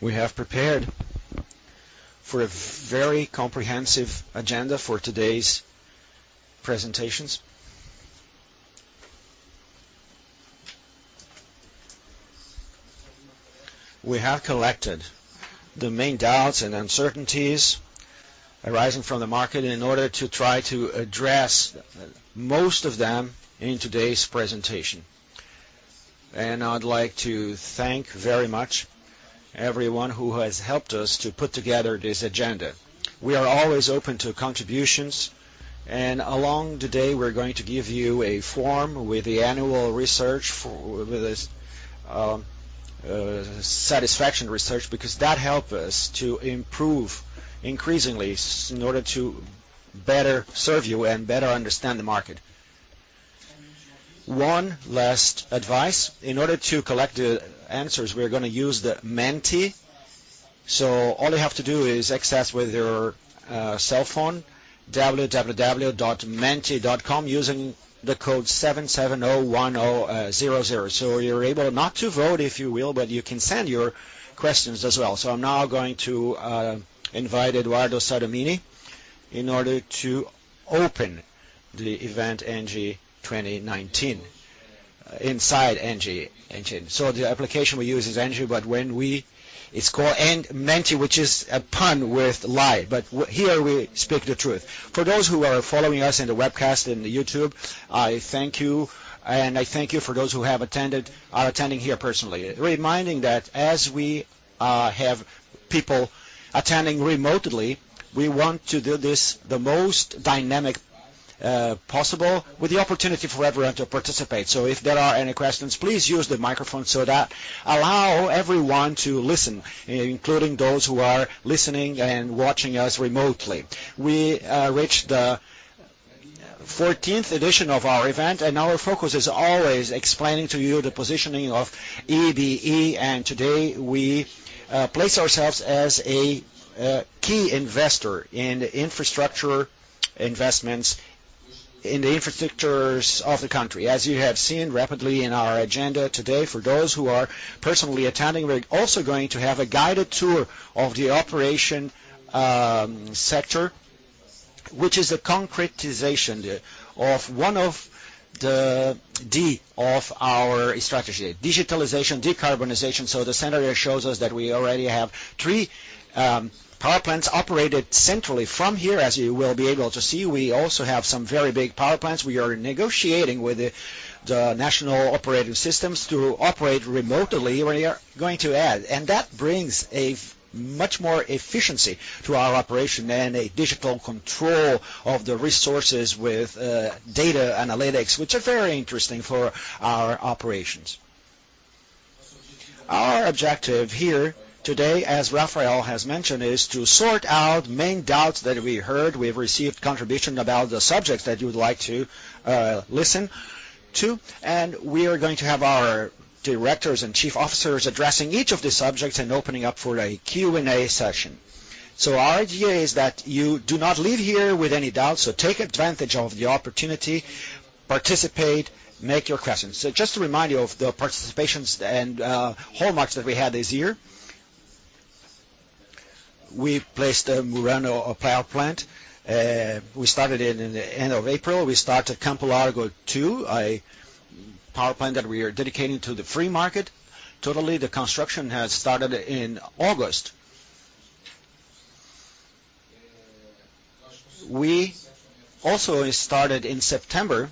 We have prepared a very comprehensive agenda for today's presentations. We have collected the main doubts and uncertainties arising from the market in order to try to address most of them in today's presentation. I'd like to thank very much everyone who has helped us to put together this agenda. We are always open to contributions, and along the day, we're going to give you a form with the annual research for satisfaction research because that helps us to improve increasingly in order to better serve you and better understand the market. One last advice: in order to collect the answers, we're going to use the Mentimeter. So all you have to do is access with your cell phone, www.menti.com, using the code 770100. So you're able not to vote, if you will, but you can send your questions as well. I'm now going to invite Eduardo Sattamini in order to open the event Engie 2019 inside Engie. The application we use is Engie, but when we it's called Menti, which is a pun with lie. But here, we speak the truth. For those who are following us in the webcast and the YouTube, I thank you, and I thank you for those who are attending here personally. Reminding that as we have people attending remotely, we want to do this the most dynamic possible with the opportunity for everyone to participate. If there are any questions, please use the microphone so that allows everyone to listen, including those who are listening and watching us remotely. We reached the 14th edition of our event, and our focus is always explaining to you the positioning of EBE. Today, we place ourselves as a key investor in infrastructure investments in the infrastructures of the country. As you have seen rapidly in our agenda today, for those who are personally attending, we're also going to have a guided tour of the operation sector, which is a concretization of one of the Ds of our strategy: digitalization, decarbonization. The scenario shows us that we already have three power plants operated centrally from here, as you will be able to see. We also have some very big power plants. We are negotiating with the National System Operator to operate remotely. We are going to add, and that brings much more efficiency to our operation and digital control of the resources with data analytics, which are very interesting for our operations. Our objective here today, as Rafael has mentioned, is to sort out main doubts that we heard. We've received contributions about the subjects that you would like to listen to, and we are going to have our directors and chief officers addressing each of the subjects and opening up for a Q&A session. Our idea is that you do not leave here with any doubts. Take advantage of the opportunity, participate, make your questions. Just to remind you of the participations and hallmarks that we had this year, we placed the Umburanas power plant. We started in the end of April. We started Campo Largo 2, a power plant that we are dedicating to the free market. The construction has started in August. We also started in September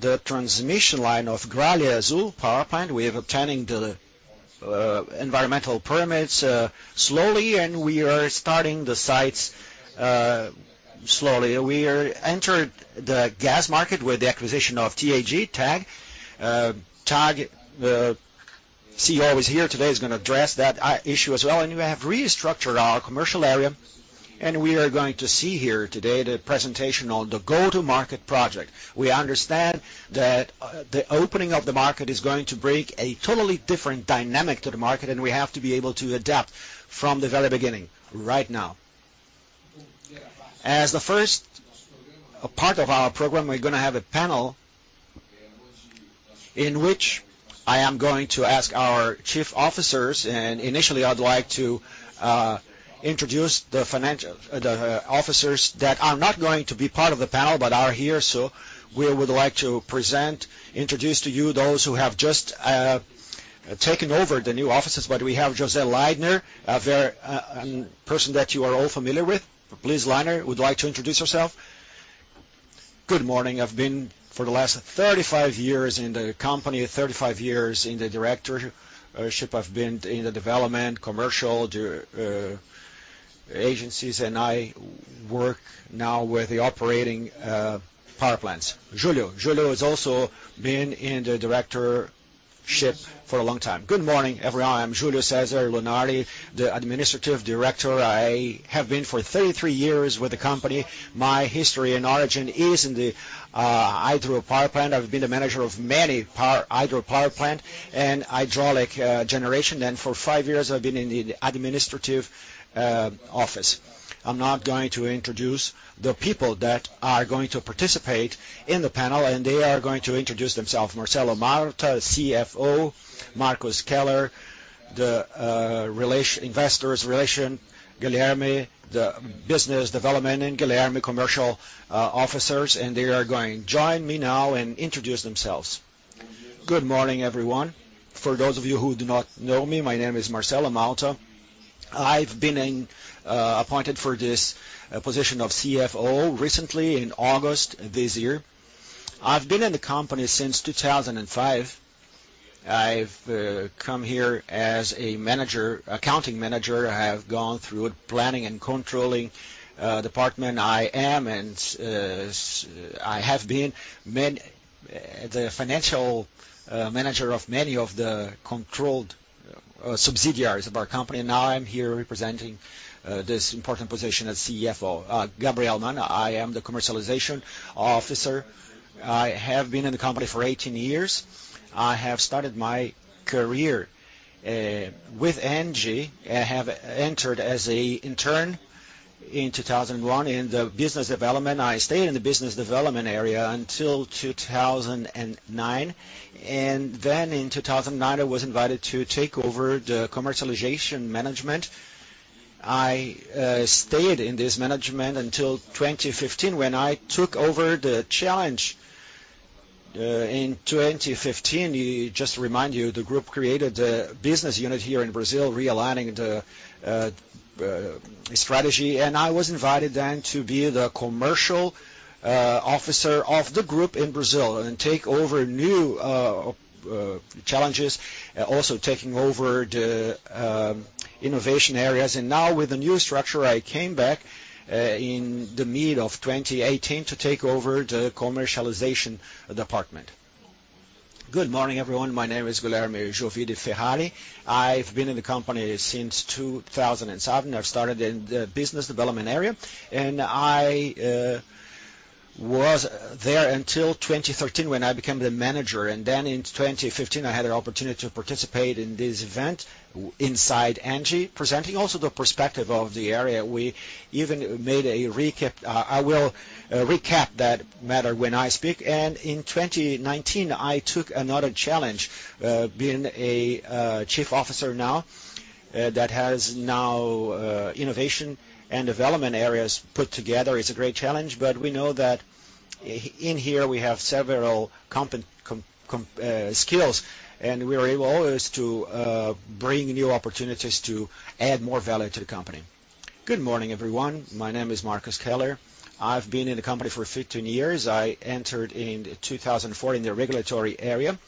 the transmission line of Gralha Azul power plant. We are obtaining the environmental permits slowly, and we are starting the sites slowly. We entered the gas market with the acquisition of TAG. TAG CEO is here today, is going to address that issue as well. We have restructured our commercial area, and we are going to see here today the presentation on the Go-to-Market project. We understand that the opening of the market is going to bring a totally different dynamic to the market, and we have to be able to adapt from the very beginning right now. As the first part of our program, we're going to have a panel in which I am going to ask our Chief Officers. Initially, I'd like to introduce the officers that are not going to be part of the panel but are here. We would like to present, introduce to you those who have just taken over the new offices. We have José Laydner, a person that you are all familiar with. Please, Leidner, would you like to introduce yourself? Good morning. I've been for the last 35 years in the company, 35 years in the directorship. I've been in the development, commercial agencies, and I work now with the operating power plants. Júlio has also been in the directorship for a long time. Good morning, everyone. I'm Júlio César Lunardi, the Administrative Director. I have been for 33 years with the company. My history and origin is in the Hydro Power Plant. I've been the manager of many Hydro Power Plants and hydraulic generation. For five years, I've been in the administrative office. I'm now going to introduce the people that are going to participate in the panel, and they are going to introduce themselves. Marcelo Malta, CFO; Marcos Keller, the Investors' Relations; Guilherme, the Business Development; and Gabriel, Commercial Officers. They are going to join me now and introduce themselves. Good morning, everyone. For those of you who do not know me, my name is Marcelo Malta. I've been appointed for this position of CFO recently in August this year. I've been in the company since 2005. I've come here as a manager, accounting manager. I have gone through planning and controlling department. I am, and I have been the financial manager of many of the controlled subsidiaries of our company. Now I'm here representing this important position as CFO. Gabriel Mann, I am the commercialization officer. I have been in the company for 18 years. I have started my career with Engie. I have entered as an intern in 2001 in the business development. I stayed in the business development area until 2009. Then in 2009, I was invited to take over the commercialization management. I stayed in this management until 2015 when I took over the challenge in 2015. Just to remind you, the group created the business unit here in Brazil, realigning the strategy. I was invited then to be the Commercial Officer of the group in Brazil and take over new challenges, also taking over the innovation areas. Now, with the new structure, I came back in the middle of 2018 to take over the commercialization department. Good morning, everyone. My name is Guilherme Ferrari. I've been in the company since 2007. I started in the business development area, and I was there until 2013 when I became the Manager. In 2015, I had an opportunity to participate in this event inside Engie, presenting also the perspective of the area. We even made a recap. I will recap that matter when I speak. In 2019, I took another challenge, being a chief officer now, that has now innovation and development areas put together. It's a great challenge, but we know that in here, we have several skills, and we are able to bring new opportunities to add more value to the company. Good morning, everyone. My name is Marcos Keller. I've been in the company for 15 years. I entered in 2004 in the regulatory area.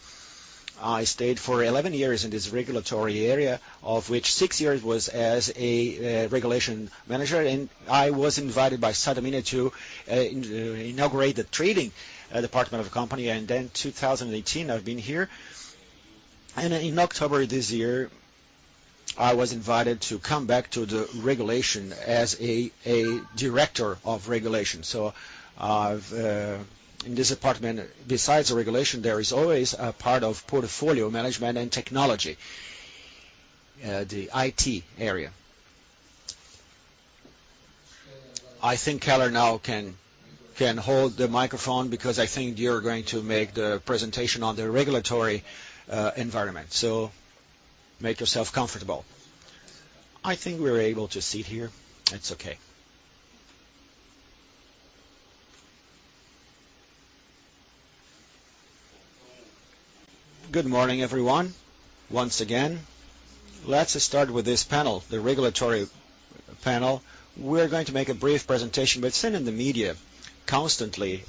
I stayed for 11 years in this regulatory area, of which 6 years was as a Regulation Manager. I was invited by Sattamini to inaugurate the trading department of the company. Then 2018, I've been here. In October this year, I was invited to come back to the regulation as a Director of Regulation. So in this department, besides regulation, there is always a part of portfolio management and technology, the IT area. I think Keller now can hold the microphone because I think you're going to make the presentation on the regulatory environment. So make yourself comfortable. I think we're able to sit here. That's okay. Good morning, everyone. Once again, let's start with this panel, the regulatory panel. We're going to make a brief presentation. We've seen in the media constantly,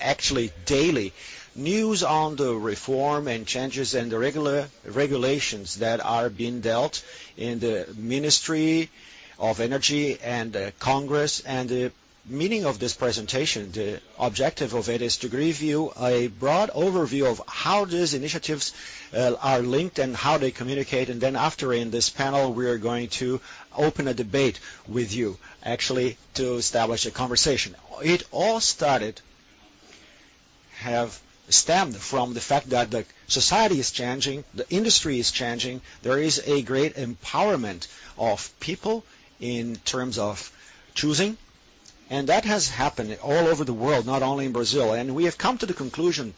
actually daily, news on the reform and changes and the regulations that are being dealt in the Ministry of Energy and Congress. The meaning of this presentation, the objective of it, is to give you a broad overview of how these initiatives are linked and how they communicate. Then after, in this panel, we're going to open a debate with you, actually, to establish a conversation. It all started, have stemmed from the fact that the society is changing, the industry is changing. There is a great empowerment of people in terms of choosing, and that has happened all over the world, not only in Brazil. We have come to the conclusion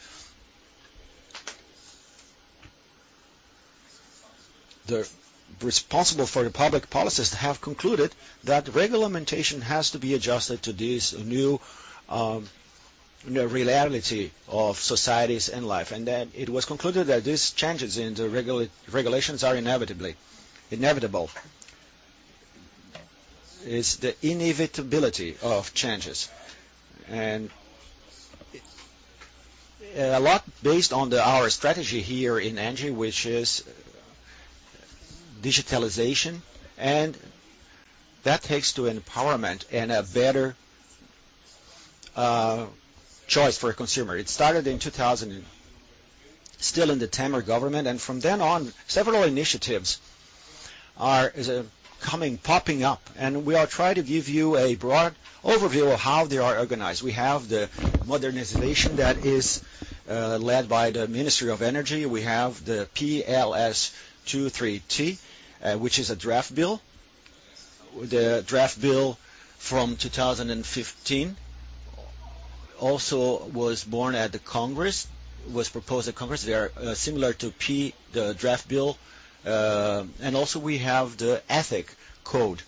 that those responsible for the public policies have concluded that regulation has to be adjusted to this new reality of societies and life. It was concluded that these changes in the regulations are inevitable. It's the inevitability of changes. A lot based on our strategy here in Engie, which is digitalization, and that takes to empowerment and a better choice for a consumer. It started in 2000, still in the Temer government. From then on, several initiatives are coming, popping up. We are trying to give you a broad overview of how they are organized. We have the modernization that is led by the Ministry of Energy. We have the PLS 232, which is a draft bill. The Draft bBll from 2015 also was born at the Congress, was proposed at Congress. They are similar to the draft bill. We also have the ethics code,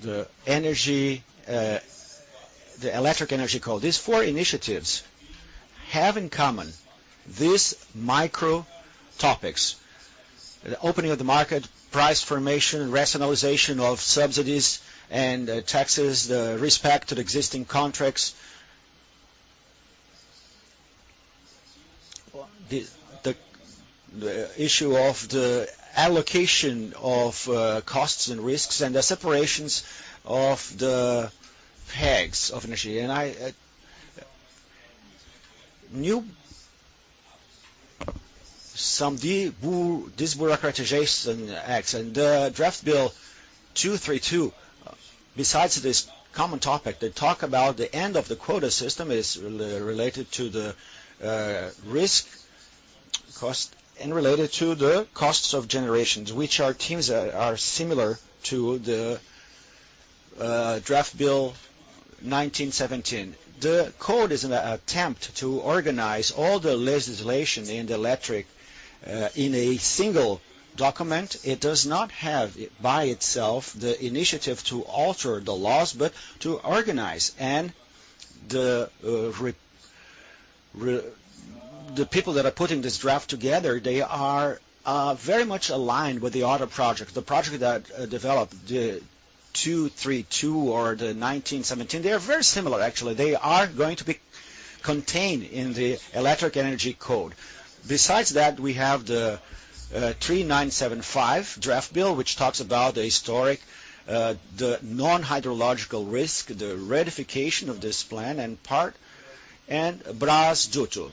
the electric energy code. These four initiatives have in common these main topics: the opening of the market, price formation, rationalization of subsidies and taxes, the respect to the existing contracts, the issue of the allocation of costs and risks, and the separations of the backing of energy. We need some debureaucratization acts. The Draft Bill 232, besides this common topic, they talk about the end of the quota system related to the risk cost and related to the costs of generations, which are themes that are similar to the Draft Bill 1917. The code is an attempt to organize all the legislation in the electric in a single document. It does not have by itself the initiative to alter the laws, but to organize. The people that are putting this draft together, they are very much aligned with the other projects, the project that developed the 232 or the 1917. They are very similar, actually. They are going to be contained in the electric energy code. Besides that, we have the 3975 Draft Bill, which talks about the historic, the non-hydrological risk, the ratification of this plan in part, and Brasduto,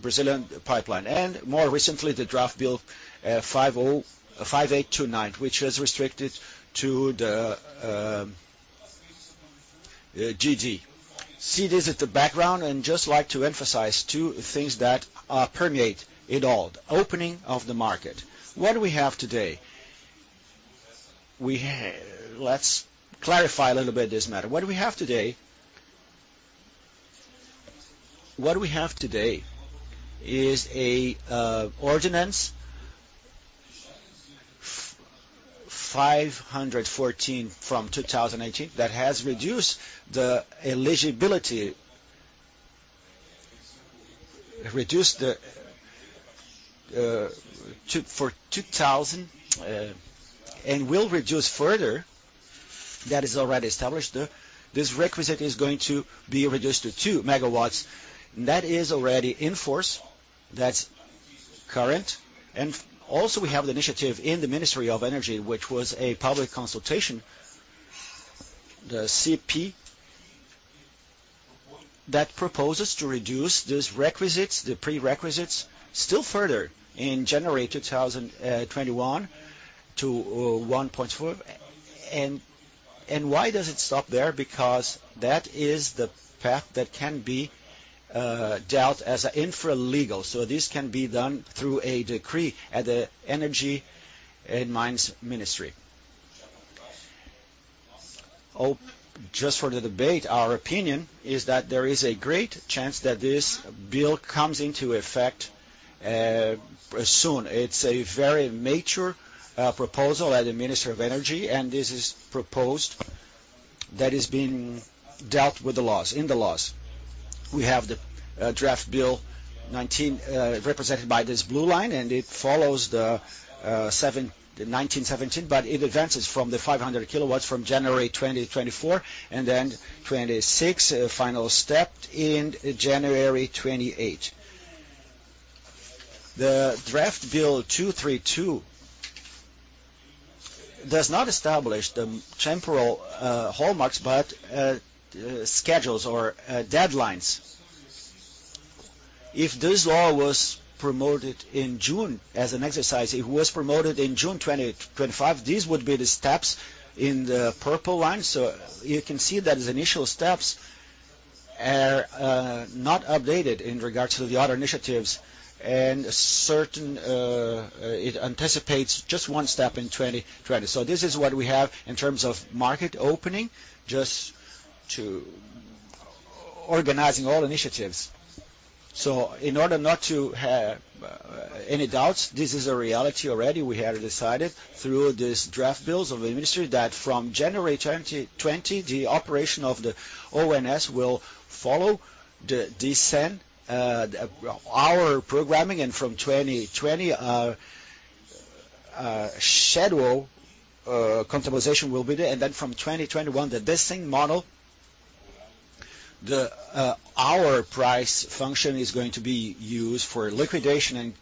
Brazilian pipeline. More recently, the Draft Bill 5829, which is restricted to the GD. See this at the background. Just like to emphasize two things that permeate it all: the opening of the market. What do we have today? Let's clarify a little bit this matter. What do we have today? What we have today is an Ordinance 514 from 2018 that has reduced the eligibility for 2000 and will reduce further. That is already established. This requisite is going to be reduced to 2 megawatts. That is already in force. That's current. Also we have the initiative in the Ministry of Energy, which was a public consultation, the CP, that proposes to reduce these requisites, the prerequisites, still further in January 2021 to 1.4. Why does it stop there? Because that is the path that can be dealt as infralegal. This can be done through a decree at the Energy and Mines Ministry. Just for the debate, our opinion is that there is a great chance that this bill comes into effect soon. It's a very mature proposal at the Ministry of Energy, and this proposal is being dealt with in the laws. We have the Draft Bill 1917 represented by this blue line, and it follows the 1917, but it advances from the 500 kilowatts from January 2024 and then 2026, final step in January 2028. The Draft Bill 232 does not establish the temporal hallmarks, but schedules or deadlines. If this law was promoted in June as an exercise, it was promoted in June 2025. These would be the steps in the purple line. So you can see that the initial steps are not updated in regards to the other initiatives. And certainly it anticipates just one step in 2026. So this is what we have in terms of market opening, just to organize all initiatives. In order not to have any doubts, this is a reality already. We had decided through these draft bills of the ministry that from January 2020, the operation of the ONS will follow the DESSEM, hourly programming, and from 2020, our schedule customization will be there. From 2021, the DESSEM model, hourly price function is going to be used for liquidation and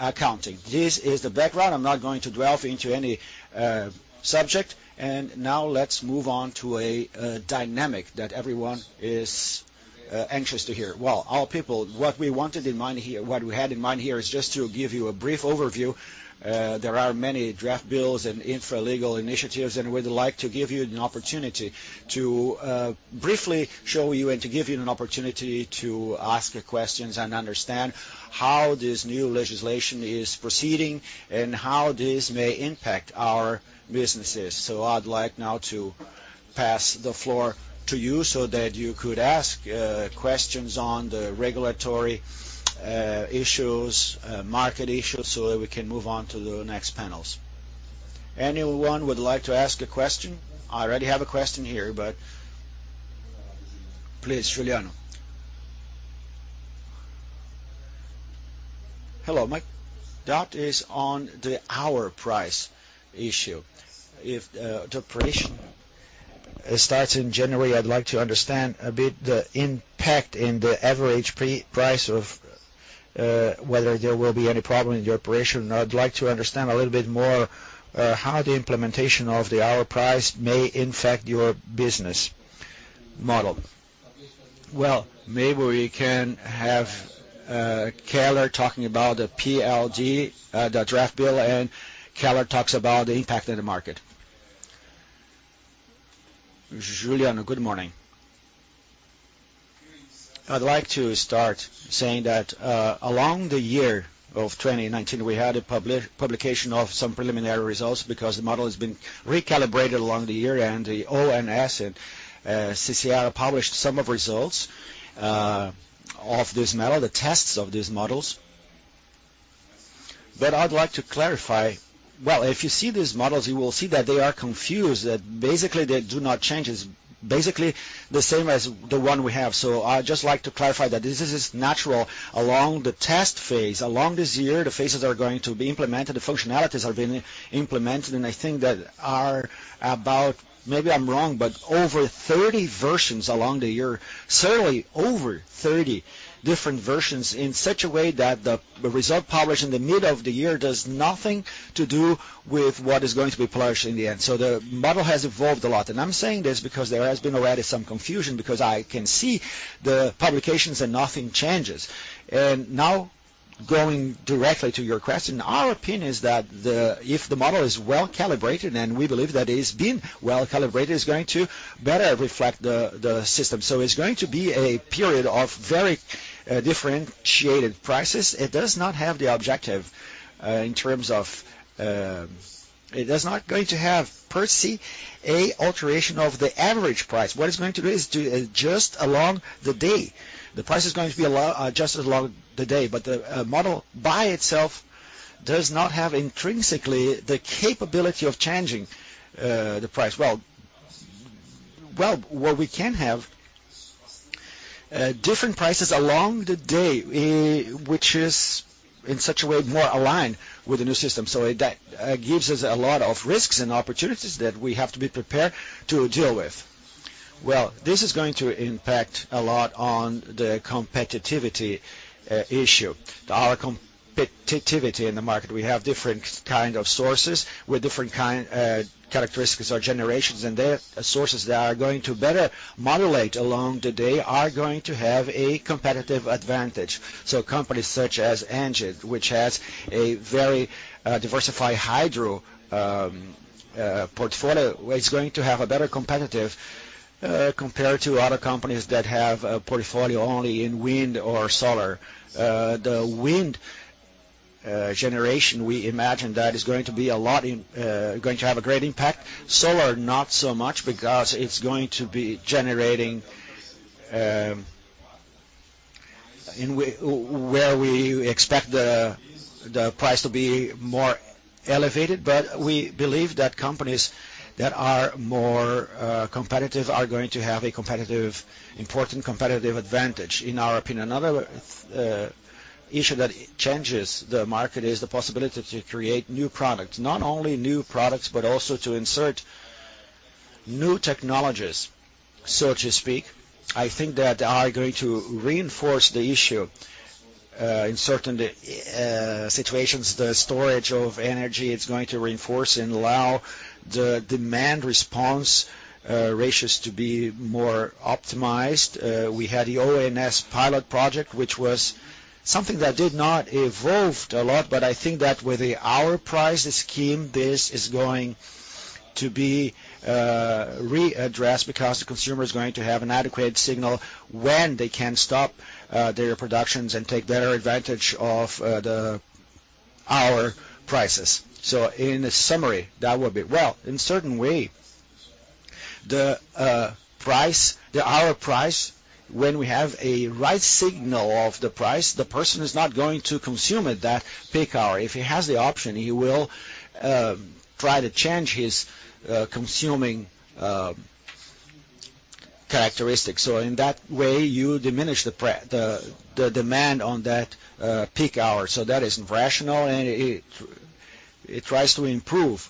accounting. This is the background. I'm not going to delve into any subject. Now let's move on to a dynamic that everyone is anxious to hear. Our people, what we wanted in mind here, what we had in mind here is just to give you a brief overview. There are many draft bills and infralegal initiatives, and we'd like to give you an opportunity to briefly show you and to give you an opportunity to ask questions and understand how this new legislation is proceeding and how this may impact our businesses. So I'd like now to pass the floor to you so that you could ask questions on the regulatory issues, market issues, so that we can move on to the next panels. Anyone would like to ask a question? I already have a question here, but please, Giuliano. Hello. My doubt is on the hour price issue. If the operation starts in January, I'd like to understand a bit the impact in the average price of whether there will be any problem in the operation. I'd like to understand a little bit more how the implementation of the hour price may impact your business model. Well, maybe we can have Keller talking about the PLD, the draft bill, and Keller talks about the impact in the market. Giuliano, good morning. I'd like to start saying that along the year of 2019, we had a publication of some preliminary results because the model has been recalibrated along the year, and the ONS and CCEE published some of the results of this model, the tests of these models. But I'd like to clarify that if you see these models, you will see that they are confused, that basically they do not change. It's basically the same as the one we have. I'd just like to clarify that this is natural along the test phase. Along this year, the phases are going to be implemented. The functionalities are being implemented. I think that there are about, maybe I'm wrong, but over 30 versions along the year, certainly over 30 different versions in such a way that the result published in the middle of the year has nothing to do with what is going to be published in the end. So the model has evolved a lot. I'm saying this because there has been already some confusion because I can see the publications and nothing changes. Now going directly to your question, our opinion is that if the model is well calibrated, and we believe that it is being well calibrated, it's going to better reflect the system. So it's going to be a period of very differentiated prices. It does not have the objective in terms of it is not going to have per se an alteration of the average price. What it's going to do is just along the day. The price is going to be adjusted along the day. But the model by itself does not have intrinsically the capability of changing the price. What we can have different prices along the day, which is in such a way more aligned with the new system. So that gives us a lot of risks and opportunities that we have to be prepared to deal with. This is going to impact a lot on the competitivity issue, our competitivity in the market. We have different kinds of sources with different characteristics or generations. The sources that are going to better modulate along the day are going to have a competitive advantage. Companies such as Engie, which has a very diversified hydro portfolio, are going to have a better competitive advantage compared to other companies that have a portfolio only in wind or solar. The wind generation, we imagine, is going to have a great impact. Solar, not so much because it's going to be generating where we expect the price to be more elevated. But we believe that companies that are more competitive are going to have an important competitive advantage in our opinion. Another issue that changes the market is the possibility to create new products, not only new products, but also to insert new technologies, so to speak. I think that is going to reinforce the issue in certain situations. The storage of energy is going to reinforce and allow the demand response ratios to be more optimized. We had the ONS pilot project, which was something that did not evolve a lot. But I think that with hour price scheme, this is going to be readdressed because the consumer is going to have an adequate signal when they can stop their productions and take better advantage of the hourly prices. So in summary, that would be, in a certain way, the hourly price, when we have a right signal of the price, the person is not going to consume at that peak hour. If he has the option, he will try to change his consuming characteristics. So in that way, you diminish the demand on that peak hour. So that is rational, and it tries to improve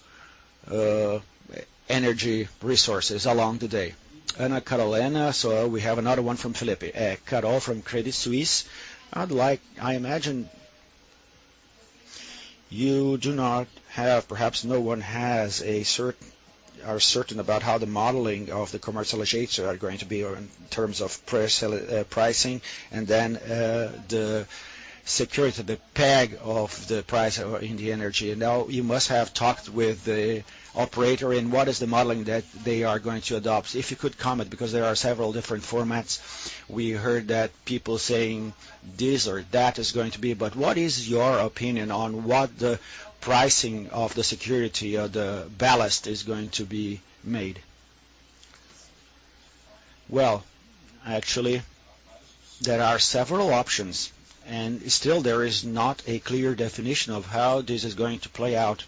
energy resources along the day. Ana Carolina, so we have another one from Felipe Carol from Credit Suisse. I imagine you do not have, perhaps no one has a certainty or is certain about how the modeling of the commercialization is going to be in terms of pricing and then the security, the peg of the price in the energy. You must have talked with the operator about what is the modeling that they are going to adopt. If you could comment, because there are several different formats. We heard that people saying this or that is going to be. But what is your opinion on what the pricing of the security or the ballast is going to be made? Actually, there are several options. Still, there is not a clear definition of how this is going to play out.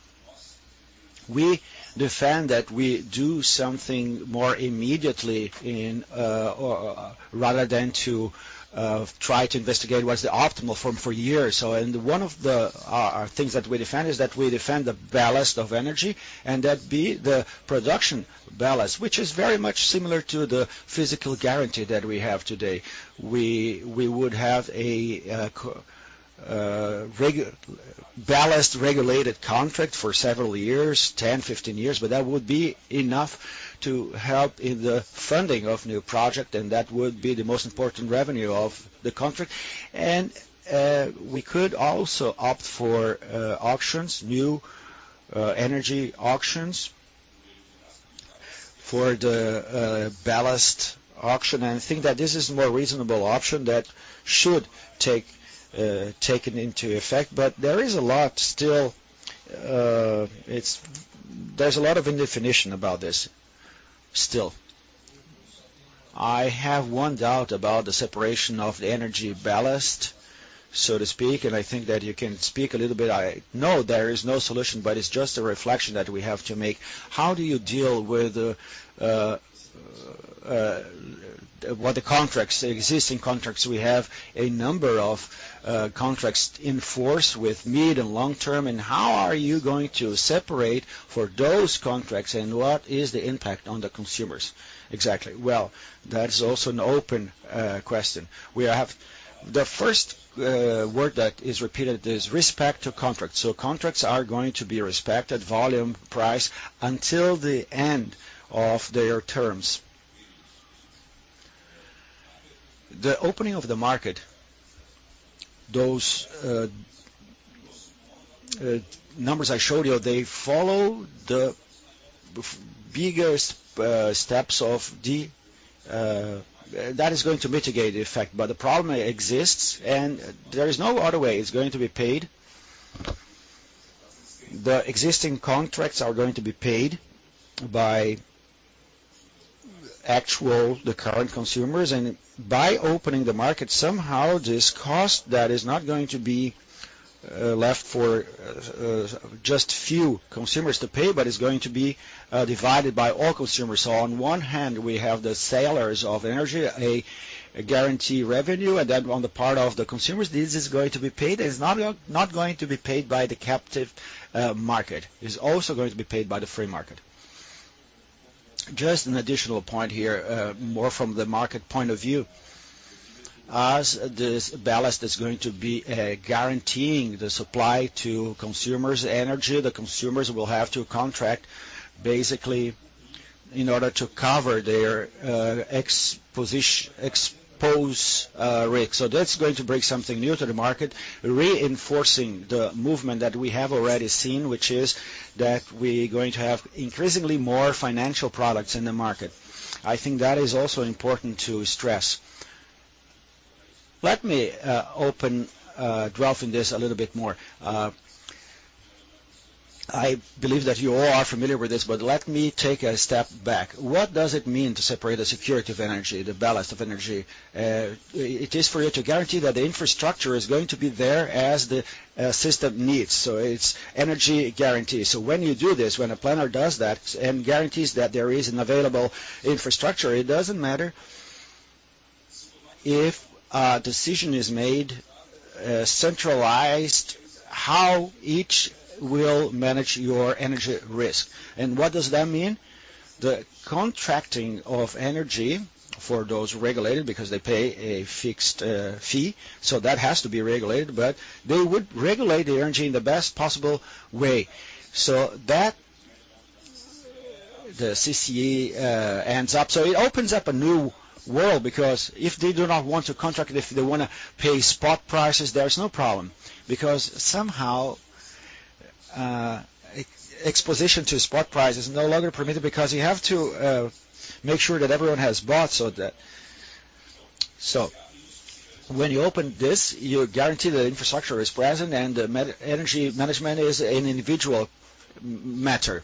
We defend that we do something more immediately rather than to try to investigate what's the optimal form for years. One of the things that we defend is that we defend the ballast of energy and that be the production ballast, which is very much similar to the physical guarantee that we have today. We would have a ballast regulated contract for several years, 10, 15 years, but that would be enough to help in the funding of new projects, and that would be the most important revenue of the contract. We could also opt for auctions, new energy auctions for the ballast auction. I think that this is a more reasonable option that should take into effect. But there is a lot still. There's a lot of indefinition about this still. I have one doubt about the separation of the energy ballast, so to speak. I think that you can speak a little bit. I know there is no solution, but it's just a reflection that we have to make. How do you deal with the contracts, existing contracts we have, a number of contracts in force with mid and long term, and how are you going to separate for those contracts, and what is the impact on the consumers? Exactly. That's also an open question. The first word that is repeated is respect to contracts. So contracts are going to be respected, volume, price until the end of their terms. The opening of the market, those numbers I showed you, they follow the biggest steps that is going to mitigate the effect. But the problem exists, and there is no other way. It's going to be paid. The existing contracts are going to be paid by the current consumers. By opening the market, somehow this cost that is not going to be left for just few consumers to pay, but it's going to be divided by all consumers. On one hand, we have the sellers of energy, a guarantee revenue, and then on the part of the consumers, this is going to be paid. It's not going to be paid by the captive market. It's also going to be paid by the free market. Just an additional point here, more from the market point of view. As this ballast is going to be guaranteeing the supply to consumers' energy, the consumers will have to contract basically in order to cover their exposed risk. That's going to bring something new to the market, reinforcing the movement that we have already seen, which is that we are going to have increasingly more financial products in the market. I think that is also important to stress. Let me open drafting this a little bit more. I believe that you all are familiar with this, but let me take a step back. What does it mean to separate the security of energy, the balance of energy? It is for you to guarantee that the infrastructure is going to be there as the system needs. So it's energy guarantee. When you do this, when a planner does that and guarantees that there is an available infrastructure, it doesn't matter if a decision is made centralized how each will manage your energy risk. What does that mean? The contracting of energy for those regulated because they pay a fixed fee. That has to be regulated, but they would regulate the energy in the best possible way so that the CCE ends up. It opens up a new world because if they do not want to contract, if they want to pay spot prices, there's no problem because exposure to spot price is no longer prohibited because you have to make sure that everyone has bought. When you open this, you guarantee that infrastructure is present and the energy management is an individual matter.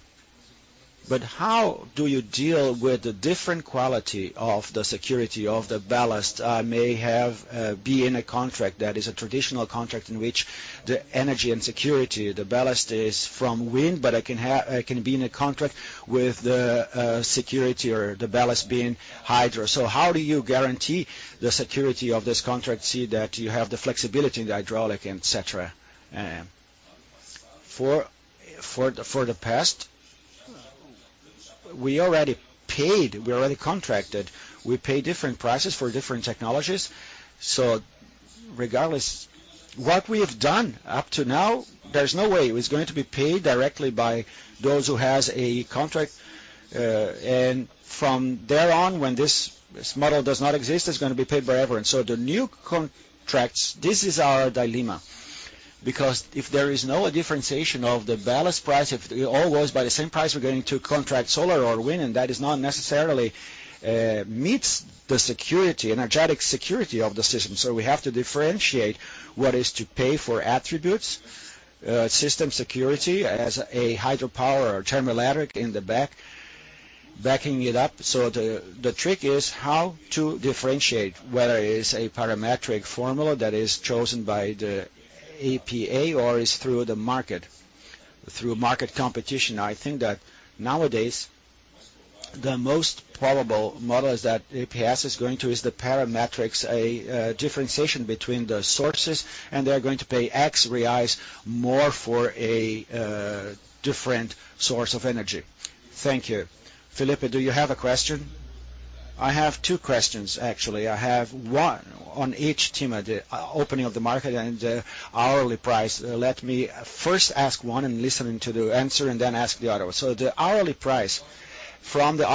But how do you deal with the different quality of the security of the balance? I may have been in a contract that is a traditional contract in which the energy and security, the balance is from wind, but I can be in a contract with the security or the balance being hydro. How do you guarantee the security of this contract, seeing that you have the flexibility in the hydraulic, etc.? For the past, we already paid, we already contracted. We pay different prices for different technologies. Regardless, what we have done up to now, there's no way it's going to be paid directly by those who have a contract. From there on, when this model does not exist, it's going to be paid forever. The new contracts, this is our dilemma because if there is no differentiation of the ballast price, if it all goes by the same price, we're going to contract solar or wind, and that is not necessarily meets the security, energetic security of the system. We have to differentiate what is to pay for attributes, system security as a hydropower or thermal electric in the back, backing it up. The trick is how to differentiate whether it is a parametric formula that is chosen by the EPE or is through the market, through market competition. I think that nowadays, the most probable model is that EPS is going to use parametrics, a differentiation between the sources, and they're going to pay X reais more for a different source of energy. Thank you. Felipe, do you have a question? I have two questions, actually. I have one on each team at the opening of the market and the hourly price. Let me first ask one and listen to the answer and then ask the other. The hourly price from the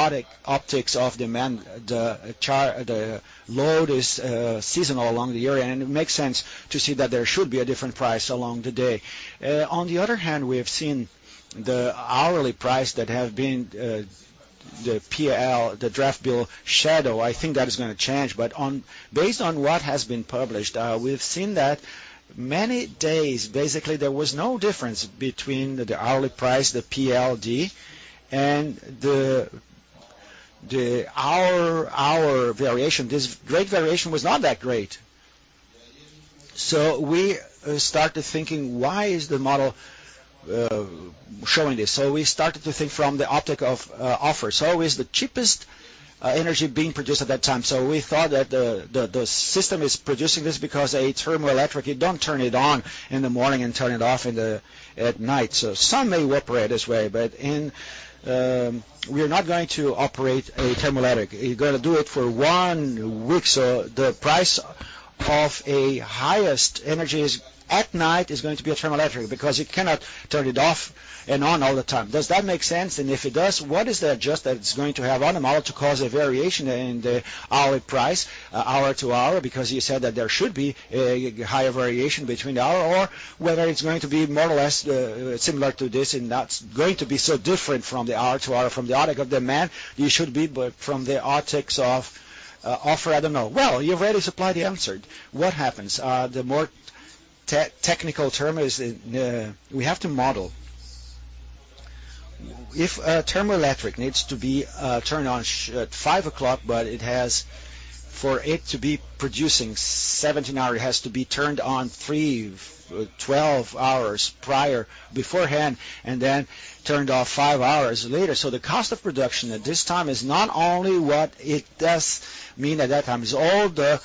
optics of demand, the load is seasonal along the year, and it makes sense to see that there should be a different price along the day. On the other hand, we have seen the hourly price that have been the PLD, the Draft Bill shadow. I think that is going to change. But based on what has been published, we've seen that many days, basically, there was no difference between the hourly price, the PLD, and the hour variation. This great variation was not that great. We started thinking, why is the model showing this? We started to think from the optic of offer. Is the cheapest energy being produced at that time? We thought that the system is producing this because a thermal electric, you don't turn it on in the morning and turn it off at night. Some may operate this way, but we're not going to operate a thermal electric. You're going to do it for one week. The price of a highest energy at night is going to be a thermal electric because you cannot turn it off and on all the time. Does that make sense? If it does, what is the adjustment that it's going to have on the model to cause a variation in the hourly price, hour to hour? Because you said that there should be a higher variation between the hours or whether it's going to be more or less similar to this and not going to be so different from hour to hour from the optic of demand. You should be from the optics of offer. I don't know. You've already supplied the answer. What happens? The more technical term is we have to model. If a thermal electric needs to be turned on at 5 o'clock, but it has for it to be producing 17 hours, it has to be turned on 12 hours prior beforehand and then turned off 5 hours later. The cost of production at this time is not only what it does mean at that time. It's all the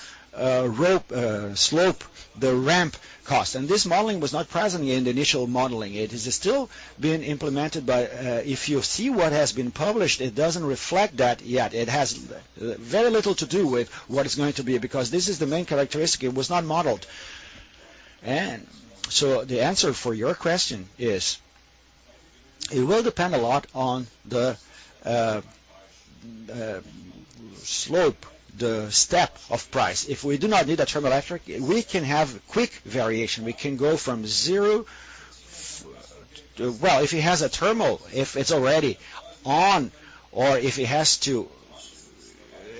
slope, the ramp cost. This modeling was not present in the initial modeling. It has still been implemented, but if you see what has been published, it doesn't reflect that yet. It has very little to do with what it's going to be because this is the main characteristic. It was not modeled. The answer for your question is it will depend a lot on the slope, the step of price. If we do not need a thermal electric, we can have quick variation. We can go from zero. Well, if it has a thermal, if it's already on, or if it has to,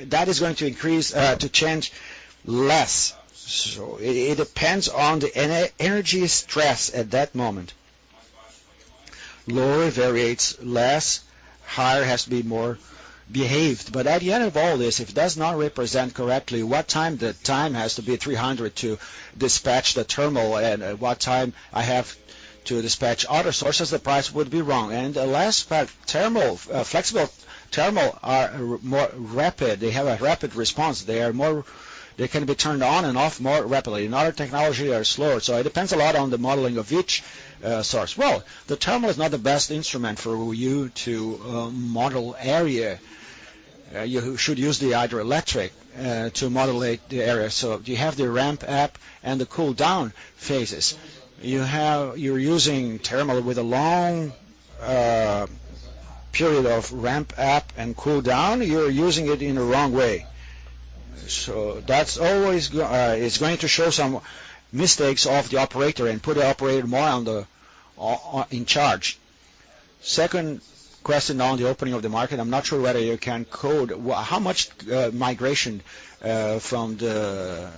that is going to increase to change less. It depends on the energy stress at that moment. Lower variates less, higher has to be more behaved. But at the end of all this, if it does not represent correctly what time the time has to be 300 to dispatch the thermal and what time I have to dispatch other sources, the price would be wrong. And the last fact thermal, flexible thermal are more rapid. They have a rapid response. They can be turned on and off more rapidly. In other technology, they are slower. So it depends a lot on the modeling of each source. The thermal is not the best instrument for you to model area. You should use the hydroelectric to model the area. So you have the ramp up and the cool down phases. You're using thermal with a long period of ramp up and cool down. You're using it in the wrong way. That's always going to show some mistakes of the operator and put the operator more in charge. Second question on the opening of the market, I'm not sure whether you can code how much migration from the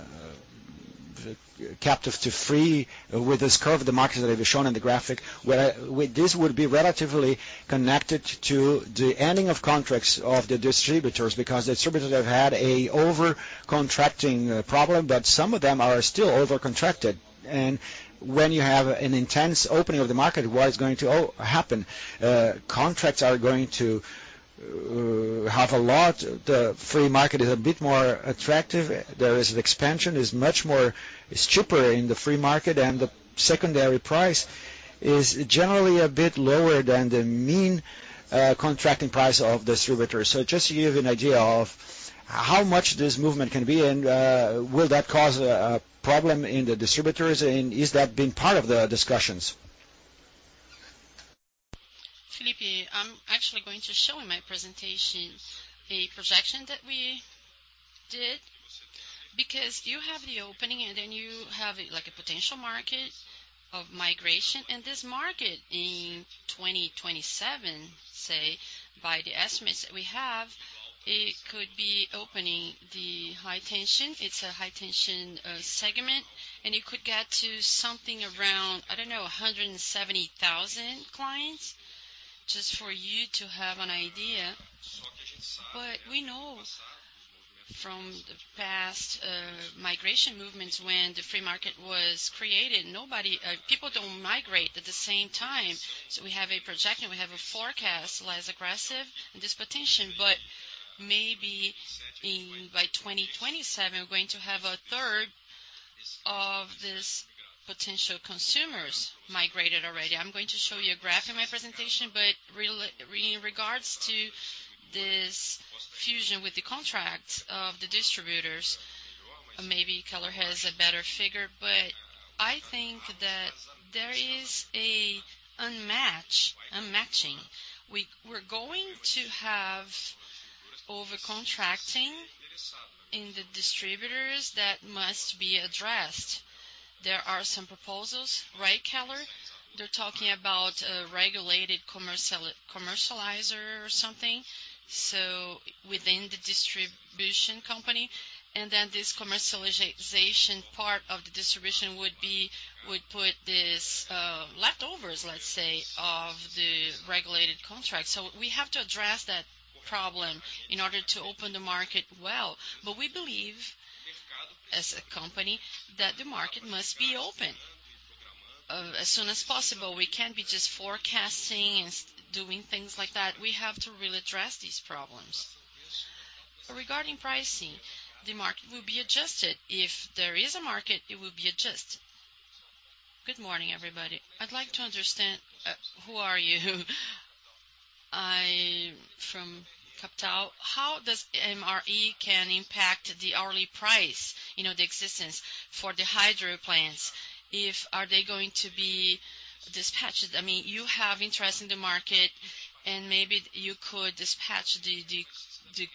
captive to free with this curve of the market that I've shown in the graphic. This would be relatively connected to the ending of contracts of the distributors because the distributors have had an overcontracting problem, but some of them are still overcontracted. When you have an intense opening of the market, what is going to happen? Contracts are going to have a lot. The free market is a bit more attractive. There is expansion is much more cheaper in the free market, and the secondary price is generally a bit lower than the mean contracting price of distributors. Just to give you an idea of how much this movement can be and will that cause a problem in the distributors, and is that been part of the discussions? Felipe, I'm actually going to show in my presentation a projection that we did because you have the opening and then you have a potential market of migration. This market in 2027, by the estimates that we have, it could be opening the high tension. It's a high tension segment, and it could get to something around, I don't know, 170,000 clients just for you to have an idea. But we know from the past migration movements when the free market was created, people don't migrate at the same time. We have a projection. We have a forecast less aggressive in this potential. But maybe by 2027, we're going to have a third of these potential consumers migrated already. I'm going to show you a graph in my presentation, but in regards to this fusion with the contract of the distributors, maybe Keller has a better figure, but I think that there is a mismatch. We're going to have overcontracting in the distributors that must be addressed. There are some proposals, right, Keller? They're talking about a regulated commercializer or something within the distribution company. This commercialization part of the distribution would put these leftovers, let's say, of the regulated contract. So we have to address that problem in order to open the market well. We believe as a company that the market must be open as soon as possible. We can't be just forecasting and doing things like that. We have to really address these problems. Regarding pricing, the market will be adjusted. If there is a market, it will be adjusted. Good morning, everybody. I'd like to understand who are you? I'm from Capital. How does MRE impact the hourly price, the existence for the hydro plants? Are they going to be dispatched? I mean, you have interest in the market, and maybe you could dispatch the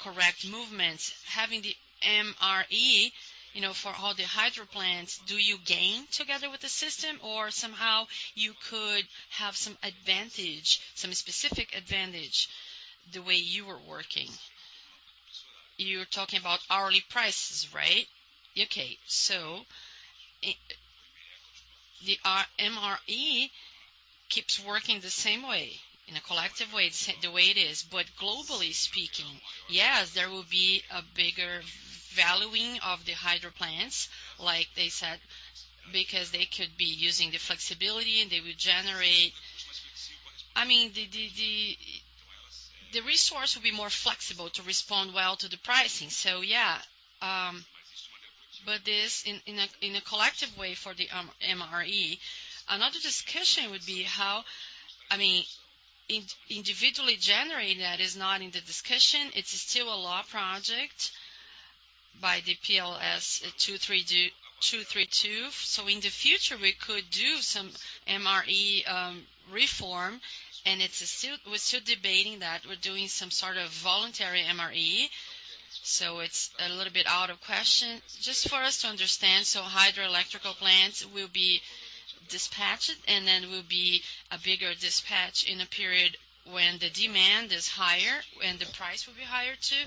correct movements. Having the MRE for all the hydro plants, do you gain together with the system or somehow you could have some advantage, some specific advantage the way you were working? You're talking about hourly prices, right? Okay. So the MRE keeps working the same way in a collective way, the way it is. But globally speaking, yes, there will be a bigger valuing of the hydro plants, like they said, because they could be using the flexibility and they would generate. I mean, the resource will be more flexible to respond well to the pricing. But this in a collective way for the MRE, another discussion would be how, I mean, individually generating that is not in the discussion. It's still a law project by the PLS 232. In the future, we could do some MRE reform, and we're still debating that. We're doing some sort of voluntary MRE. It's a little bit out of question. Just for us to understand, hydroelectrical plants will be dispatched, and then will be a bigger dispatch in a period when the demand is higher and the price will be higher too.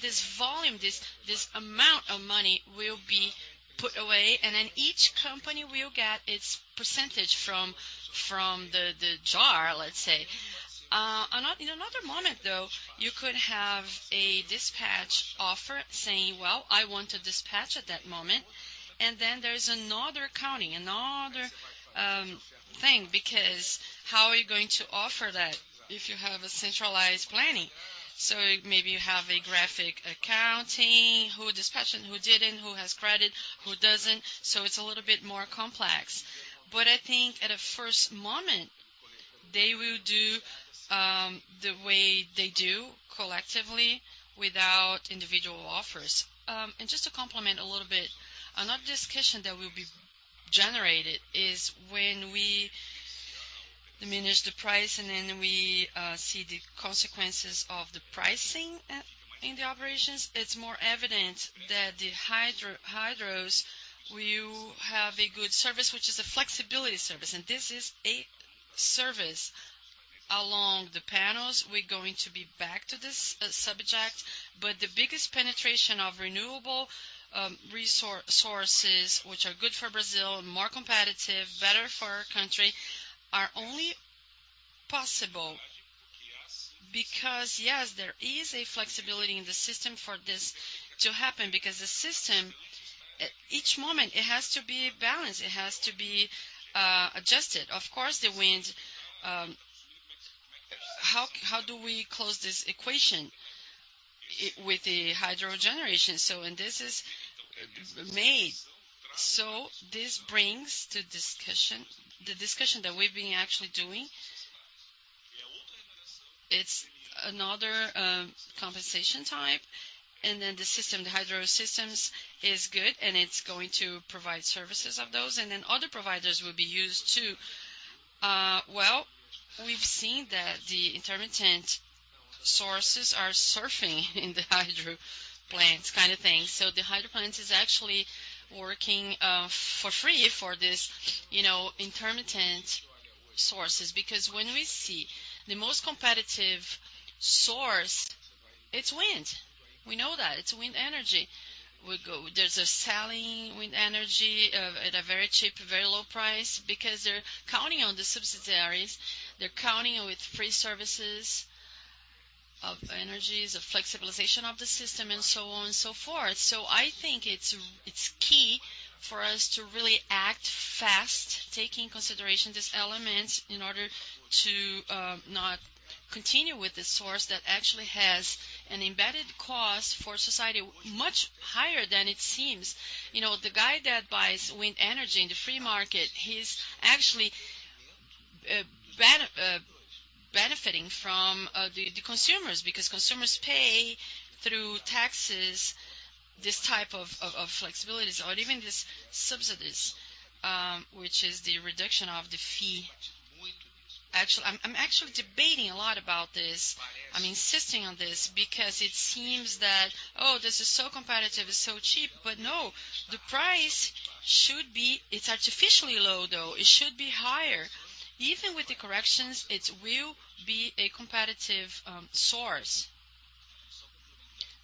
This volume, this amount of money will be put away, and then each company will get its percentage from the jar, let's say. In another moment, though, you could have a dispatch offer saying, "I want to dispatch at that moment." Then there's another accounting, another thing, because how are you going to offer that if you have a centralized planning? So maybe you have a graphic accounting, who dispatched, who didn't, who has credit, who doesn't. So it's a little bit more complex. I think at a first moment, they will do the way they do collectively without individual offers. Just to complement a little bit, another discussion that will be generated is when we diminish the price and then we see the consequences of the pricing in the operations, it's more evident that the hydros will have a good service, which is a flexibility service. This is a service along the panels. We're going to be back to this subject, but the biggest penetration of renewable sources, which are good for Brazil and more competitive, better for our country, are only possible because there is flexibility in the system for this to happen because the system, at each moment, has to be balanced. It has to be adjusted. Of course, the wind, how do we close this equation with the hydro generation? This is made. So this brings to discussion the discussion that we've been actually doing. It's another compensation type. The system, the hydro systems is good, and it's going to provide services of those. Other providers will be used too. We've seen that the intermittent sources are surfing in the hydro plants kind of thing. The hydro plants are actually working for free for these intermittent sources because when we see the most competitive source, it's wind. We know that. It's wind energy. They're selling wind energy at a very cheap, very low price because they're counting on the subsidies. They're counting with free services of energies, of flexibilization of the system, and so on and so forth. I think it's key for us to really act fast, taking into consideration these elements in order to not continue with the source that actually has an embedded cost for society much higher than it seems. The guy that buys wind energy in the free market, he's actually benefiting from the consumers because consumers pay through taxes this type of flexibilities or even these subsidies, which is the reduction of the fee. Actually, I'm debating a lot about this. I'm insisting on this because it seems that, oh, this is so competitive, it's so cheap. But no, the price should be—it's artificially low, though. It should be higher. Even with the corrections, it will be a competitive source.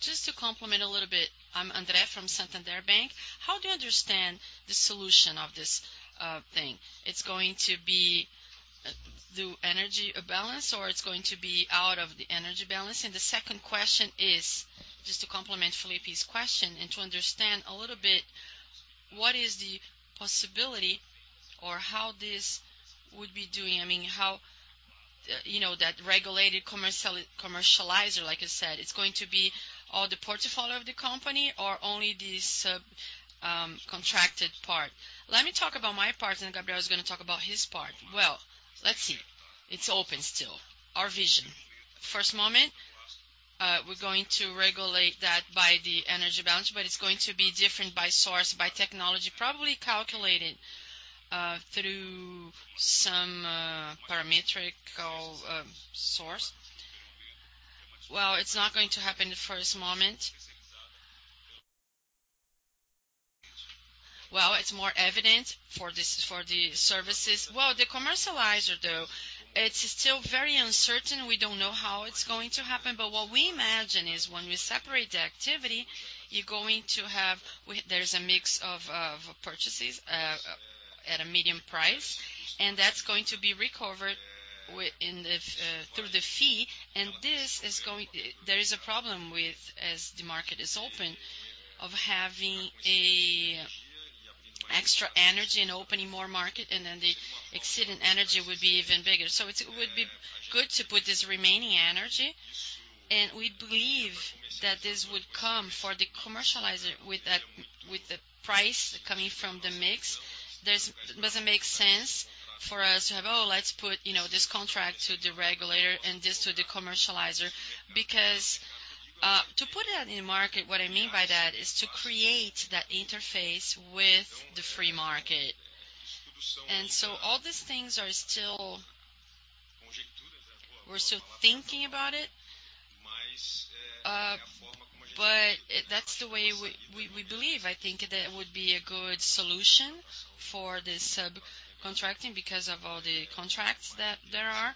Just to complement a little bit, I'm André from Santander Bank. How do you understand the solution of this thing? It's going to be the energy balance, or it's going to be out of the energy balance? The second question is, just to complement Felipe's question and to understand a little bit, what is the possibility or how this would be doing? I mean, how that regulated commercializer, like you said, it's going to be all the portfolio of the company or only this contracted part? Let me talk about my part, and Gabriel is going to talk about his part. Let's see. It's open still. Our vision. First moment, we're going to regulate that by the energy balance, but it's going to be different by source, by technology, probably calculated through some parametric source. It's not going to happen the first moment. It's more evident for the services. The commercializer, though, it's still very uncertain. We don't know how it's going to happen. But what we imagine is when we separate the activity, you're going to have—there's a mix of purchases at a medium price, and that's going to be recovered through the fee. This is going—there is a problem with, as the market is open, of having extra energy and opening more market, and then the exceeding energy would be even bigger. So it would be good to put this remaining energy. We believe that this would come for the commercializer with the price coming from the mix. It doesn't make sense for us to have, "Oh, let's put this contract to the regulator and this to the commercializer," because to put that in the market, what I mean by that is to create that interface with the free market. All these things are still—we're still thinking about it, but that's the way we believe. I think that would be a good solution for this subcontracting because of all the contracts that there are.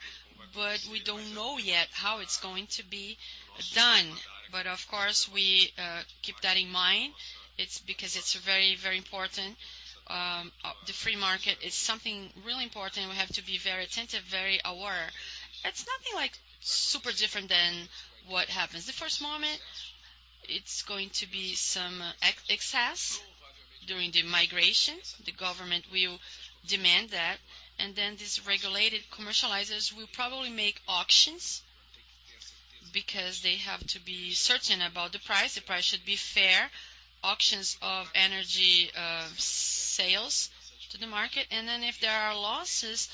We don't know yet how it's going to be done. Of course, we keep that in mind because it's very, very important. The free market is something really important. We have to be very attentive, very aware. It's nothing super different than what happens. The first moment, it's going to be some excess during the migration. The government will demand that. These regulated commercializers will probably make auctions because they have to be certain about the price. The price should be fair, auctions of energy sales to the market. If there are losses,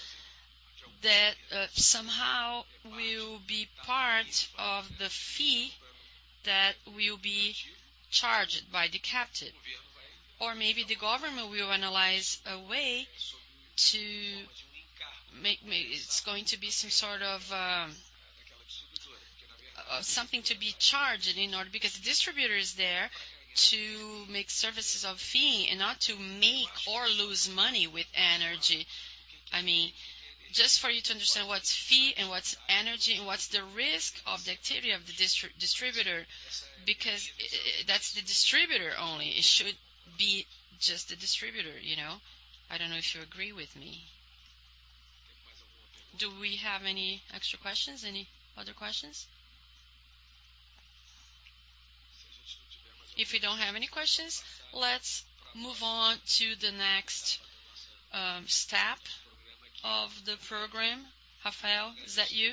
that somehow will be part of the fee that will be charged by the captain. Or maybe the government will analyze a way to make—it's going to be some sort of something to be charged in order because the distributor is there to make services of fee and not to make or lose money with energy. I mean, just for you to understand what's fee and what's energy and what's the risk of the activity of the distributor because that's the distributor only. It should be just the distributor. I don't know if you agree with me. Do we have any extra questions? Any other questions? If you don't have any questions, let's move on to the next step of the program. Rafael, is that you?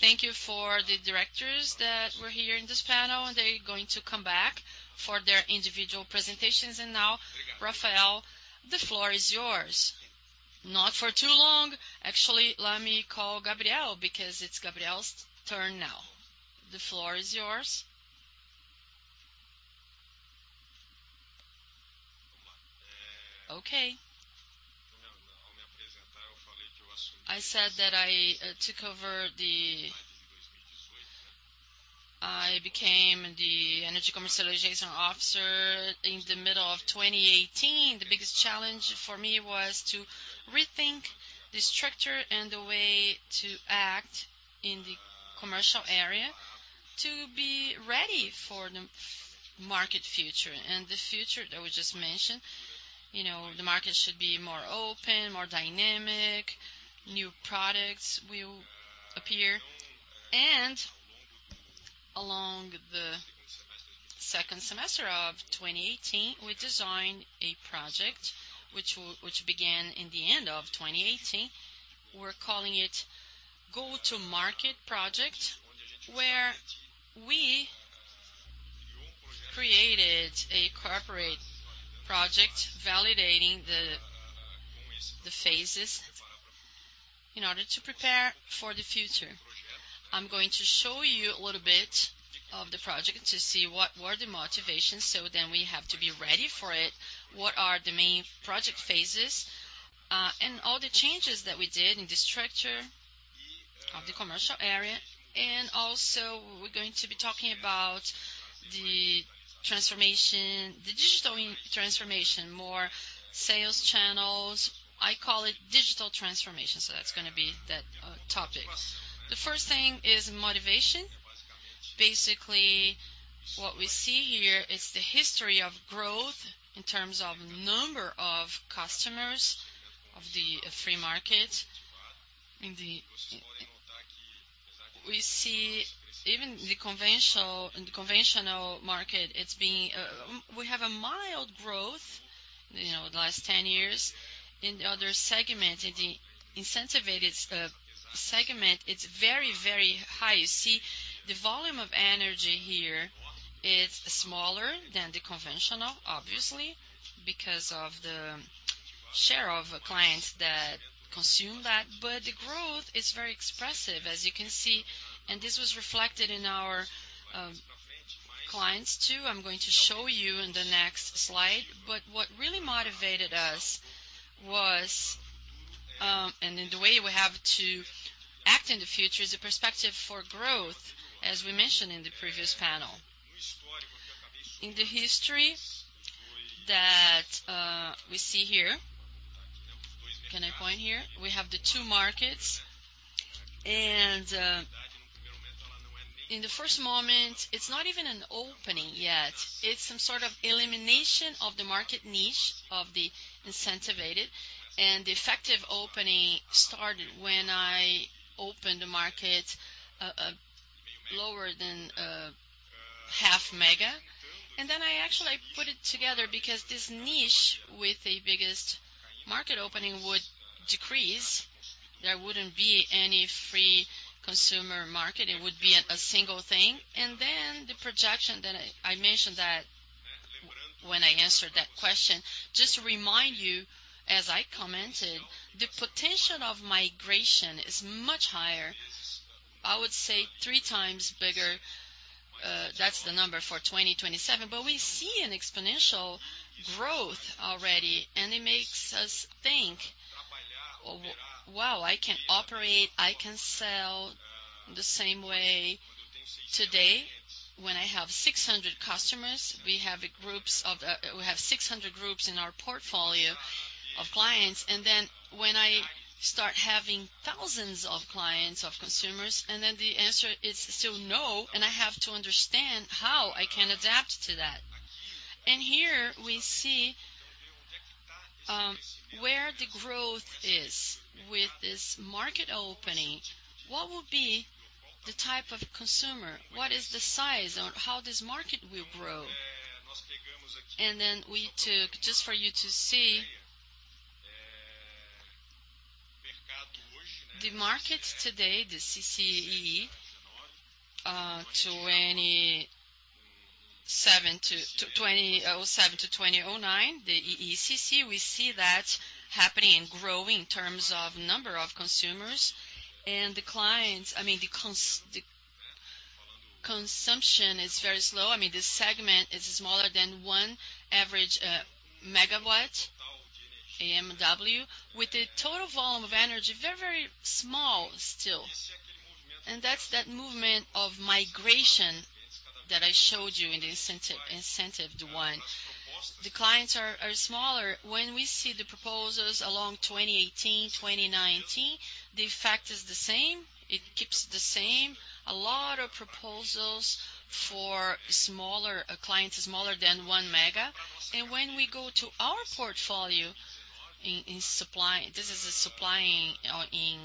Thank you for the directors that were here in this panel, and they're going to come back for their individual presentations. Now, Rafael, the floor is yours. Not for too long. Actually, let me call Gabriel because it's Gabriel's turn now. The floor is yours. I said that I took over the—I became the Energy Commercialization Officer in the middle of 2018. The biggest challenge for me was to rethink the structure and the way to act in the commercial area to be ready for the market future. The future that we just mentioned, the market should be more open, more dynamic. New products will appear. Along the second semester of 2018, we designed a project which began in the end of 2018. We're calling it Go to Market Project, where we created a corporate project validating the phases in order to prepare for the future. I'm going to show you a little bit of the project to see what were the motivations, so then we have to be ready for it. What are the main project phases and all the changes that we did in the structure of the commercial area? We're going to be talking about the digital transformation, more sales channels. I call it digital transformation. So that's going to be that topic. The first thing is motivation. Basically, what we see here is the history of growth in terms of number of customers of the free market. We see even in the conventional market, we have a mild growth the last 10 years in the other segment. In the incentivized segment, it's very, very high. You see the volume of energy here. It's smaller than the conventional, obviously, because of the share of clients that consume that. But the growth is very expressive, as you can see. This was reflected in our clients too. I'm going to show you in the next slide. But what really motivated us was, and in the way we have to act in the future is the perspective for growth, as we mentioned in the previous panel. In the history that we see here, can I point here? We have the two markets. In the first moment, it's not even an opening yet. It's some sort of elimination of the market niche of the incentivized. The effective opening started when I opened the market lower than half mega. Then I actually put it together because this niche with the biggest market opening would decrease. There wouldn't be any free consumer market. It would be a single thing. The projection that I mentioned when I answered that question, just to remind you, as I commented, the potential of migration is much higher. I would say three times bigger. That's the number for 2027. But we see an exponential growth already, and it makes us think, "Wow, I can operate. I can sell the same way." Today, when I have 600 customers, we have groups of we have 600 groups in our portfolio of clients. When I start having thousands of clients, of consumers, the answer is still no, and I have to understand how I can adapt to that. Here we see where the growth is with this market opening. What will be the type of consumer? What is the size? How this market will grow? Then we took, just for you to see, the market today, the CCEE, 2007 to 2009, the CCEE, we see that happening and growing in terms of number of consumers. The clients, I mean, the consumption is very slow. I mean, the segment is smaller than one average megawatt AMW, with the total volume of energy very, very small still. That's that movement of migration that I showed you in the incentive, the one. The clients are smaller. When we see the proposals along 2018, 2019, the effect is the same. It keeps the same. A lot of proposals for clients smaller than one mega. When we go to our portfolio in supply, this is a supply in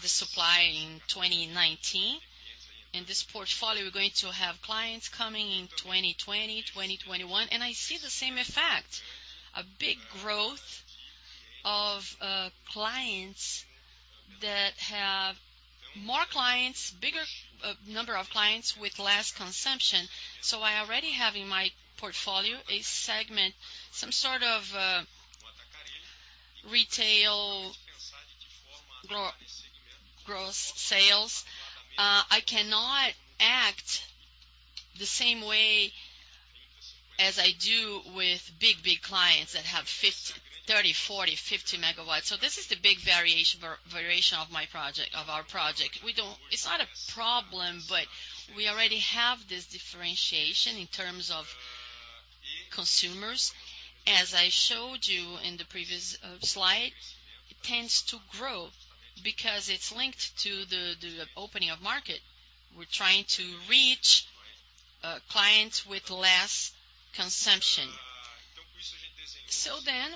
the supply in 2019. In this portfolio, we're going to have clients coming in 2020, 2021. I see the same effect, a big growth of clients that have more clients, bigger number of clients with less consumption. I already have in my portfolio a segment, some sort of retail growth sales. I cannot act the same way as I do with big clients that have 30, 40, 50 megawatts. This is the big variation of our project. It's not a problem, but we already have this differentiation in terms of consumers. As I showed you in the previous slide, it tends to grow because it's linked to the opening of market. We're trying to reach clients with less consumption.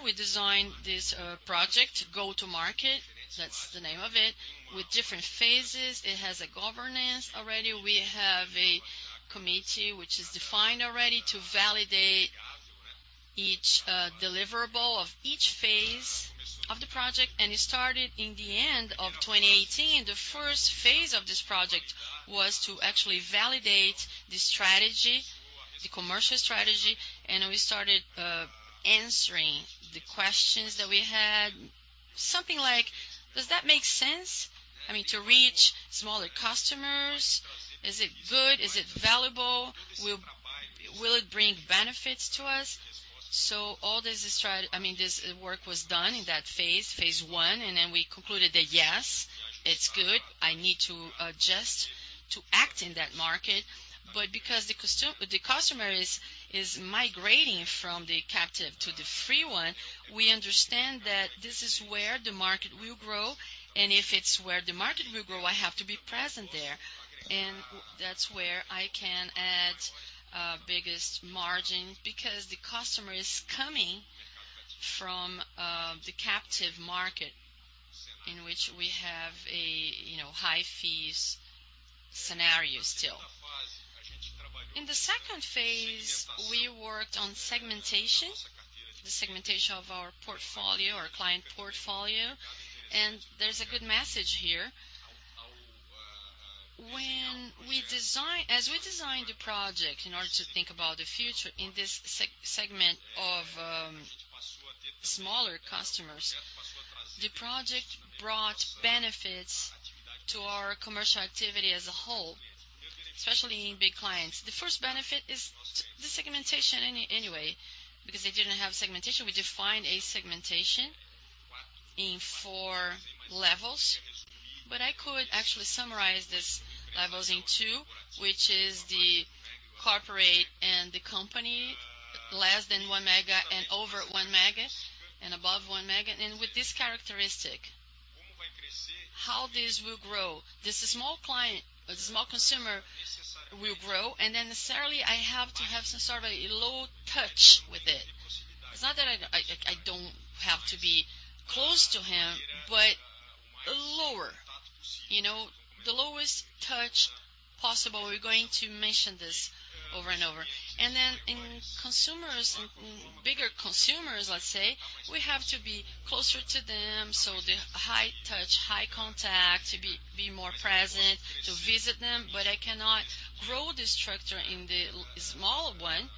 We designed this project, Go to Market. That's the name of it, with different phases. It has a governance already. We have a committee which is defined already to validate each deliverable of each phase of the project. It started in the end of 2018. The first phase of this project was to actually validate the strategy, the commercial strategy. We started answering the questions that we had, something like, "Does that make sense?" I mean, to reach smaller customers. Is it good? Is it valuable? Will it bring benefits to us? So all this work was done in that phase, phase one. Then we concluded that, "Yes, it's good. I need to adjust to act in that market." But because the customer is migrating from the captive to the free one, we understand that this is where the market will grow. If it's where the market will grow, I have to be present there. That's where I can add biggest margin because the customer is coming from the captive market in which we have a high fees scenario still. In the second phase, we worked on segmentation, the segmentation of our portfolio, our client portfolio. There's a good message here. As we designed the project in order to think about the future in this segment of smaller customers, the project brought benefits to our commercial activity as a whole, especially in big clients. The first benefit is the segmentation anyway, because they didn't have segmentation. We defined a segmentation in four levels. I could actually summarize these levels in two, which is the Corporate and the Company, less than 1 mega and over 1 mega and above 1 mega. With this characteristic, how this will grow, this small client, this small consumer will grow. Then necessarily, I have to have some sort of a low touch with it. It's not that I don't have to be close to him, but lower. The lowest touch possible. We're going to mention this over and over. In consumers, in bigger consumers, let's say, we have to be closer to them. So the high touch, high contact, to be more present, to visit them. But I cannot grow this structure in the small one.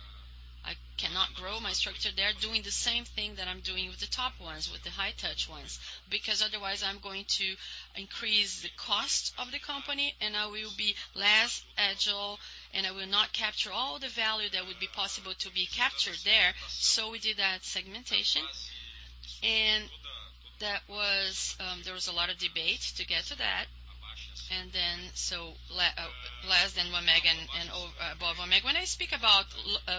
I cannot grow my structure there doing the same thing that I'm doing with the top ones, with the high touch ones. Because otherwise, I'm going to increase the cost of the company, and I will be less agile, and I will not capture all the value that would be possible to be captured there. So we did that segmentation. There was a lot of debate to get to that. So less than one mega and above one mega. When I speak about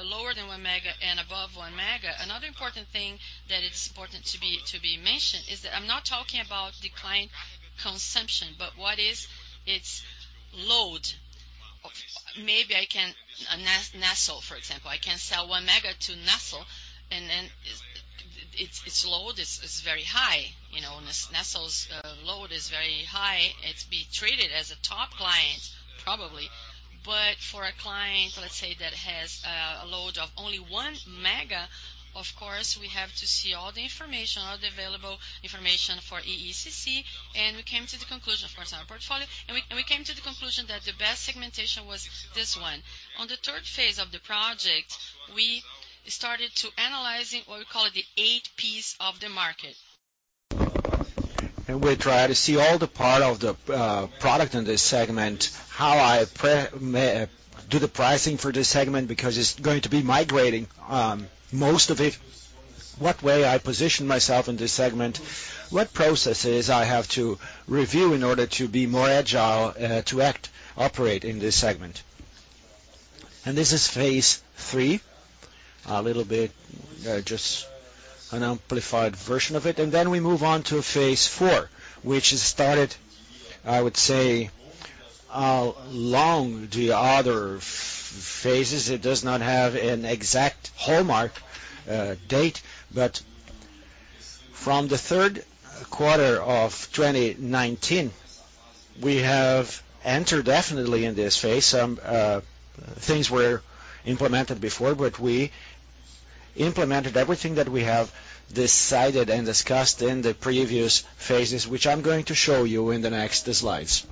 lower than one mega and above one mega, another important thing that it's important to be mentioned is that I'm not talking about the client consumption, but what is its load. Maybe I can Nassau, for example. I can sell one mega to Nassau. And then its load is very high. Nassau's load is very high. It's being treated as a top client, probably. But for a client, let's say, that has a load of only one mega, of course, we have to see all the information, all the available information for CCEE. We came to the conclusion, of course, in our portfolio. We came to the conclusion that the best segmentation was this one. On the third phase of the project, we started to analyze what we call the eight pieces of the market. We try to see all the parts of the product in this segment, how I do the pricing for this segment because it's going to be migrating, most of it. What way I position myself in this segment? What processes I have to review in order to be more agile to act, operate in this segment? This is phase three, a little bit just an amplified version of it. Then we move on to phase four, which is started, I would say, along the other phases. It does not have an exact hallmark date. But from the third quarter of 2019, we have entered definitely in this phase. Some things were implemented before, but we implemented everything that we have decided and discussed in the previous phases, which I'm going to show you in the next slides.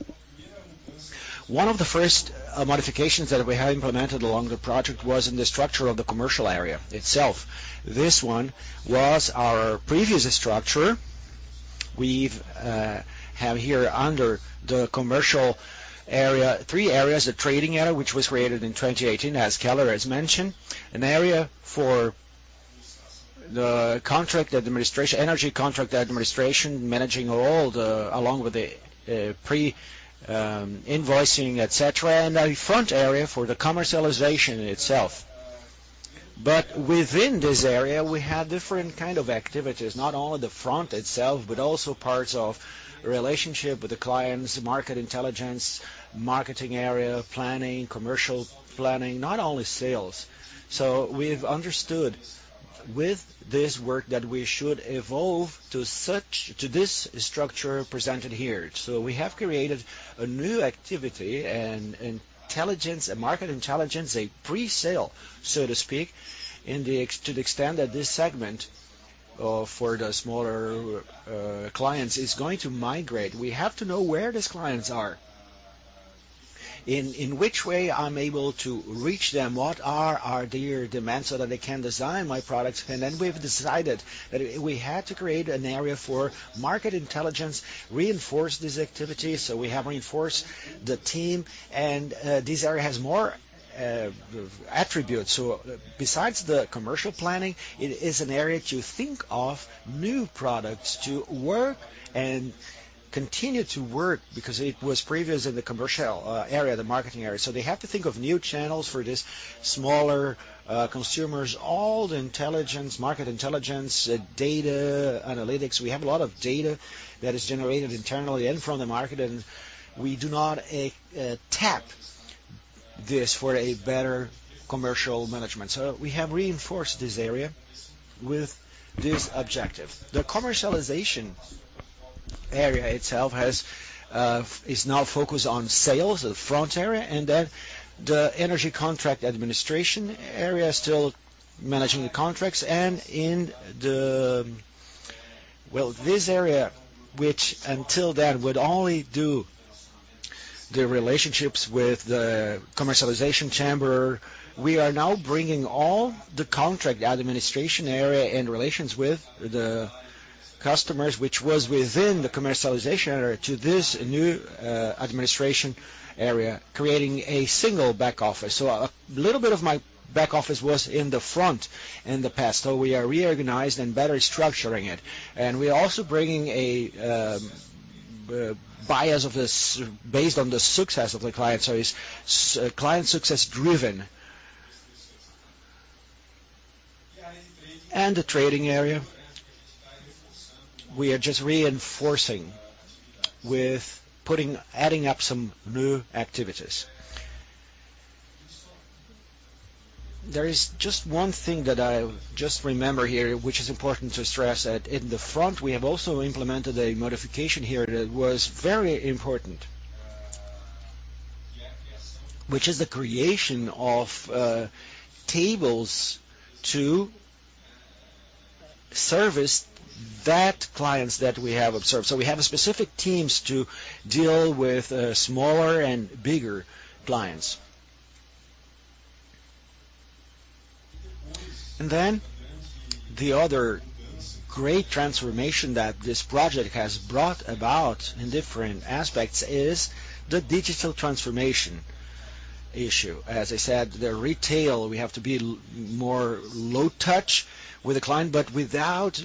One of the first modifications that we have implemented along the project was in the structure of the commercial area itself. This one was our previous structure. We have here under the commercial area three areas: a trading area which was created in 2018, as Keller has mentioned, an area for the contract administration, energy contract administration, managing all along with the pre-invoicing, etc., and a front area for the commercialization itself. But within this area, we had different kinds of activities, not only the front itself, but also parts of relationship with the clients, market intelligence, marketing area, planning, commercial planning, not only sales. We've understood with this work that we should evolve to this structure presented here. We have created a new activity, an intelligence, a market intelligence, a pre-sale, so to speak, to the extent that this segment for the smaller clients is going to migrate. We have to know where these clients are, in which way I'm able to reach them, what are their demands so that I can design my products. We've decided that we had to create an area for market intelligence, reinforce these activities. We have reinforced the team. This area has more attributes. Besides the commercial planning, it is an area to think of new products to work and continue to work because it was previous in the commercial area, the marketing area. They have to think of new channels for these smaller consumers, all the intelligence, market intelligence, data, analytics. We have a lot of data that is generated internally and from the market. We do not tap this for better commercial management. So we have reinforced this area with this objective. The commercialization area itself is now focused on sales, the front area, and then the energy contract administration area is still managing the contracts. In this area, which until then would only do the relationships with the commercialization chamber, we are now bringing all the contract administration area and relations with the customers, which was within the commercialization area, to this new administration area, creating a single back office. So a little bit of my back office was in the front in the past. So we are reorganized and better structuring it. We are also bringing a bias based on the success of the client. So it's client success-driven. In the trading area, we are just reinforcing by adding some new activities. There is just one thing that I remember here, which is important to stress that in the front, we have also implemented a modification here that was very important, which is the creation of tables to service the clients that we have observed. We have specific teams to deal with smaller and bigger clients. The other great transformation that this project has brought about in different aspects is the digital transformation issue. As I said, in retail, we have to be more low touch with the client, but without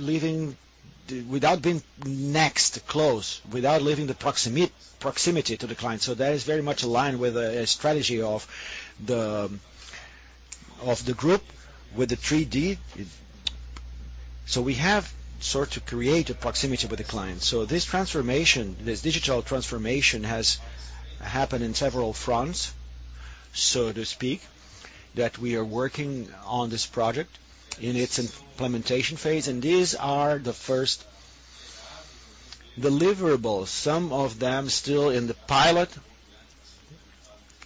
being less close, without leaving the proximity to the client. That is very much aligned with the strategy of the group with the 3D. We have created proximity with the client. This transformation, this digital transformation has happened in several fronts, so to speak, that we are working on this project in its implementation phase. These are the first deliverables. Some of them still in the pilot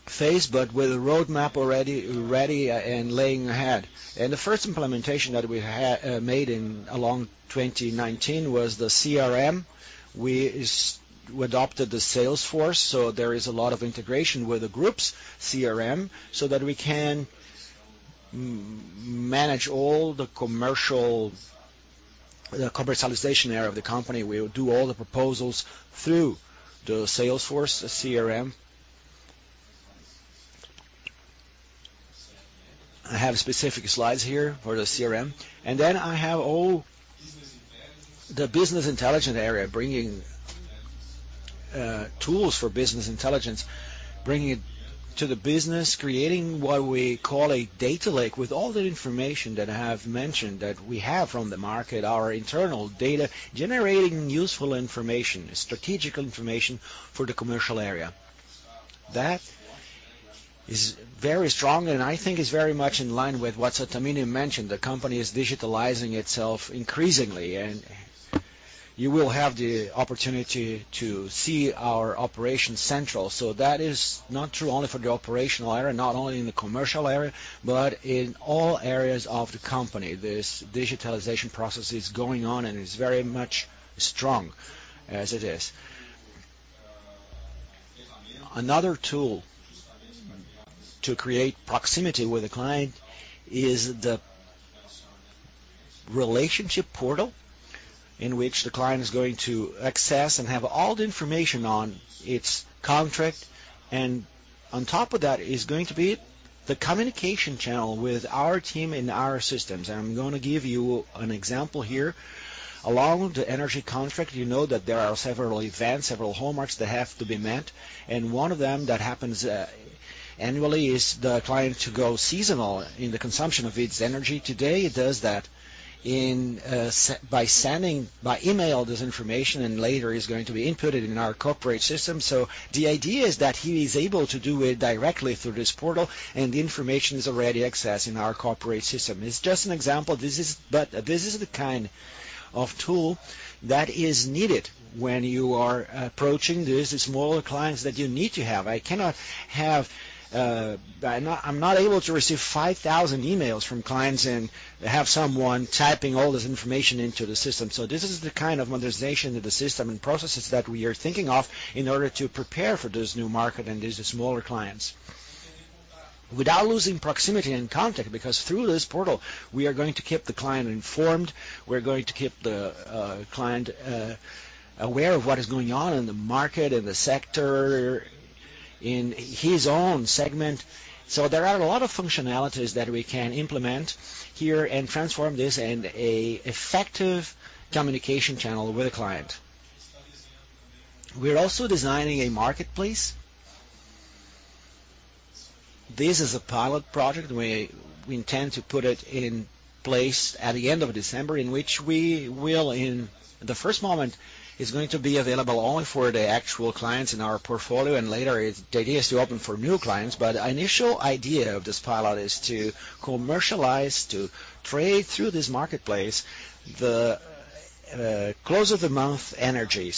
phase, but with a roadmap already ready and laying ahead. The first implementation that we made along 2019 was the CRM. We adopted the Salesforce. There is a lot of integration with the group's CRM so that we can manage all the commercialization area of the company. We will do all the proposals through the Salesforce CRM. I have specific slides here for the CRM. I have the business intelligence area, bringing tools for business intelligence, bringing it to the business, creating what we call a data lake with all the information that I have mentioned that we have from the market, our internal data, generating useful information, strategic information for the commercial area. That is very strong. I think it's very much in line with what Sattamini mentioned. The company is digitalizing itself increasingly. You will have the opportunity to see our operation central. That is not true only for the operational area, not only in the commercial area, but in all areas of the company. This digitalization process is going on, and it's very strong as it is. Another tool to create proximity with the client is the relationship portal in which the client is going to access and have all the information on its contract. On top of that, it is going to be the communication channel with our team and our systems. I'm going to give you an example here. Along with the energy contract, you know that there are several events, several hallmarks that have to be met. One of them that happens annually is the client to go seasonal in the consumption of its energy. Today, it does that by sending by email this information, and later it is going to be inputted in our corporate system. So the idea is that he is able to do it directly through this portal, and the information is already accessed in our corporate system. It's just an example. This is the kind of tool that is needed when you are approaching these smaller clients that you need to have. I cannot have, I'm not able to receive 5,000 emails from clients and have someone typing all this information into the system. So this is the kind of modernization of the system and processes that we are thinking of in order to prepare for this new market and these smaller clients without losing proximity and contact. Because through this portal, we are going to keep the client informed. We're going to keep the client aware of what is going on in the market and the sector in his own segment. So there are a lot of functionalities that we can implement here and transform this into an effective communication channel with a client. We're also designing a marketplace. This is a pilot project. We intend to put it in place at the end of December, in which we will, in the first moment, it's going to be available only for the actual clients in our portfolio. And later, the idea is to open for new clients. But the initial idea of this pilot is to commercialize, to trade through this marketplace, the close-of-the-month energy.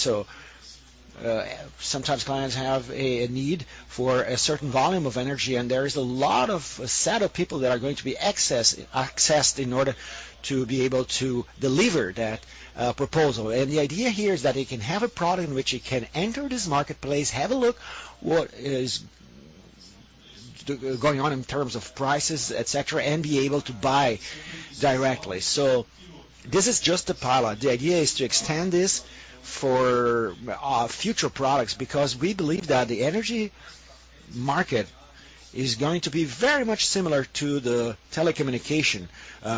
So sometimes clients have a need for a certain volume of energy, and there is a lot of a set of people that are going to be accessed in order to be able to deliver that proposal. The idea here is that they can have a product in which they can enter this marketplace, have a look at what is going on in terms of prices, etc., and be able to buy directly. So this is just a pilot. The idea is to extend this for future products because we believe that the energy market is going to be very much similar to the telecommunication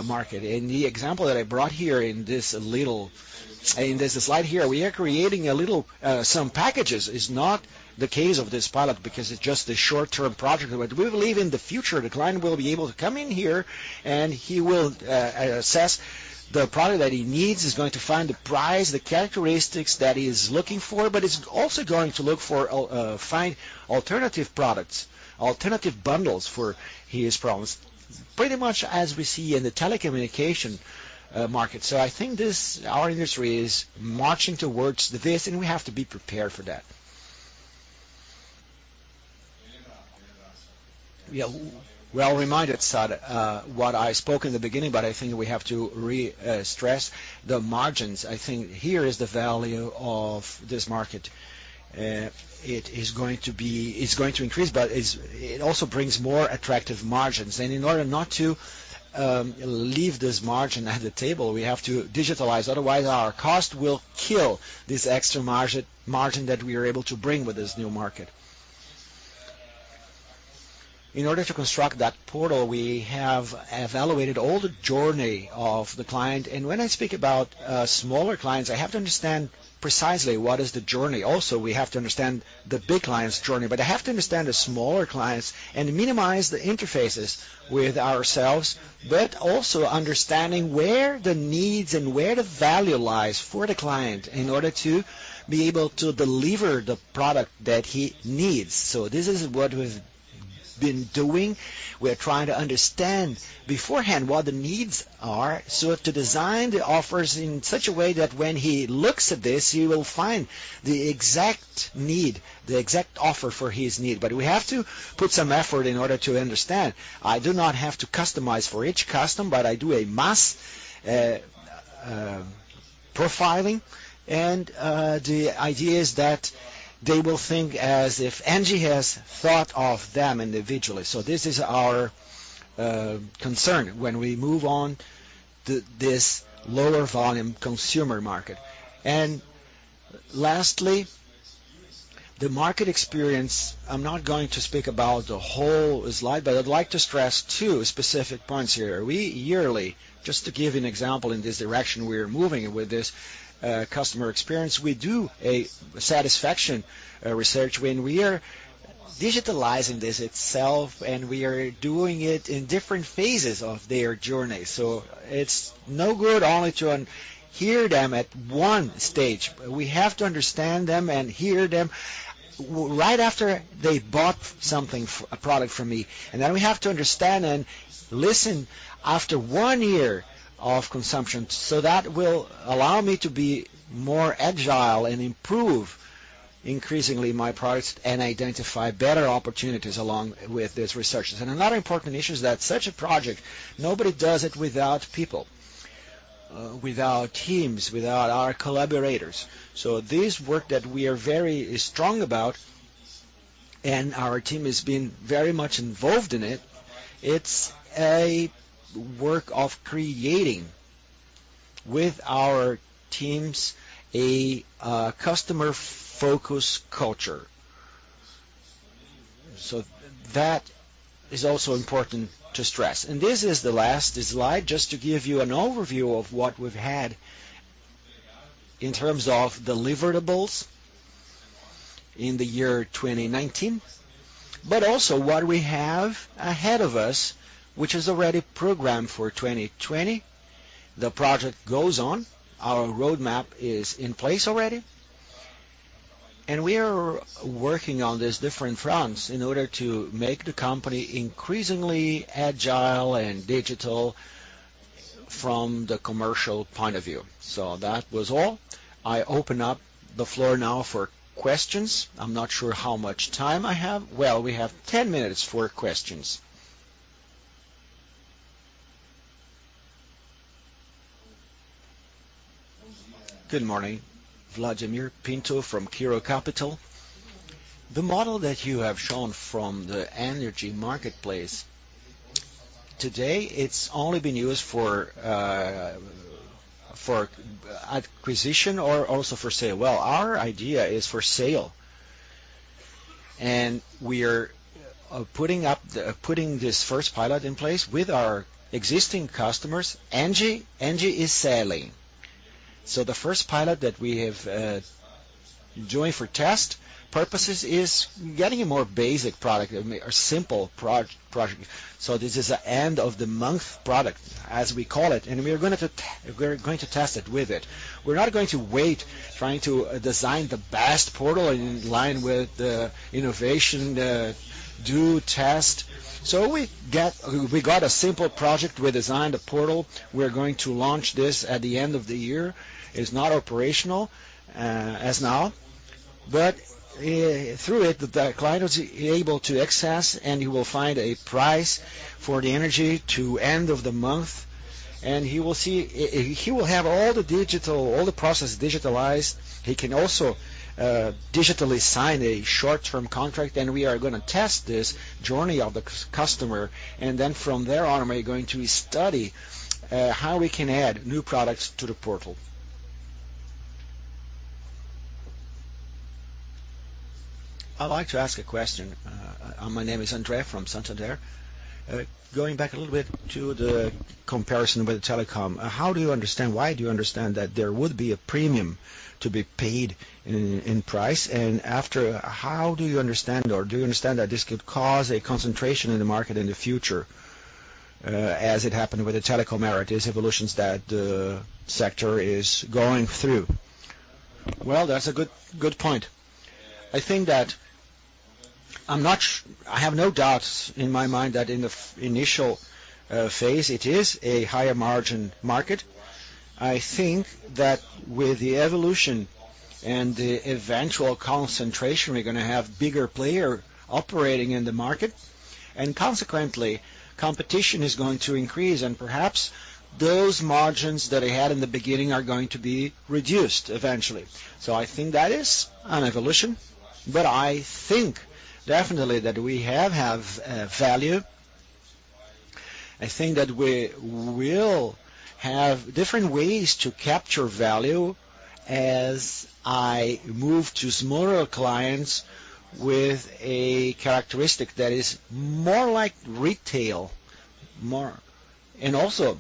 market. The example that I brought here in this slide here, we are creating some packages. It's not the case of this pilot because it's just a short-term project. But we believe in the future, the client will be able to come in here, and he will assess the product that he needs, is going to find the price, the characteristics that he is looking for, but he's also going to look for alternative products, alternative bundles for his problems, pretty much as we see in the telecommunication market. I think our industry is marching towards this, and we have to be prepared for that. Well, as I mentioned at the beginning, I think we have to re-stress the margins. I think here is the value of this market. It is going to increase, but it also brings more attractive margins. In order not to leave this margin on the table, we have to digitalize. Otherwise, our cost will kill this extra margin that we are able to bring with this new market. In order to construct that portal, we have evaluated all the journey of the client. When I speak about smaller clients, I have to understand precisely what is the journey. Also, we have to understand the big client's journey. I have to understand the smaller clients and minimize the interfaces with ourselves, but also understanding where the needs and where the value lies for the client in order to be able to deliver the product that he needs. This is what we've been doing. We're trying to understand beforehand what the needs are so to design the offers in such a way that when he looks at this, he will find the exact need, the exact offer for his need. We have to put some effort in order to understand. I do not have to customize for each customer, but I do a mass profiling. The idea is that they will think as if Engie has thought of them individually. This is our concern when we move on to this lower volume consumer market. Lastly, the market experience. I'm not going to speak about the whole slide, but I'd like to stress two specific points here. We yearly, just to give you an example in this direction we're moving with this customer experience, we do a satisfaction research when we are digitalizing this itself, and we are doing it in different phases of their journey. It's no good only to hear them at one stage. We have to understand them and hear them right after they bought something, a product from me. Then we have to understand and listen after one year of consumption. That will allow me to be more agile and improve increasingly my products and identify better opportunities along with this research. Another important issue is that such a project, nobody does it without people, without teams, without our collaborators. This work that we are very strong about, and our team has been very much involved in it, is a work of creating with our teams a customer-focused culture. That is also important to stress. This is the last slide, just to give you an overview of what we've had in terms of deliverables in the year 2019, but also what we have ahead of us, which is already programmed for 2020. The project goes on. Our roadmap is in place already. We are working on these different fronts in order to make the company increasingly agile and digital from the commercial point of view. That was all. I open up the floor now for questions. I'm not sure how much time I have. Well, we have 10 minutes for questions. Good morning. Vladimir Pinto from Kairos Capital. The model that you have shown from the energy marketplace today has only been used for acquisition or also for sale. Well, our idea is for sale. We are putting this first pilot in place with our existing customers. Engie is selling. So the first pilot that we have joined for test purposes is getting a more basic product, a simple project. So this is an end-of-the-month product, as we call it. We're going to test it with it. We're not going to wait trying to design the best portal in line with the innovation, do test. So we got a simple project. We designed a portal. We're going to launch this at the end of the year. It's not operational as now. But through it, the client is able to access, and he will find a price for the energy to end of the month. He will have all the digital, all the process digitalized. He can also digitally sign a short-term contract. We are going to test this journey of the customer. Then from there, we're going to study how we can add new products to the portal. I'd like to ask a question. My name is André from Santander. Going back a little bit to the comparison with telecom, how do you understand, why do you understand that there would be a premium to be paid in price? How do you understand, or do you understand that this could cause a concentration in the market in the future, as it happened with the telecom? Are these evolutions that the sector is going through? That's a good point. I think that I have no doubts in my mind that in the initial phase, it is a higher margin market. I think that with the evolution and the eventual concentration, we're going to have bigger players operating in the market. Consequently, competition is going to increase. Perhaps those margins that I had in the beginning are going to be reduced eventually. I think that is an evolution. But I think definitely that we have value. I think that we will have different ways to capture value as I move to smaller clients with a characteristic that is more like retail. Also,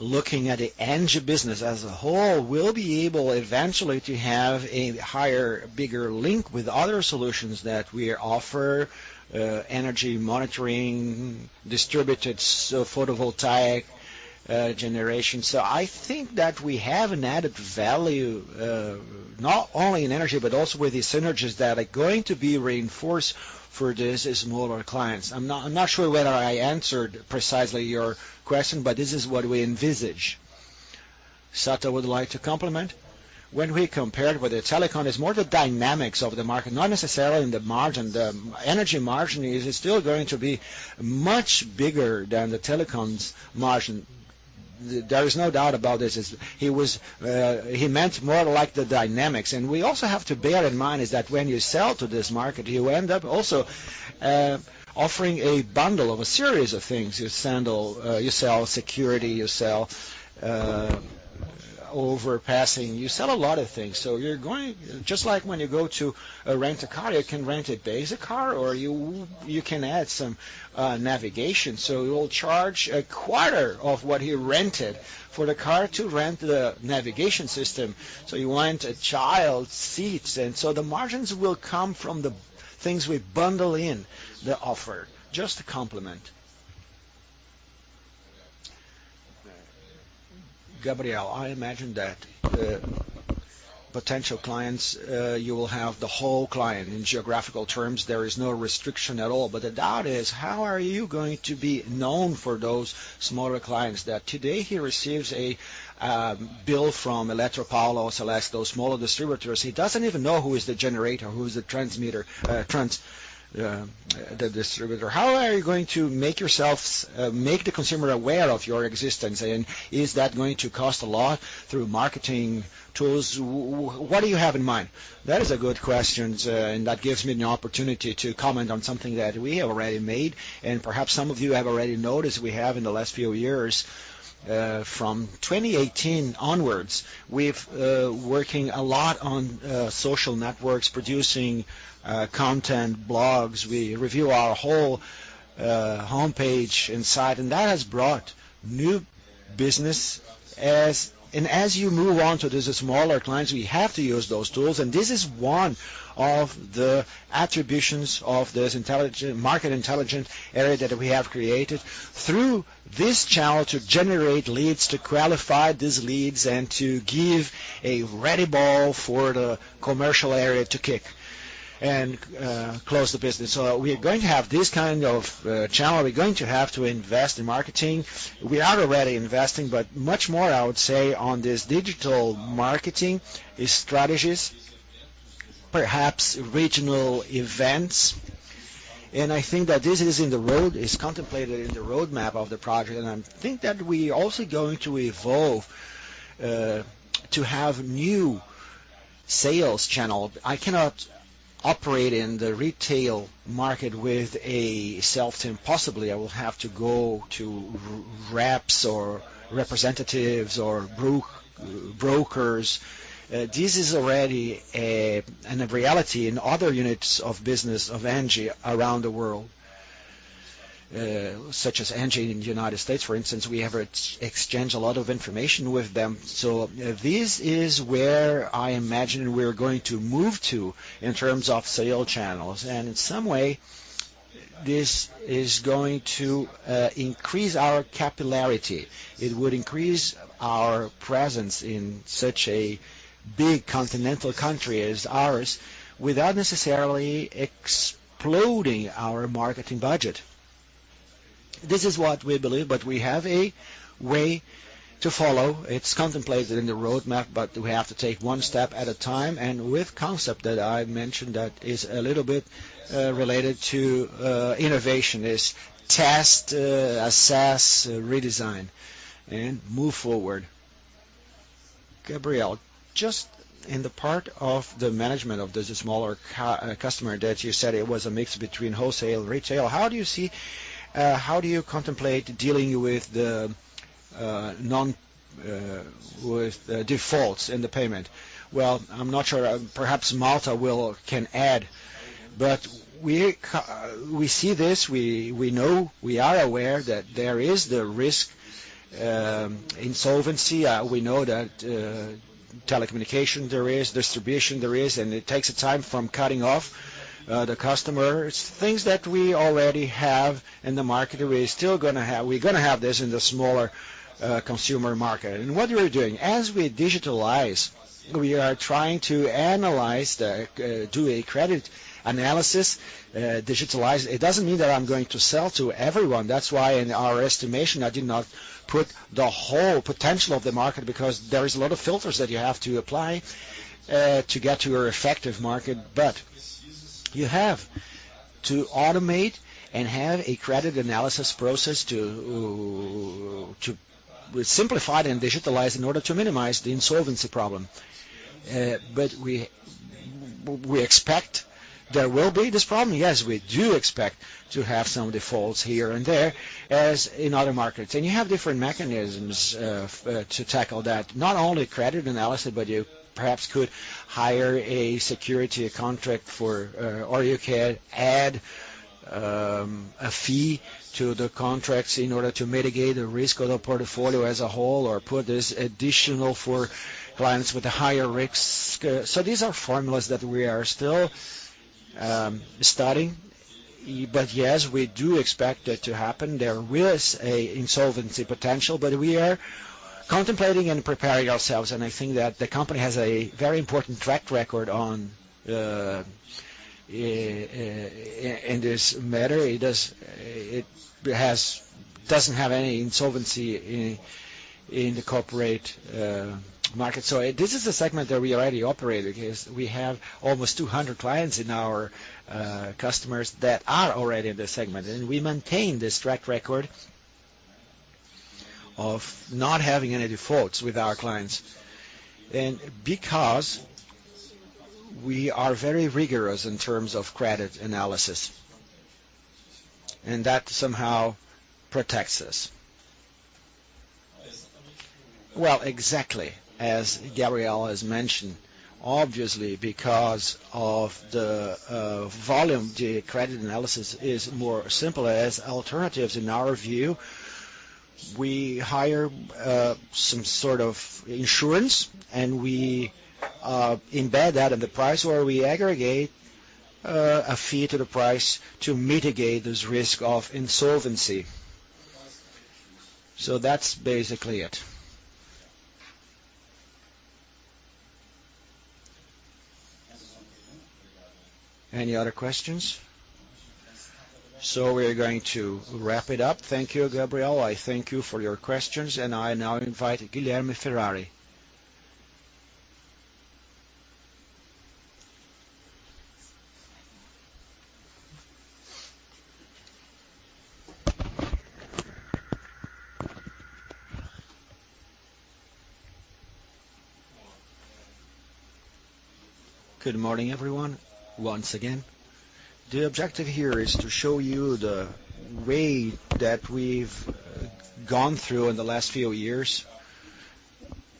looking at the energy business as a whole, we'll be able eventually to have a higher, bigger link with other solutions that we offer, energy monitoring, distributed photovoltaic generation. I think that we have an added value, not only in energy, but also with the synergies that are going to be reinforced for these smaller clients. I'm not sure whether I answered precisely your question, but this is what we envisage. That said, I would like to complement. When we compared with the telecom, it's more the dynamics of the market, not necessarily in the margin. The energy margin is still going to be much bigger than the telecom's margin. There is no doubt about this. He meant more like the dynamics. We also have to bear in mind that when you sell to this market, you end up also offering a bundle of a series of things. You sell security, you sell overpassing, you sell a lot of things. Just like when you go to rent a car, you can rent a basic car, or you can add some navigation. So you'll charge a quarter of what he rented for the car to rent the navigation system. So you want child seats. The margins will come from the things we bundle in the offer. Just to complement. Gabriel, I imagine that potential clients, you will have the whole client. In geographical terms, there is no restriction at all. But the doubt is, how are you going to be known for those smaller clients that today he receives a bill from Eletropaulo Celesc, those smaller distributors? He doesn't even know who is the generator, who is the transmitter, the distributor. How are you going to make the consumer aware of your existence? Is that going to cost a lot through marketing tools? What do you have in mind? That is a good question. That gives me an opportunity to comment on something that we have already made. Perhaps some of you have already noticed we have in the last few years. From 2018 onwards, we're working a lot on social networks, producing content, blogs. We review our whole homepage inside. That has brought new business. As you move on to these smaller clients, we have to use those tools. This is one of the attributions of this market intelligence area that we have created through this channel to generate leads, to qualify these leads, and to give a red ball for the commercial area to kick and close the business. We are going to have this kind of channel. We're going to have to invest in marketing. We are already investing, but much more, I would say, on this digital marketing strategies, perhaps regional events. I think that this is contemplated in the roadmap of the project. I think that we are also going to evolve to have new sales channels. I cannot operate in the retail market with a sales team. Possibly, I will have to go to reps or representatives or brokers. This is already a reality in other units of business of Engie around the world, such as Engie in the United States, for instance. We have exchanged a lot of information with them. This is where I imagine we're going to move to in terms of sales channels. In some way, this is going to increase our capillarity. It would increase our presence in such a big continental country as ours without necessarily exploding our marketing budget. This is what we believe, but we have a way to follow. It's contemplated in the roadmap, but we have to take one step at a time. With the concept that I mentioned that is a little bit related to innovation, is test, assess, redesign, and move forward. Gabriel, just in the part of the management of this smaller customer that you said it was a mix between wholesale, retail, how do you see how do you contemplate dealing with the defaults in the payment? Well, I'm not sure. Perhaps Malta can add, but we see this. We know we are aware that there is the risk insolvency. We know that telecommunication there is, distribution there is, and it takes time from cutting off the customers. Things that we already have in the market, we're still going to have. We're going to have this in the smaller consumer market. What we're doing, as we digitalize, we are trying to analyze that, do a credit analysis, digitalize. It doesn't mean that I'm going to sell to everyone. That's why in our estimation, I did not put the whole potential of the market because there are a lot of filters that you have to apply to get to your effective market. But you have to automate and have a credit analysis process to simplify and digitalize in order to minimize the insolvency problem. But we expect there will be this problem. Yes, we do expect to have some defaults here and there as in other markets. You have different mechanisms to tackle that, not only credit analysis, but you perhaps could hire a security contract for, or you can add a fee to the contracts in order to mitigate the risk of the portfolio as a whole or put this additional for clients with a higher risk. So these are formulas that we are still studying. Yes, we do expect that to happen. There is an insolvency potential, but we are contemplating and preparing ourselves. I think that the company has a very important track record in this matter. It doesn't have any insolvency in the corporate market. This is a segment that we already operate in. We have almost 200 clients in our customers that are already in this segment. We maintain this track record of not having any defaults with our clients because we are very rigorous in terms of credit analysis. That somehow protects us. Exactly, as Gabriel has mentioned, obviously, because of the volume, the credit analysis is more simple. As alternatives, in our view, we hire some sort of insurance, and we embed that in the price, or we aggregate a fee to the price to mitigate this risk of insolvency. That's basically it. Any other questions? We're going to wrap it up. Thank you, Gabriel. Thank you for your questions. I now invite Guilherme Ferrari. Good morning, everyone, once again. The objective here is to show you the way that we've gone through in the last few years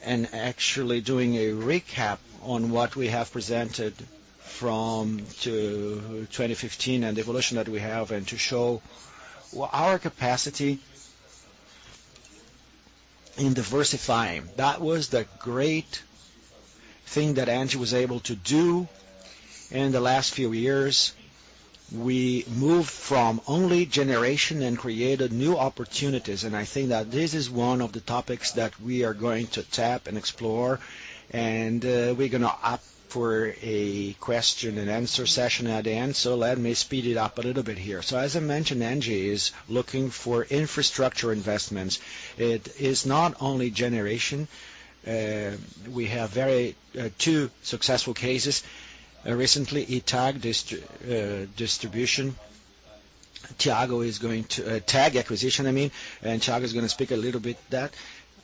and actually doing a recap on what we have presented from 2015 and the evolution that we have and to show our capacity in diversifying. That was the great thing that Engie was able to do in the last few years. We moved from only generation and created new opportunities. I think that this is one of the topics that we are going to tap and explore. We're going to opt for a question-and-answer session at the end. Let me speed it up a little bit here. As I mentioned, Engie is looking for infrastructure investments. It is not only generation. We have two successful cases. Recently, TAG distribution. Tiago is going to TAG acquisition, I mean. Tiago is going to speak a little bit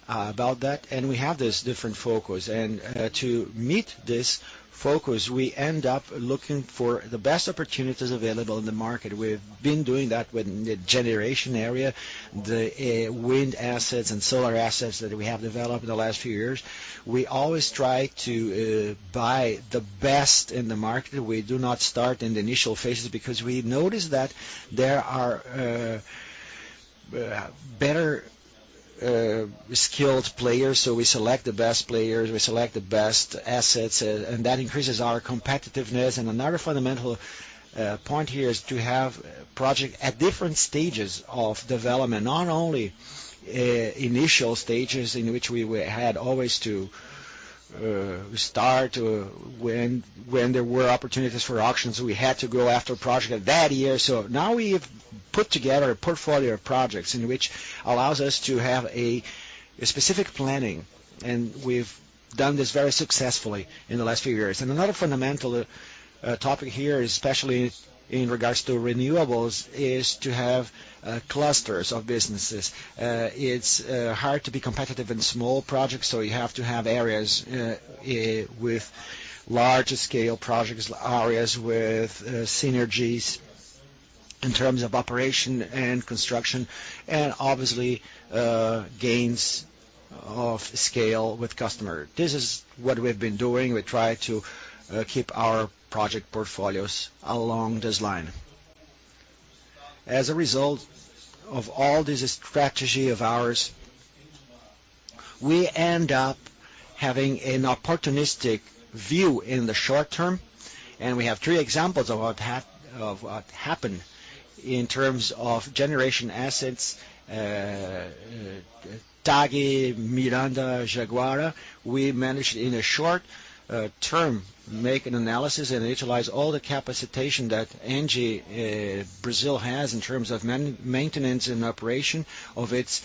about that. We have this different focus. To meet this focus, we end up looking for the best opportunities available in the market. We've been doing that with the generation area, the wind assets, and solar assets that we have developed in the last few years. We always try to buy the best in the market. We do not start in the initial phases because we notice that there are better skilled players. So we select the best players. We select the best assets. That increases our competitiveness. Another fundamental point here is to have projects at different stages of development, not only initial stages in which we always had to start when there were opportunities for auctions. We had to go after a project that year. So now we've put together a portfolio of projects which allows us to have specific planning. We've done this very successfully in the last few years. Another fundamental topic here, especially in regards to renewables, is to have clusters of businesses. It's hard to be competitive in small projects. So you have to have areas with large-scale projects, areas with synergies in terms of operation and construction, and obviously gains of scale with customers. This is what we've been doing. We try to keep our project portfolios along this line. As a result of all this strategy of ours, we end up having an opportunistic view in the short term. We have three examples of what happened in terms of generation assets: TAG, Miranda, Jaguara. We managed in a short term to make an analysis and utilize all the capacitation that Engie Brazil has in terms of maintenance and operation of its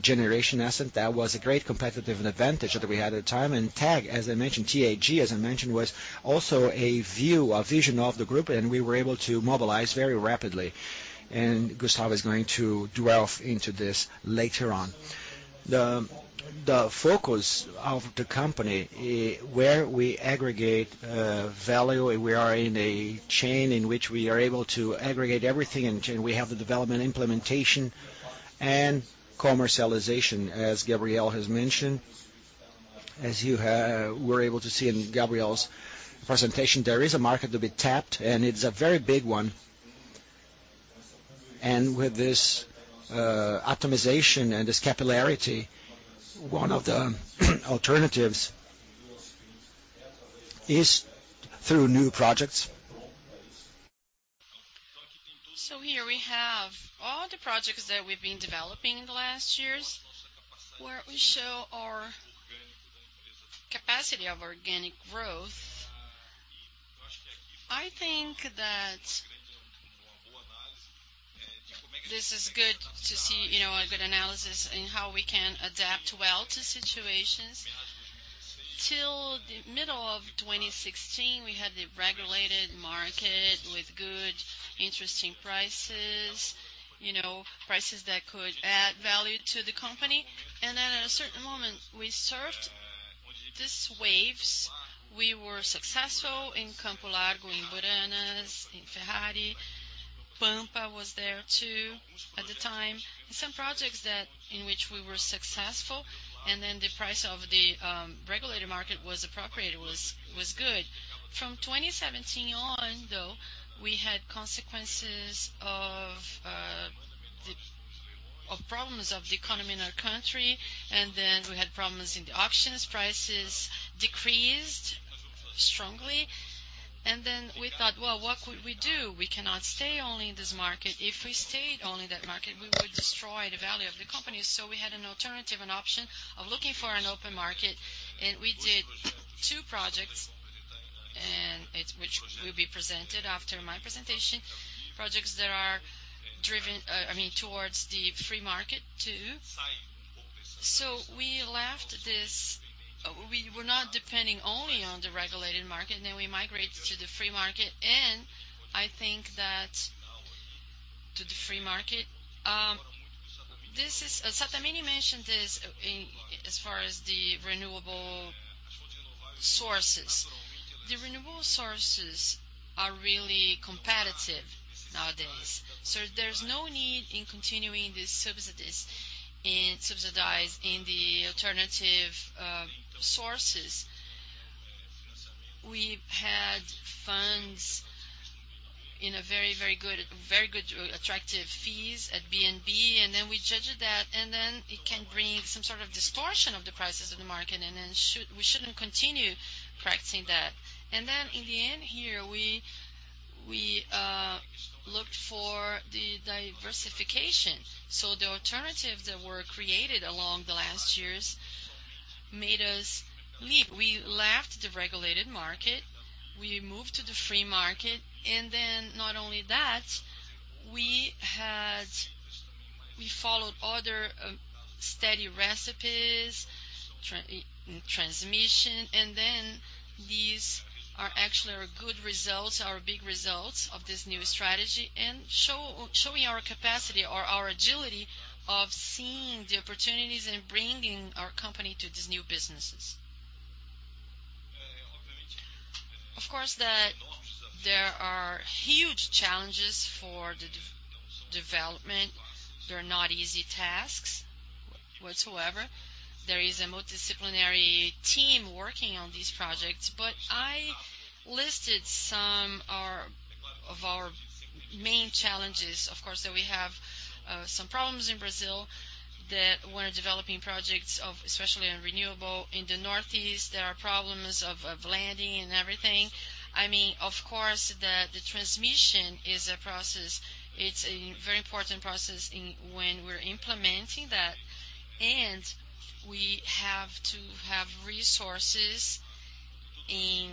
generation asset. That was a great competitive advantage that we had at the time. TAG, as I mentioned, was also a view, a vision of the group, and we were able to mobilize very rapidly. Gustavo is going to delve into this later on. The focus of the company where we aggregate value, we are in a chain in which we are able to aggregate everything, and we have the development, implementation, and commercialization, as Gabriel has mentioned. As you were able to see in Gabriel's presentation, there is a market to be tapped, and it's a very big one. With this optimization and this capillarity, one of the alternatives is through new projects. So here we have all the projects that we've been developing in the last years where we show our capacity of organic growth. I think that this is good to see a good analysis in how we can adapt well to situations. Till the middle of 2016, we had the regulated market with good, interesting prices, prices that could add value to the company. Then at a certain moment, we surfed these waves. We were successful in Campo Largo, in Umburanas, in Ferrari. Pampa was there too at the time. Some projects in which we were successful, and then the price of the regulated market was appropriate, was good. From 2017 on, though, we had consequences of problems of the economy in our country. We had problems in the auctions. Prices decreased strongly. We thought, "What could we do? We cannot stay only in this market. If we stayed only in that market, we would destroy the value of the company." We had an alternative, an option of looking for an open market. We did two projects, which will be presented after my presentation, projects that are driven towards the free market too. We left this; we were not depending only on the regulated market. We migrated to the free market. I think that to the free market, Sattamini mentioned this as far as the renewable sources. The renewable sources are really competitive nowadays. There's no need in continuing to subsidize the alternative sources. We had funds in a very, very good, attractive fees at BNB, and we judged that. It can bring some sort of distortion of the prices of the market, and we shouldn't continue correcting that. In the end here, we looked for the diversification. So the alternatives that were created along the last years made us leave. We left the regulated market. We moved to the free market. Not only that, we followed other steady recipes, transmission. These are actually our good results, our big results of this new strategy and showing our capacity or our agility of seeing the opportunities and bringing our company to these new businesses. Of course, there are huge challenges for the development. They're not easy tasks whatsoever. There is a multidisciplinary team working on these projects. I listed some of our main challenges, of course, that we have some problems in Brazil that we're developing projects of, especially on renewable. In the Northeast, there are problems of landing and everything. I mean, of course, that the transmission is a process. It's a very important process when we're implementing that. We have to have resources in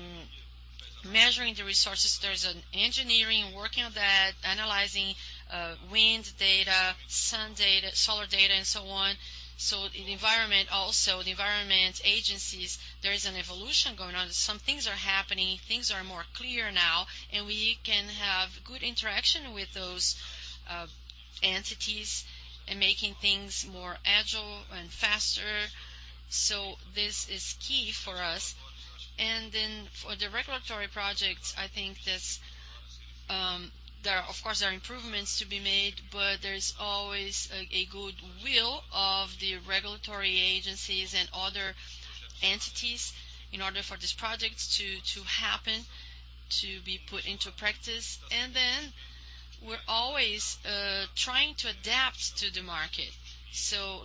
measuring the resources. There's an engineering working on that, analyzing wind data, sun data, solar data, and so on. The environment also, the environment agencies, there is an evolution going on. Some things are happening. Things are more clear now. We can have good interaction with those entities and making things more agile and faster. This is key for us. For the regulatory projects, I think there are, of course, improvements to be made, but there's always good will of the regulatory agencies and other entities in order for these projects to happen, to be put into practice. We're always trying to adapt to the market,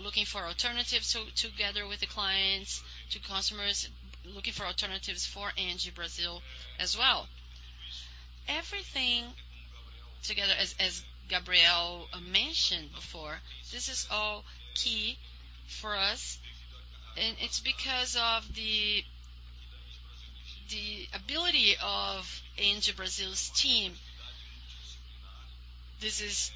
looking for alternatives together with the clients, to customers, looking for alternatives for Engie Brazil as well. Everything together, as Gabriel mentioned before, this is all key for us. It's because of the ability of Engie Brazil's team. This is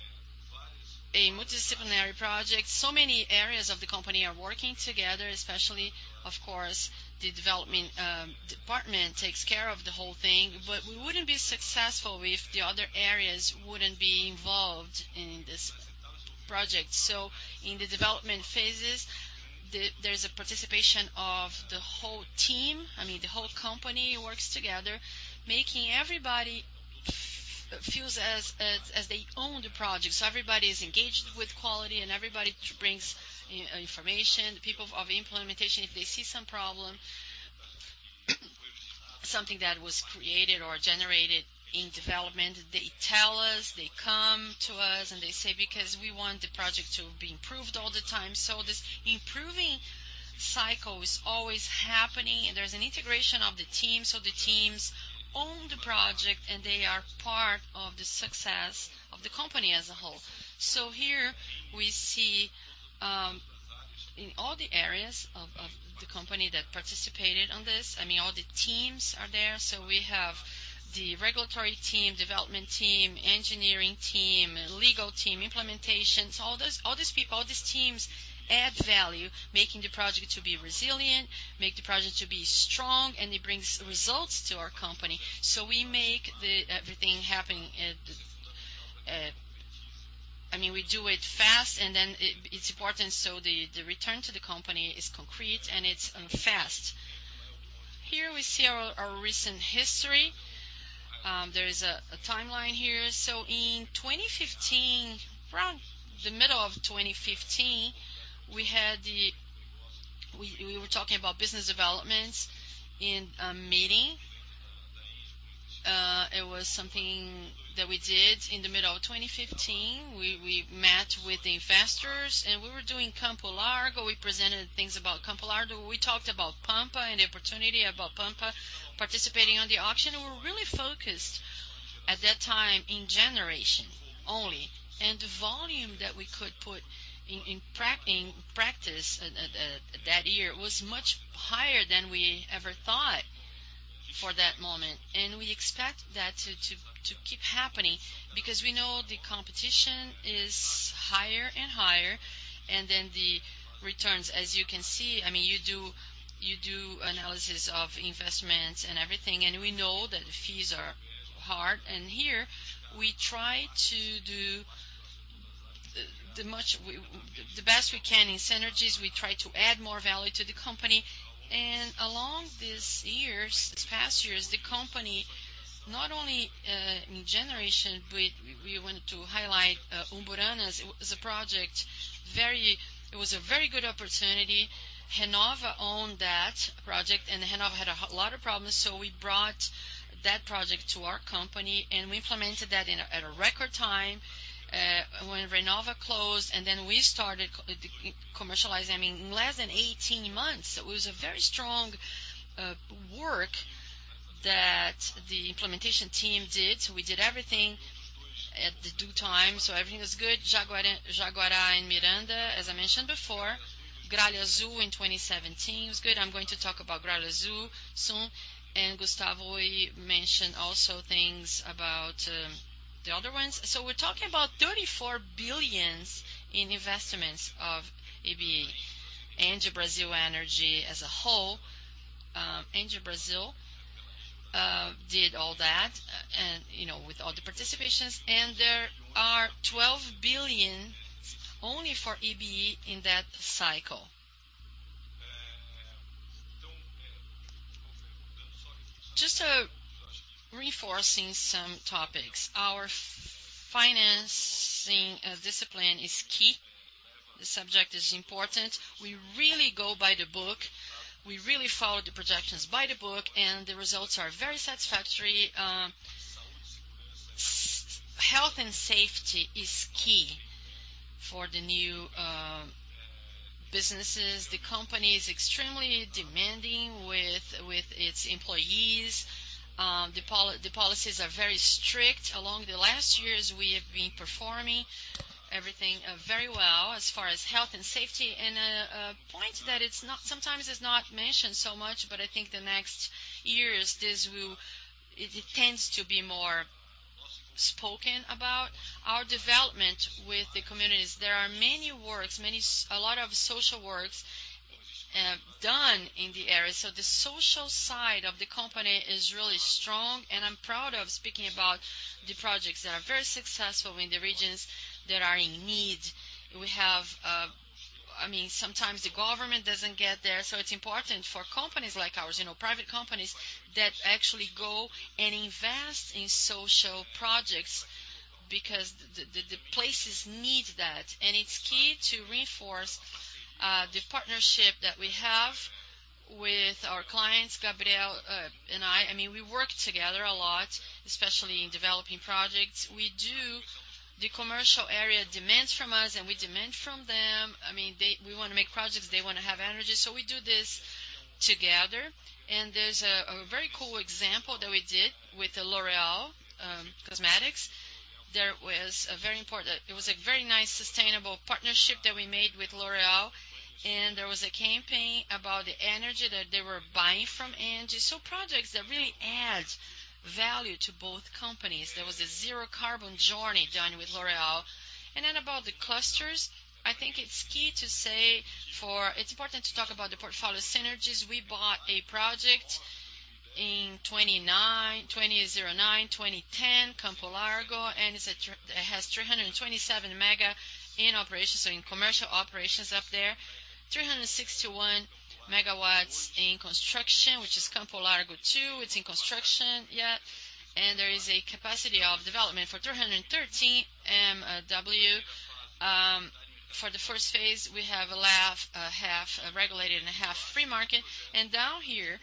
a multidisciplinary project. Many areas of the company are working together, especially, of course, the development department takes care of the whole thing. We wouldn't be successful if the other areas wouldn't be involved in this project. In the development phases, there's participation of the whole team. I mean, the whole company works together, making everybody feel as they own the project. So everybody is engaged with quality, and everybody brings information. The people of implementation, if they see some problem, something that was created or generated in development, they tell us. They come to us, and they say, "Because we want the project to be improved all the time." So this improving cycle is always happening. There's an integration of the team. So the teams own the project, and they are part of the success of the company as a whole. So here we see in all the areas of the company that participated on this, I mean, all the teams are there. So we have the regulatory team, development team, engineering team, legal team, implementations. All these people, all these teams add value, making the project to be resilient, make the project to be strong, and it brings results to our company. We make everything happen. I mean, we do it fast, and then it's important so the return to the company is concrete and it's fast. Here we see our recent history. There is a timeline here. In 2015, around the middle of 2015, we were talking about business developments in a meeting. It was something that we did in the middle of 2015. We met with the investors, and we were doing Campo Largo. We presented things about Campo Largo. We talked about Pampa and the opportunity about Pampa participating on the auction. We were really focused at that time in generation only. The volume that we could put in practice that year was much higher than we ever thought for that moment. We expect that to keep happening because we know the competition is higher and higher. The returns, as you can see, I mean, you do analysis of investments and everything. We know that the fees are hard. Here we try to do the best we can in synergies. We try to add more value to the company. Along these years, these past years, the company, not only in generation, but we wanted to highlight Umburanas. It was a project. It was a very good opportunity. Renova owned that project, and Renova had a lot of problems. So we brought that project to our company, and we implemented that at a record time when Renova closed. We started commercializing in less than 18 months. It was very strong work that the implementation team did. We did everything at the due time. Everything was good. Jaguara and Miranda, as I mentioned before. Gralha Azul in 2017 was good. I'm going to talk about Gralha Azul soon. Gustavo mentioned also things about the other ones. We're talking about $34 billion in investments of EBE, Engie Brazil Energy as a whole. Engie Brazil did all that with all the participations. There are $12 billion only for EBE in that cycle. Just reinforcing some topics. Our financing discipline is key. The subject is important. We really go by the book. We really follow the projections by the book, and the results are very satisfactory. Health and safety is key for the new businesses. The company is extremely demanding with its employees. The policies are very strict. Along the last years, we have been performing everything very well as far as health and safety. A point that sometimes is not mentioned so much, but I think the next years this will tend to be more spoken about. Our development with the communities, there are many works, a lot of social works done in the area. So the social side of the company is really strong. I'm proud of speaking about the projects that are very successful in the regions that are in need. I mean, sometimes the government doesn't get there. It's important for companies like ours, private companies, that actually go and invest in social projects because the places need that. It's key to reinforce the partnership that we have with our clients, Gabriel and I. I mean, we work together a lot, especially in developing projects. We do. The commercial area demands from us, and we demand from them. I mean, we want to make projects. They want to have energy. So we do this together. There's a very cool example that we did with L'Oréal Cosmetics. There was a very important—it was a very nice sustainable partnership that we made with L'Oréal. There was a campaign about the energy that they were buying from Engie. So projects that really add value to both companies. There was a zero-carbon journey done with L'Oréal. About the clusters, I think it's key to say it's important to talk about the portfolio synergies. We bought a project in 2009, 2010, Campo Largo, and it has 327 megawatts in operations, so in commercial operations up there. 361 megawatts in construction, which is Campo Largo too. It's in construction yet. There is a capacity of development for 313 MW. For the first phase, we have half regulated and half free market. Down here,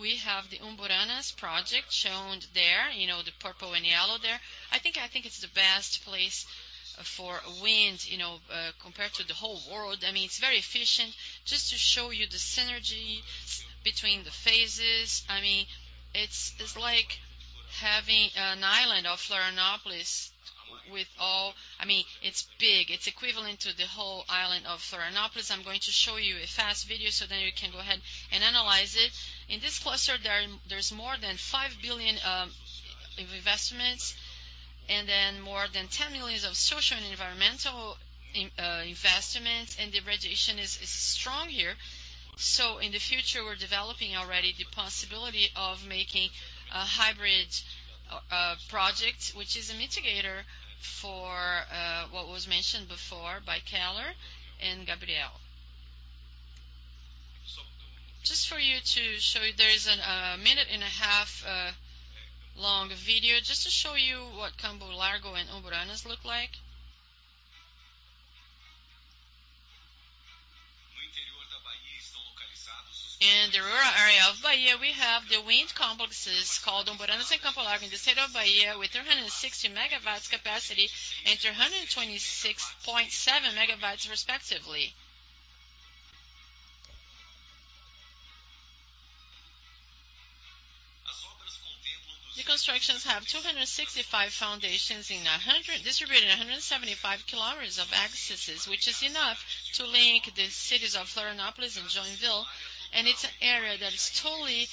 we have the Umburanas project shown there, the purple and yellow there. I think it's the best place for wind compared to the whole world. I mean, it's very efficient. Just to show you the synergy between the phases, I mean, it's like having an island of Florianópolis with all—I mean, it's big. It's equivalent to the whole island of Florianópolis. I'm going to show you a fast video so then you can go ahead and analyze it. In this cluster, there's more than $5 billion of investments and then more than $10 million of social and environmental investments. The radiation is strong here. In the future, we're developing already the possibility of making a hybrid project, which is a mitigator for what was mentioned before by Keller and Gabriel. Just to show you, there is a minute and a half long video just to show you what Campo Largo and Umburanas look like. E na área de Bahia, we have the wind complexes called Umburanas and Campo Largo in the state of Bahia with 360 megawatts capacity and 326.7 megawatts, respectively. The constructions have 265 foundations distributed in 175 kilometers of axes, which is enough to link the cities of Florianópolis and Joinville. It's an area that's totally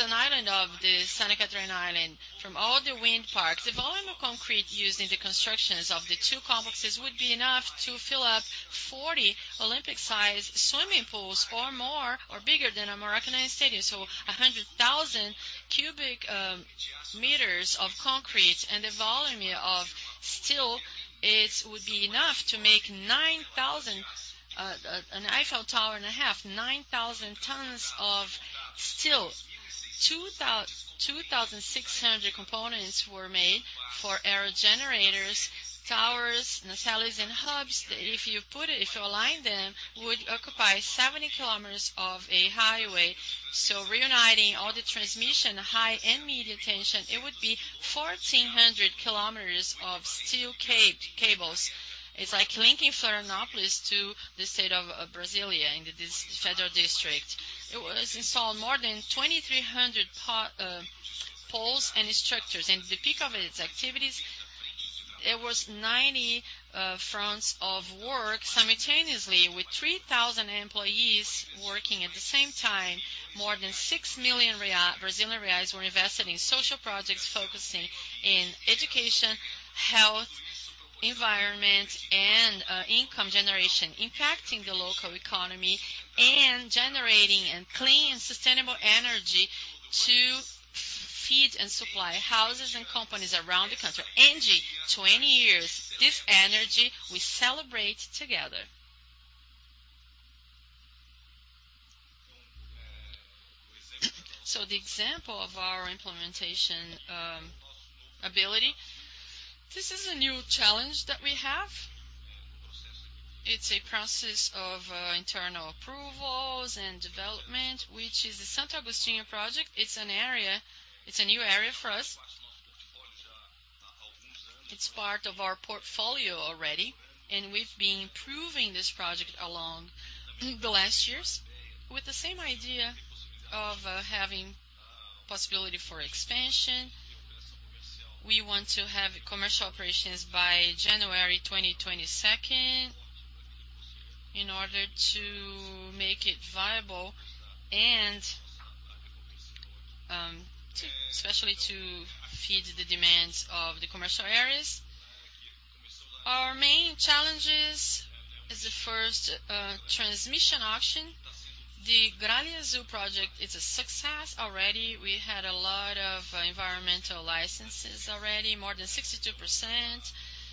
an island of the Santa Catarina Island from all the wind parks. The volume of concrete used in the construction of the two complexes would be enough to fill up 40 Olympic-sized swimming pools or more, or bigger than a Maracanã Stadium. 100,000 cubic meters of concrete and the volume of steel would be enough to make an Eiffel Tower and a half, 9,000 tons of steel. 2,600 components were made for air generators, towers, nacelles, and hubs that, if you align them, would occupy 70 kilometers of a highway. Reuniting all the transmission, high and medium tension, it would be 1,400 kilometers of steel cables. It's like linking Florianópolis to the state of Brasília in this federal district. More than 2,300 poles and structures were installed. At the peak of its activities, there were 90 fronts of work simultaneously with 3,000 employees working at the same time. More than 6 million Brazilian reais were invested in social projects focusing on education, health, environment, and income generation, impacting the local economy and generating clean and sustainable energy to feed and supply houses and companies around the country. Engie, 20 years, this energy we celebrate together. The example of our implementation ability, this is a new challenge that we have. It's a process of internal approvals and development, which is the Santo Agostinho project. It's a new area for us. It's part of our portfolio already, and we've been improving this project along the last years with the same idea of having possibility for expansion. We want to have commercial operations by January 2022 in order to make it viable and especially to feed the demands of the commercial areas. Our main challenge is the first transmission auction. The Gralha Azul project is a success already. We had a lot of environmental licenses already, more than 62%.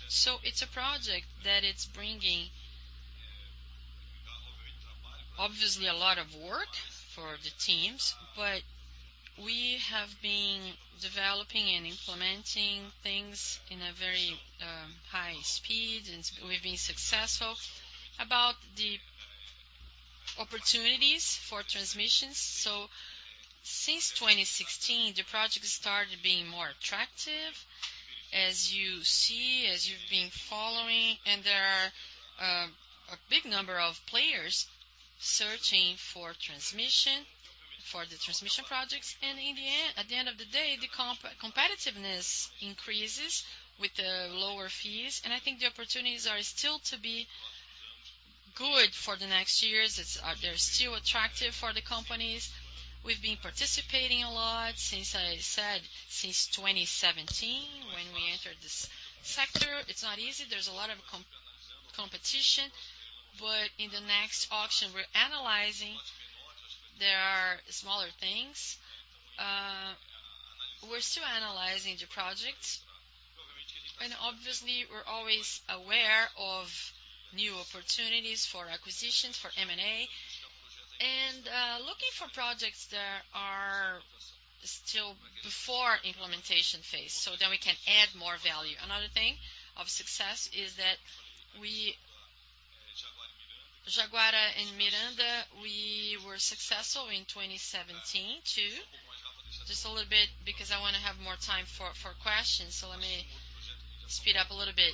So it's a project that is bringing, obviously, a lot of work for the teams, but we have been developing and implementing things in a very high speed, and we've been successful. About the opportunities for transmissions, since 2016, the project started being more attractive, as you see, as you've been following. There are a big number of players searching for transmission, for the transmission projects. At the end of the day, the competitiveness increases with the lower fees. I think the opportunities are still to be good for the next years. They're still attractive for the companies. We've been participating a lot, since I said, since 2017, when we entered this sector. It's not easy. There's a lot of competition. But in the next auction, we're analyzing. There are smaller things. We're still analyzing the project. Obviously, we're always aware of new opportunities for acquisitions for M&A and looking for projects that are still before implementation phase so that we can add more value. Another thing of success is that we Jaguara and Miranda, we were successful in 2017 too. I want to have more time for questions. So let me speed up a little bit.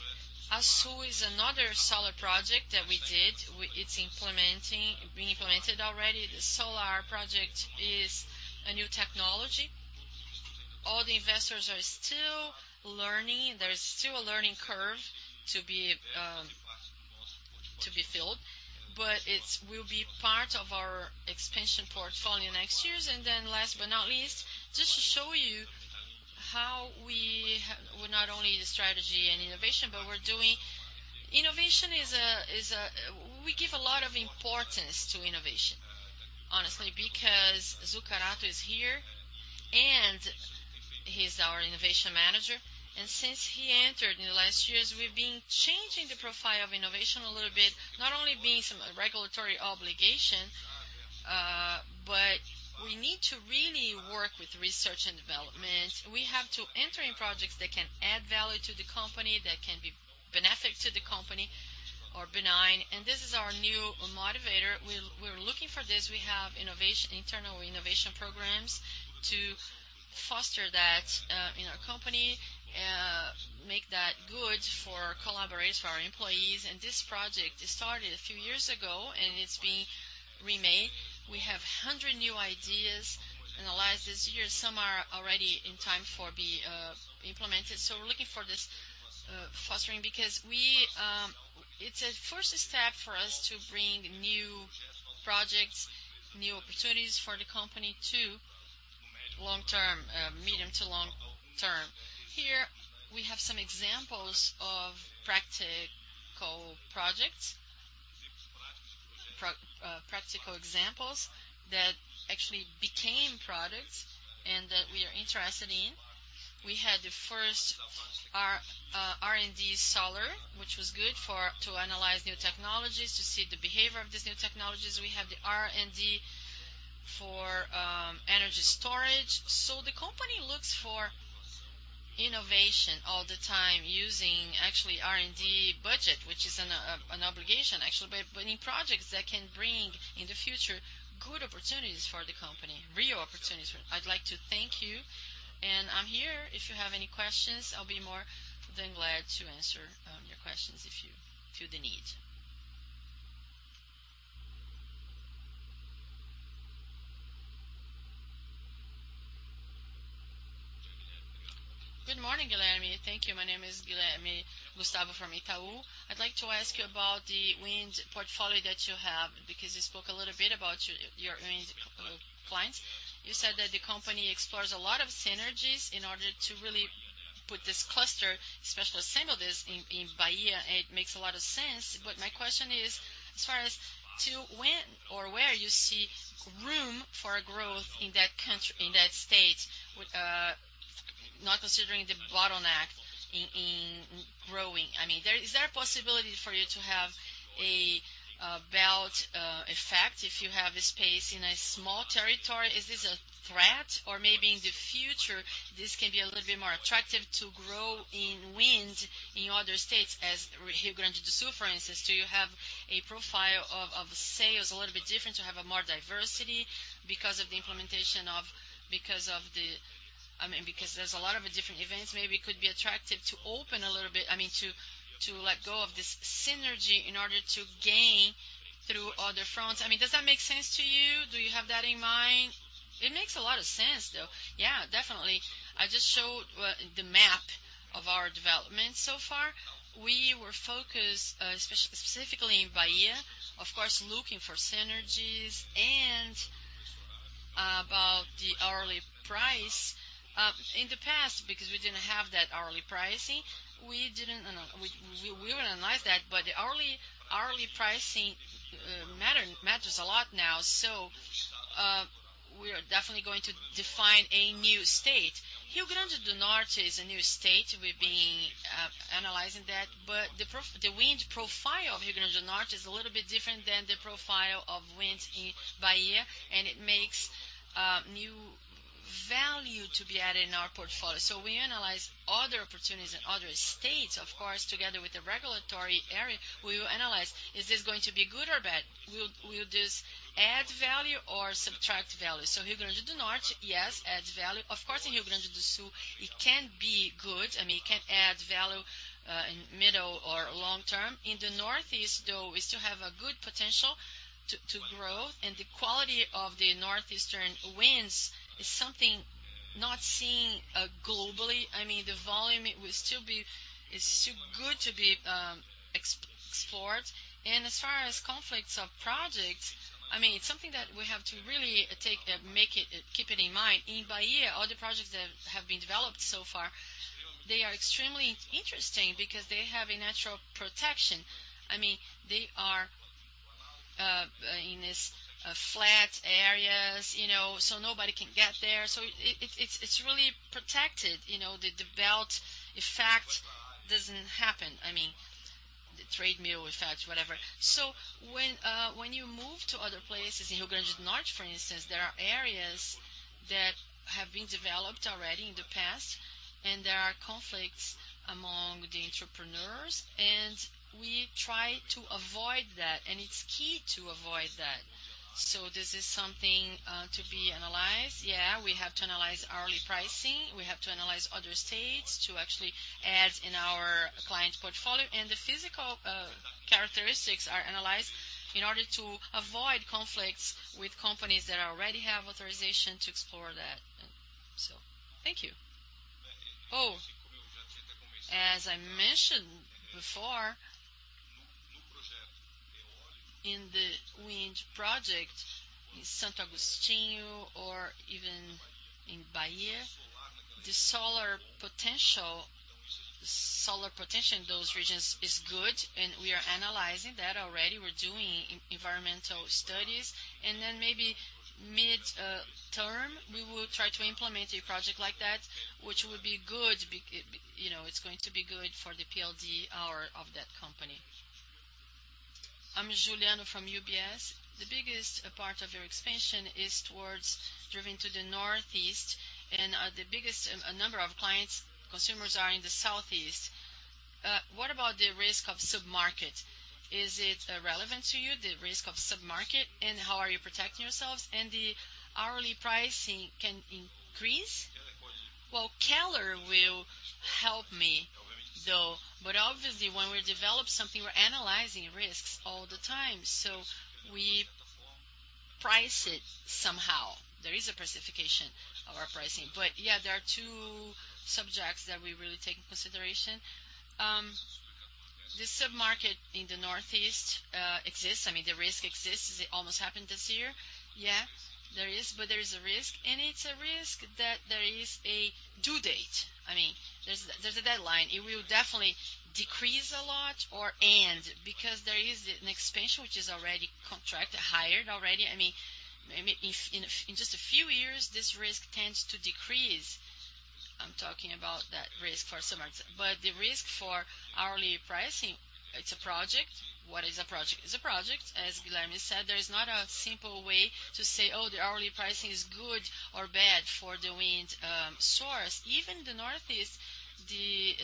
Assú is another solar project that we did. It's being implemented already. The solar project is a new technology. All the investors are still learning. There's still a learning curve to be filled. But it will be part of our expansion portfolio next years. Last but not least, just to show you how we were not only the strategy and innovation, but we're doing innovation is we give a lot of importance to innovation, honestly, because Zuccato is here, and he's our innovation manager. Since he entered in the last years, we've been changing the profile of innovation a little bit, not only being some regulatory obligation, but we need to really work with research and development. We have to enter in projects that can add value to the company, that can be beneficial to the company or benign. This is our new motivator. We're looking for this. We have internal innovation programs to foster that in our company, make that good for our collaborators, for our employees. This project started a few years ago, and it's being remade. We have 100 new ideas analyzed this year. Some are already in time for being implemented. We're looking for this fostering because it's a first step for us to bring new projects, new opportunities for the company too, long-term, medium to long-term. Here we have some examples of practical projects, practical examples that actually became products and that we are interested in. We had the first R&D solar, which was good to analyze new technologies to see the behavior of these new technologies. We have the R&D for energy storage. The company looks for innovation all the time using actually R&D budget, which is an obligation, actually, but in projects that can bring in the future good opportunities for the company, real opportunities. I'd like to thank you. I'm here. If you have any questions, I'll be more than glad to answer your questions if you feel the need. Good morning, Guilherme. Thank you. My name is Guilherme Gustavo from Itaú. I'd like to ask you about the wind portfolio that you have because you spoke a little bit about your wind clients. You said that the company explores a lot of synergies in order to really put this cluster, especially assemble this in Bahia. It makes a lot of sense. But my question is, as far as to when or where you see room for growth in that state, not considering the bottleneck in growing. I mean, is there a possibility for you to have a belt effect if you have a space in a small territory? Is this a threat? Or maybe in the future, this can be a little bit more attractive to grow in wind in other states, as Rio Grande do Sul, for instance? Do you have a profile of sales a little bit different to have more diversity because of the implementation of—I mean, because there's a lot of different events. Maybe it could be attractive to open a little bit, I mean, to let go of this synergy in order to gain through other fronts. I mean, does that make sense to you? Do you have that in mind? It makes a lot of sense, though. Yeah, definitely. I just showed the map of our development so far. We were focused specifically in Bahia, of course, looking for synergies and about the hourly price. In the past, because we didn't have that hourly pricing, we didn't—we were going to analyze that, but the hourly pricing matters a lot now. So we are definitely going to define a new state. Rio Grande do Norte is a new state. We've been analyzing that. But the wind profile of Rio Grande do Norte is a little bit different than the profile of wind in Bahia, and it makes new value to be added in our portfolio. So we analyze other opportunities in other states, of course, together with the regulatory area. We will analyze, is this going to be good or bad? Will this add value or subtract value? Rio Grande do Norte, yes, adds value. Of course, in Rio Grande do Sul, it can be good. I mean, it can add value in the middle or long term. In the northeast, though, we still have a good potential to grow. And the quality of the northeastern winds is something not seen globally. I mean, the volume will still be—it's still good to be explored. As far as conflicts of projects, I mean, it's something that we have to really take and keep in mind. In Bahia, all the projects that have been developed so far, they are extremely interesting because they have a natural protection. I mean, they are in these flat areas, so nobody can get there. It's really protected. The belt effect doesn't happen. I mean, the trade wind effect, whatever. When you move to other places, in Rio Grande do Norte, for instance, there are areas that have been developed already in the past, and there are conflicts among the entrepreneurs. We try to avoid that, and it's key to avoid that. This is something to be analyzed. Yeah, we have to analyze hourly pricing. We have to analyze other states to actually add in our client portfolio. The physical characteristics are analyzed in order to avoid conflicts with companies that already have authorization to explore that. Thank you. As I mentioned before, in the wind project in Santo Agostinho or even in Bahia, the solar potential in those regions is good. We are analyzing that already. We're doing environmental studies. Then maybe midterm, we will try to implement a project like that, which would be good. It's going to be good for the PLD of that company. I'm Juliano from UBS. The biggest part of your expansion is towards driven to the northeast, and the biggest number of clients, consumers are in the southeast. What about the risk of submarket? Is it relevant to you, the risk of submarket, and how are you protecting yourselves? The hourly pricing can increase? Keller will help me, though. Obviously, when we develop something, we're analyzing risks all the time. So we price it somehow. There is a precification of our pricing. But yeah, there are two subjects that we really take into consideration. The submarket in the northeast exists. I mean, the risk exists. It almost happened this year. Yeah, there is, but there is a risk. It's a risk that there is a due date. I mean, there's a deadline. It will definitely decrease a lot or end because there is an expansion which is already contracted, hired already. I mean, in just a few years, this risk tends to decrease. I'm talking about that risk for submarkets. The risk for hourly pricing, it's a project. What is a project? It's a project, as Guilherme said. There is not a simple way to say, "Oh, the hourly pricing is good or bad for the wind source." Even in the northeast, the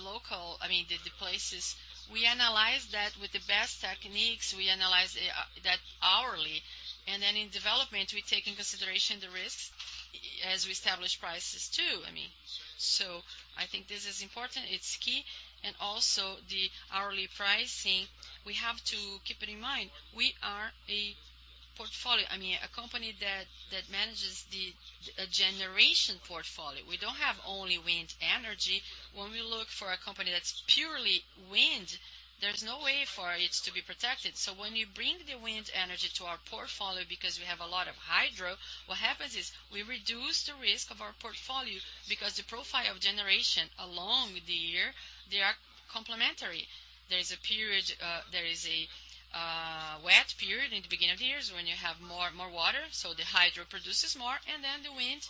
local—I mean, the places we analyze that with the best techniques. We analyze that hourly. And then in development, we take into consideration the risks as we establish prices too. I mean, so I think this is important. It's key. And also the hourly pricing, we have to keep it in mind. We are a portfolio, I mean, a company that manages the generation portfolio. We don't have only wind energy. When we look for a company that's purely wind, there's no way for it to be protected. When you bring the wind energy to our portfolio because we have a lot of hydro, what happens is we reduce the risk of our portfolio because the profile of generation along the year, they are complementary. There is a period; there is a wet period in the beginning of the years when you have more water. The hydro produces more. And then the wind,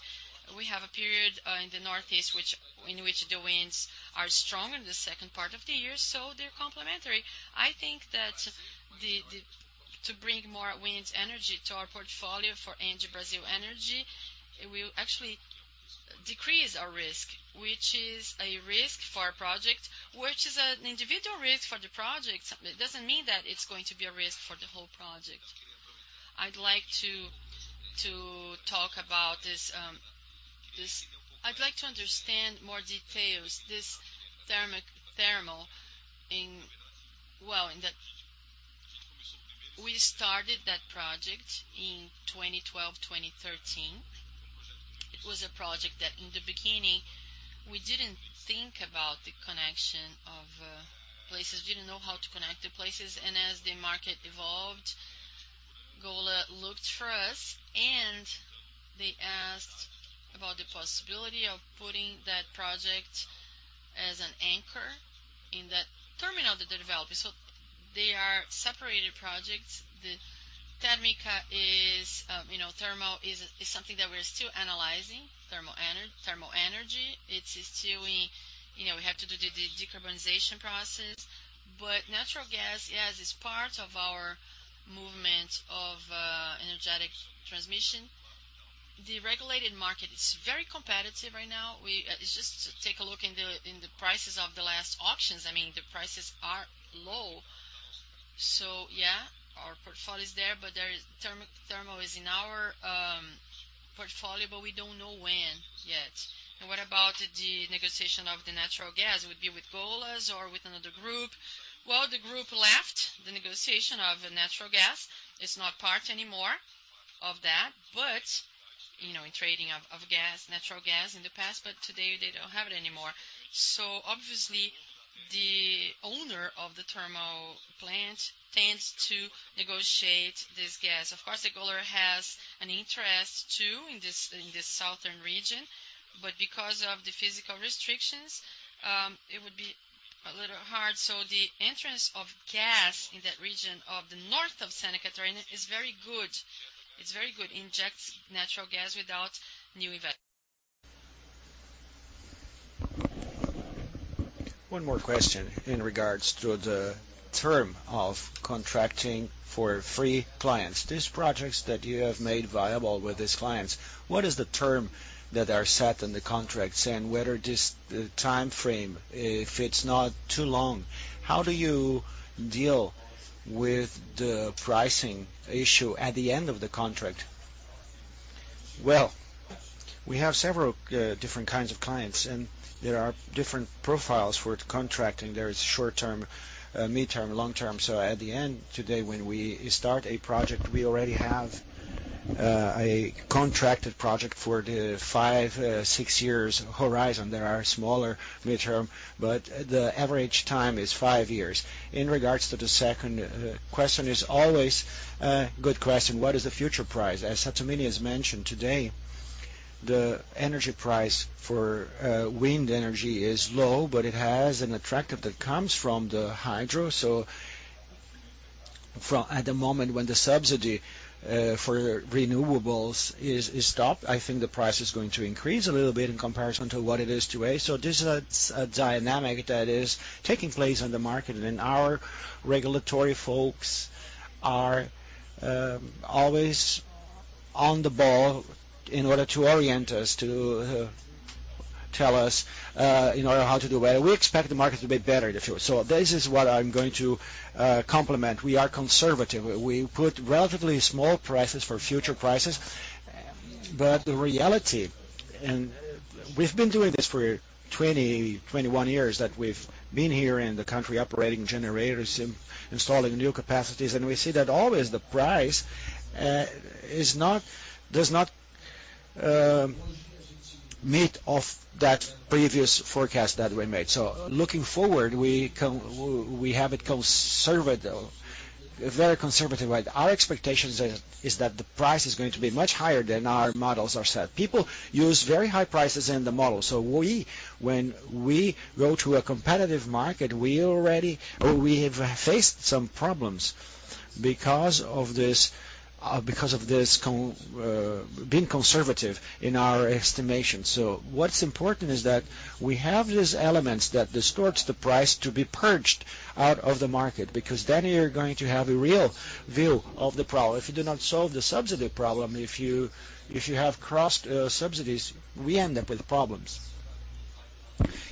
we have a period in the northeast in which the winds are strong in the second part of the year. They're complementary. I think that to bring more wind energy to our portfolio for Engie Brasil Energia, it will actually decrease our risk, which is a risk for our project, which is an individual risk for the project. It doesn't mean that it's going to be a risk for the whole project. I'd like to talk about this. I'd like to understand more details. This thermal, Well, we started that project in 2012, 2013. It was a project that in the beginning, we didn't think about the connection of places. We didn't know how to connect the places. As the market evolved, Golar looked for us, and they asked about the possibility of putting that project as an anchor in that terminal that they're developing. So they are separated projects. The thermal is something that we're still analyzing, thermal energy. It's still in. We have to do the decarbonization process. Natural gas, yes, is part of our movement of energetic transmission. The regulated market is very competitive right now. Just take a look in the prices of the last auctions. I mean, the prices are low. So yeah, our portfolio is there, but thermal is in our portfolio, but we don't know when yet. What about the negotiation of the natural gas? Would it be with Golar or with another group? The group left the negotiation of natural gas. It's not part anymore of that, but in trading of natural gas in the past, but today, they don't have it anymore. Obviously, the owner of the thermal plant tends to negotiate this gas. Of course, the Golar has an interest too in this southern region, but because of the physical restrictions, it would be a little hard. The entrance of gas in that region of the north of Santa Catarina is very good. It's very good. It injects natural gas without new investment. One more question in regards to the term of contracting for free clients. These projects that you have made viable with these clients, what is the term that are set in the contracts? What are the time frames if it's not too long? How do you deal with the pricing issue at the end of the contract? We have several different kinds of clients, and there are different profiles for contracting. There is short term, midterm, long term. At the end today, when we start a project, we already have a contracted project for the five, six years horizon. There are smaller midterm, but the average time is five years. In regards to the second question, it's always a good question. What is the future price? As Sattamini has mentioned today, the energy price for wind energy is low, but it has an attractive that comes from the hydro. At the moment when the subsidy for renewables is stopped, I think the price is going to increase a little bit in comparison to what it is today. This is a dynamic that is taking place on the market. Our regulatory folks are always on the ball in order to orient us, to tell us how to do better. We expect the market to be better in the future. This is what I'm going to complement. We are conservative. We put relatively small prices for future prices. But the reality, and we've been doing this for 20, 21 years that we've been here in the country operating generators, installing new capacities, and we see that always the price does not meet that previous forecast that we made. Looking forward, we have it conservative, very conservative. Our expectation is that the price is going to be much higher than our models are set. People use very high prices in the model. When we go to a competitive market, we already have faced some problems because of this being conservative in our estimation. What's important is that we have these elements that distort the price to be purged out of the market because then you're going to have a real view of the problem. If you do not solve the subsidy problem, if you have cross subsidies, we end up with problems.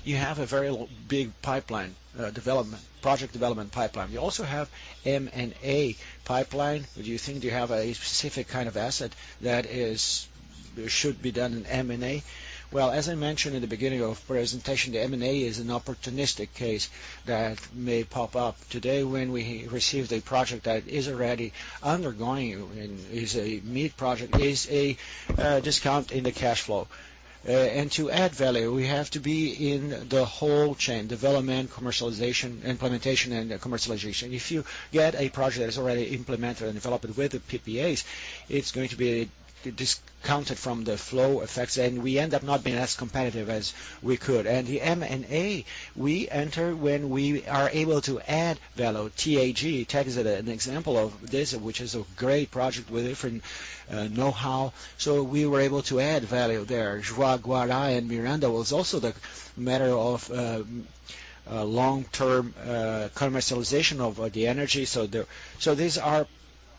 You have a very big pipeline development, project development pipeline. You also have M&A pipeline. Do you think you have a specific kind of asset that should be done in M&A? As I mentioned in the beginning of presentation, the M&A is an opportunistic case that may pop up today when we receive a project that is already undergoing and is a mid project, is a discount in the cash flow. To add value, we have to be in the whole chain: development, commercialization, implementation, and commercialization. If you get a project that is already implemented and developed with the PPAs, it's going to be discounted from the flow effects, and we end up not being as competitive as we could. In the M&A, we enter when we are able to add value. TAG is an example of this, which is a great project with different know-how. We were able to add value there. Jaguara and Miranda was also the matter of long-term commercialization of the energy. These are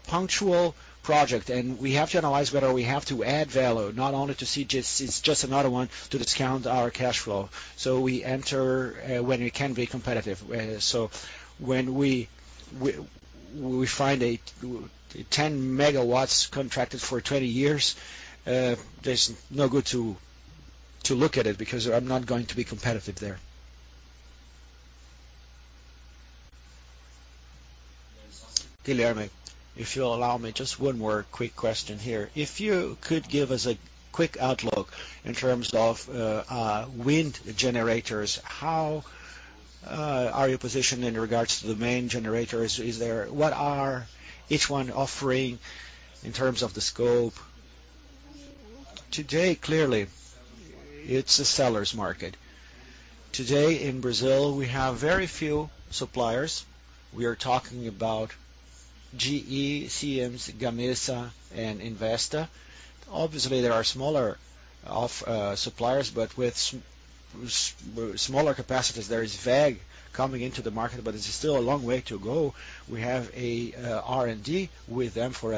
punctual projects, and we have to analyze whether we have to add value, not only to see it's just another one to discount our cash flow. We enter when we can be competitive. When we find a 10 megawatts contracted for 20 years, there's no good to look at it because I'm not going to be competitive there. Guilherme, if you'll allow me, just one more quick question here. If you could give us a quick outlook in terms of wind generators, how are you positioned in regards to the main generators? What are each one offering in terms of the scope? Today, clearly, it's a seller's market. Today, in Brazil, we have very few suppliers. We are talking about GE, Siemens, Gamesa, and Vestas. Obviously, there are smaller suppliers, but with smaller capacities, there is WEG coming into the market, but it's still a long way to go. We have an R&D with them for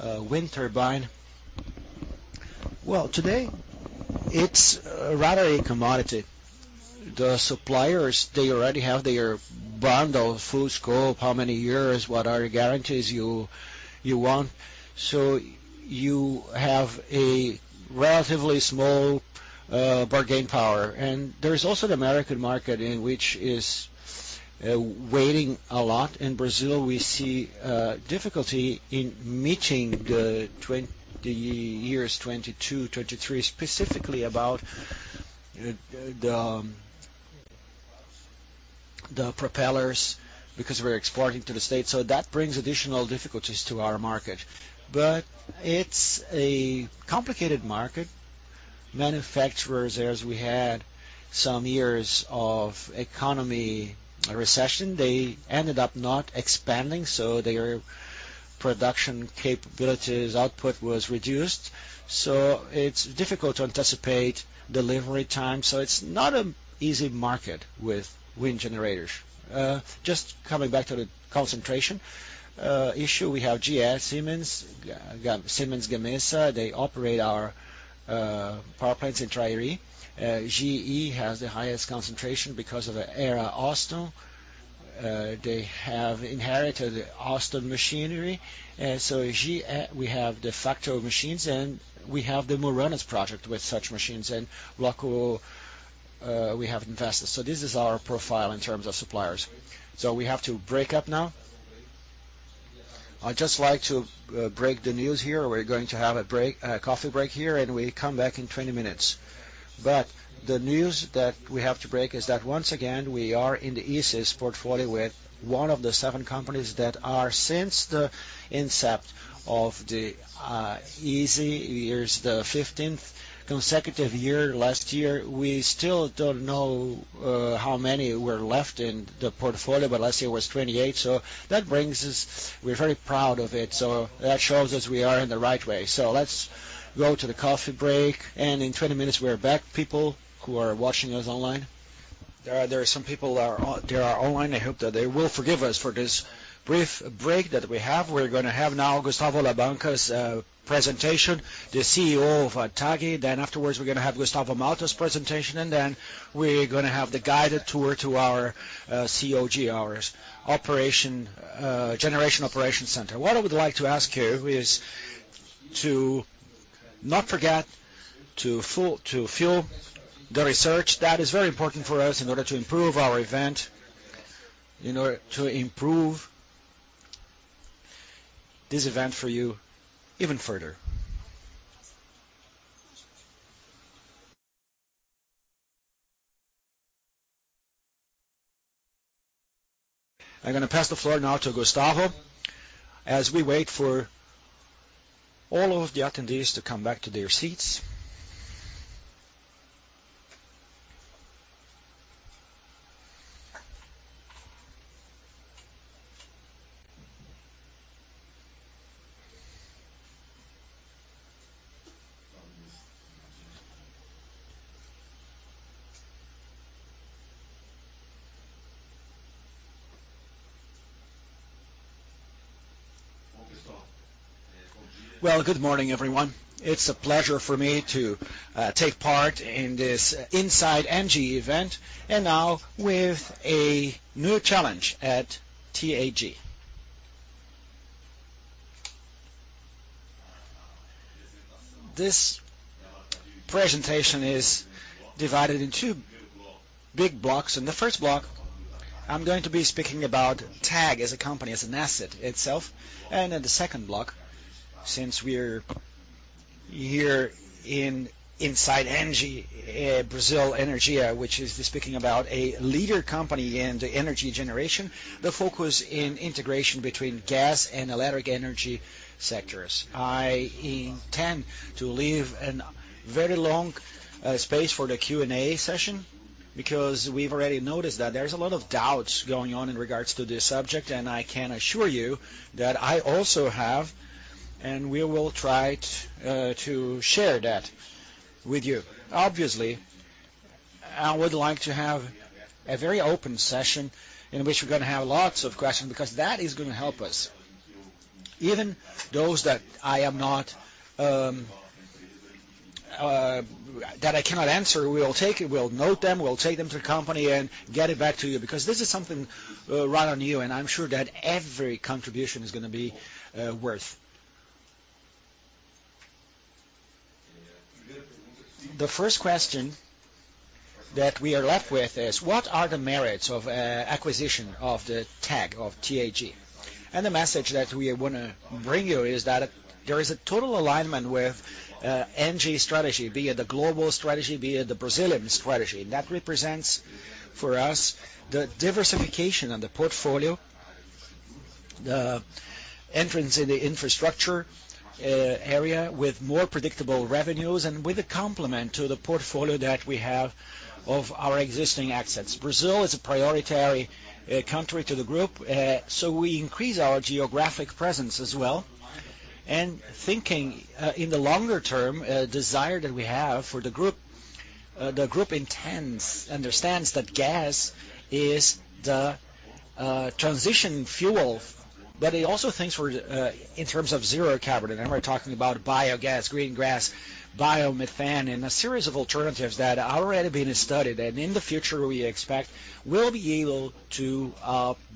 a wind turbine. Today, it's rather a commodity. The suppliers already have their bundle, full scope, how many years, what are the guarantees you want. So you have relatively small bargaining power. There's also the American market, which is waiting a lot. In Brazil, we see difficulty in meeting the 20 years, 22, 23, specifically about the propellers because we're exporting to the States. So that brings additional difficulties to our market. It's a complicated market. Manufacturers, as we had some years of economic recession, they ended up not expanding, so their production capabilities, output was reduced. So it's difficult to anticipate delivery time. It's not an easy market with wind generators. Just coming back to the concentration issue, we have GE, Siemens, Gamesa. They operate our power plants in Trairi. GE has the highest concentration because of the era Alstom. They have inherited Alstom machinery. We have the factory machines, and we have the Umburanas project with such machines and local. We have investors. This is our profile in terms of suppliers. We have to break up now. I'd just like to break the news here. We're going to have a coffee break here, and we come back in 20 minutes. The news that we have to break is that once again, we are in the ISE portfolio with one of the seven companies that are since the inception of the ISE. It's the 15th consecutive year last year. We still don't know how many were left in the portfolio, but last year was 28. That brings us—we're very proud of it. That shows us we are in the right way. Let's go to the coffee break. In 20 minutes, we're back. People who are watching us online, there are some people that are online. I hope that they will forgive us for this brief break that we have. We're going to have now Gustavo Labanca's presentation, the CEO of TAG. Then afterwards, we're going to have Gustavo Matos's presentation. Then we're going to have the guided tour to our COG, our Generation Operations Center. What I would like to ask you is to not forget to fuel the research. That is very important for us in order to improve our event, in order to improve this event for you even further. I'm going to pass the floor now to Gustavo as we wait for all of the attendees to come back to their seats. Good morning, everyone. It's a pleasure for me to take part in this Inside Engie event. Now with a new challenge at TAG. This presentation is divided into big blocks. In the first block, I'm going to be speaking about TAG as a company, as an asset itself. In the second block, since we're here in Inside Engie Brazil Energia, which is speaking about a leader company in the energy generation, the focus in integration between gas and electric energy sectors. I intend to leave a very long space for the Q&A session because we've already noticed that there's a lot of doubts going on in regards to this subject. I can assure you that I also have, and we will try to share that with you. Obviously, I would like to have a very open session in which we're going to have lots of questions because that is going to help us. Even those that I cannot answer, we'll take it, we'll note them, we'll take them to the company and get it back to you because this is something right on you. I'm sure that every contribution is going to be worth it. The first question that we are left with is, what are the merits of acquisition of the TAG? The message that we want to bring you is that there is a total alignment with Energy Strategy, be it the global strategy, be it the Brazilian strategy. That represents for us the diversification of the portfolio, the entrance in the infrastructure area with more predictable revenues, and with a complement to the portfolio that we have of our existing assets. Brazil is a priority country to the group, so we increase our geographic presence as well. Thinking in the longer term, a desire that we have for the group, the group intends and understands that gas is the transition fuel, but it also thinks in terms of zero carbon. We're talking about biogas, green gas, biomethane, and a series of alternatives that are already being studied. In the future, we expect we'll be able to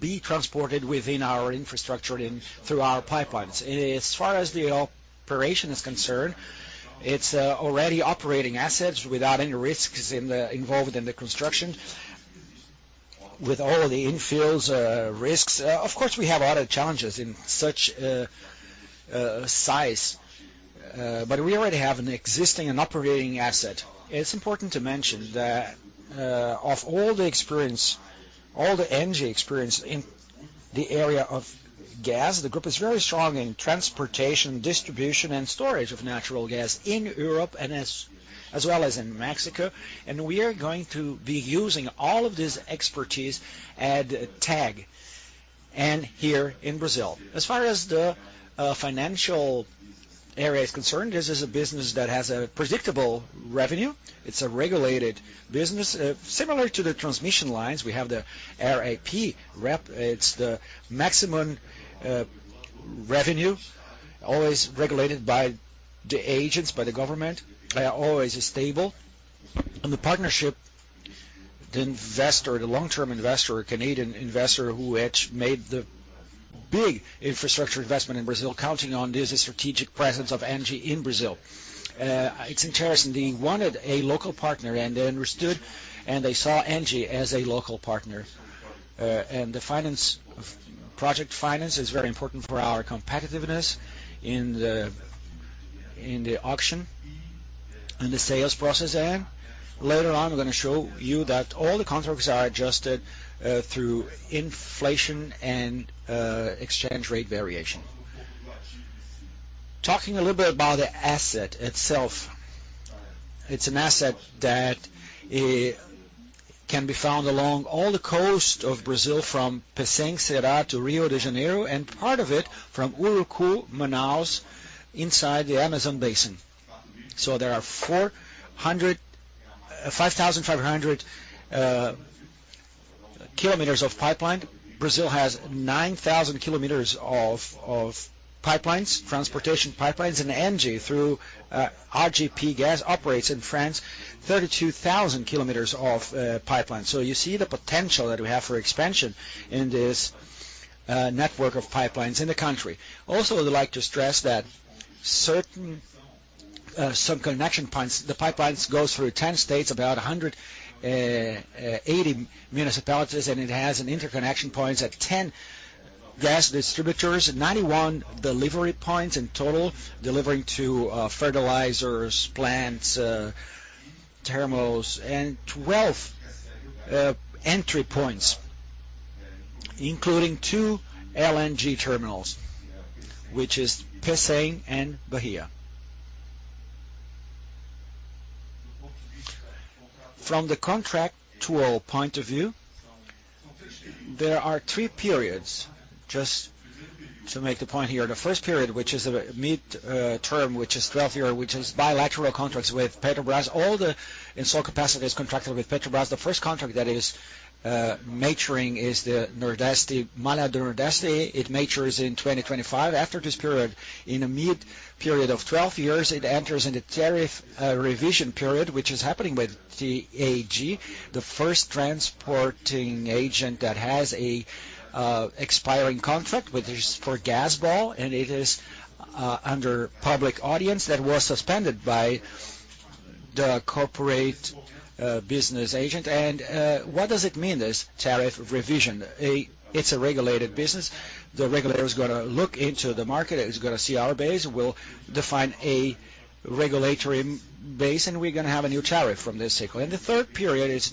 be transported within our infrastructure and through our pipelines. As far as the operation is concerned, it's already operating assets without any risks involved in the construction with all of the infrastructure risks. Of course, we have a lot of challenges in such size, but we already have an existing and operating asset. It's important to mention that of all the experience, all the energy experience in the area of gas, the group is very strong in transportation, distribution, and storage of natural gas in Europe and as well as in Mexico. We are going to be using all of this expertise at TAG and here in Brazil. As far as the financial area is concerned, this is a business that has a predictable revenue. It's a regulated business similar to the transmission lines. We have the RAP. It's the maximum revenue, always regulated by the agents, by the government. They are always stable. The partnership, the investor, the long-term investor, Canadian investor who had made the big infrastructure investment in Brazil, counting on this strategic presence of energy in Brazil. It's interesting that he wanted a local partner and they understood and they saw energy as a local partner. Project finance is very important for our competitiveness in the auction and the sales process. Later on, I'm going to show you that all the contracts are adjusted through inflation and exchange rate variation. Talking a little bit about the asset itself, it's an asset that can be found along all the coast of Brazil from Pecém, Ceará to Rio de Janeiro and part of it from Urucu Manaus inside the Amazon Basin. There are 5,500 kilometers of pipeline. Brazil has 9,000 kilometers of pipelines, transportation pipelines, and energy through GRTgaz operates in France, 32,000 kilometers of pipelines. You see the potential that we have for expansion in this network of pipelines in the country. Also, I'd like to stress that certain sub-connection points, the pipelines go through 10 states, about 180 municipalities, and it has interconnection points at 10 gas distributors, 91 delivery points in total delivering to fertilizers, plants, thermals, and 12 entry points, including two LNG terminals, which is Pecém and Bahia. From the contractual point of view, there are three periods. Just to make the point here, the first period, which is a mid-term, which is 12-year, which is bilateral contracts with Petrobras. All the install capacity is contracted with Petrobras. The first contract that is maturing is the Nordeste, Malha do Nordeste. It matures in 2025. After this period, in a mid-period of 12 years, it enters the tariff revision period, which is happening with TAG, the first transporting agent that has an expiring contract for gas distribution, and it is under public audience that was suspended by the corporate business agent. What does this tariff revision mean? It's a regulated business. The regulator is going to look into the market. It's going to see our base, will define a regulatory base, and we're going to have a new tariff from this cycle. The third period is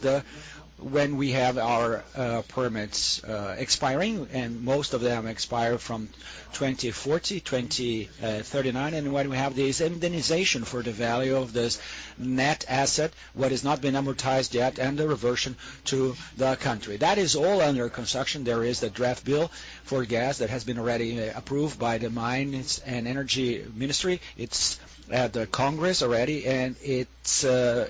when we have our permits expiring, and most of them expire from 2040, 2039. When we have the indemnization for the value of this net asset, what has not been amortized yet, and the reversion to the country. That is all under construction. There is the Draft Bill for gas that has been already approved by the Mines and Energy Ministry. It's at the Congress already, and it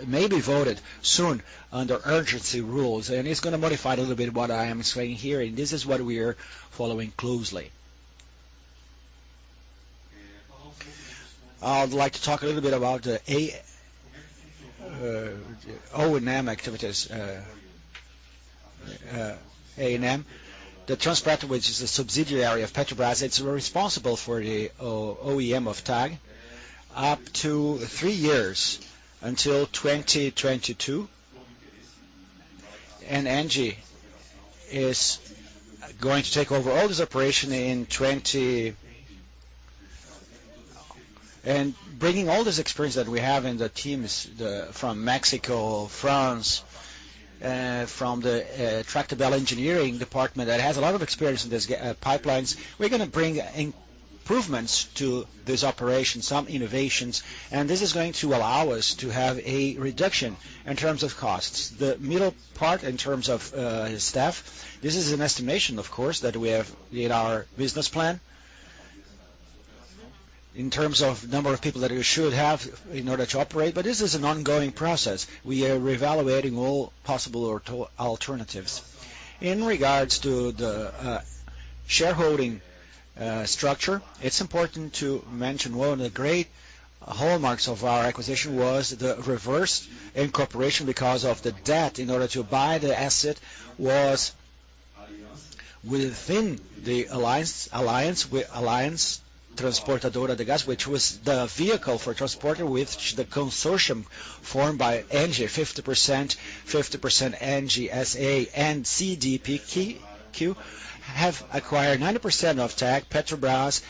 may be voted soon under urgency rules. It's going to modify a little bit what I am saying here. This is what we are following closely. I'd like to talk a little bit about the O&M activities. The transporter, which is a subsidiary of Petrobras, it's responsible for the O&M of TAG up to three years until 2022. Enagás is going to take over all this operation in 2022 and bringing all this experience that we have in the teams from Mexico, France, from the technical engineering department that has a lot of experience in these pipelines. We're going to bring improvements to this operation, some innovations. This is going to allow us to have a reduction in terms of costs. The middle part in terms of staff, this is an estimation, of course, that we have in our business plan in terms of the number of people that we should have in order to operate. But this is an ongoing process. We are reevaluating all possible alternatives. In regards to the shareholding structure, it's important to mention one of the great hallmarks of our acquisition was the reverse incorporation because of the debt in order to buy the asset was within the Aliança Transportadora de Gás, which was the vehicle for transport with the consortium formed by Engie, 50% Engie, S.A., and CDPQ have acquired 90% of TAG. Petrobras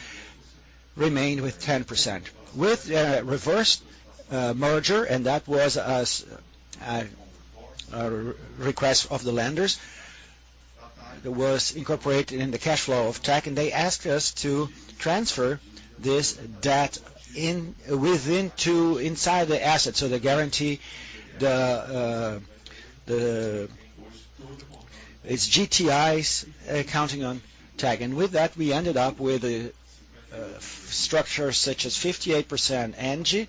remained with 10%. With the reverse merger, and that was a request of the lenders, it was incorporated in the cash flow of TAG, and they asked us to transfer this debt inside the asset so they guarantee its GTIs accounting on TAG. With that, we ended up with a structure such as 58% Energy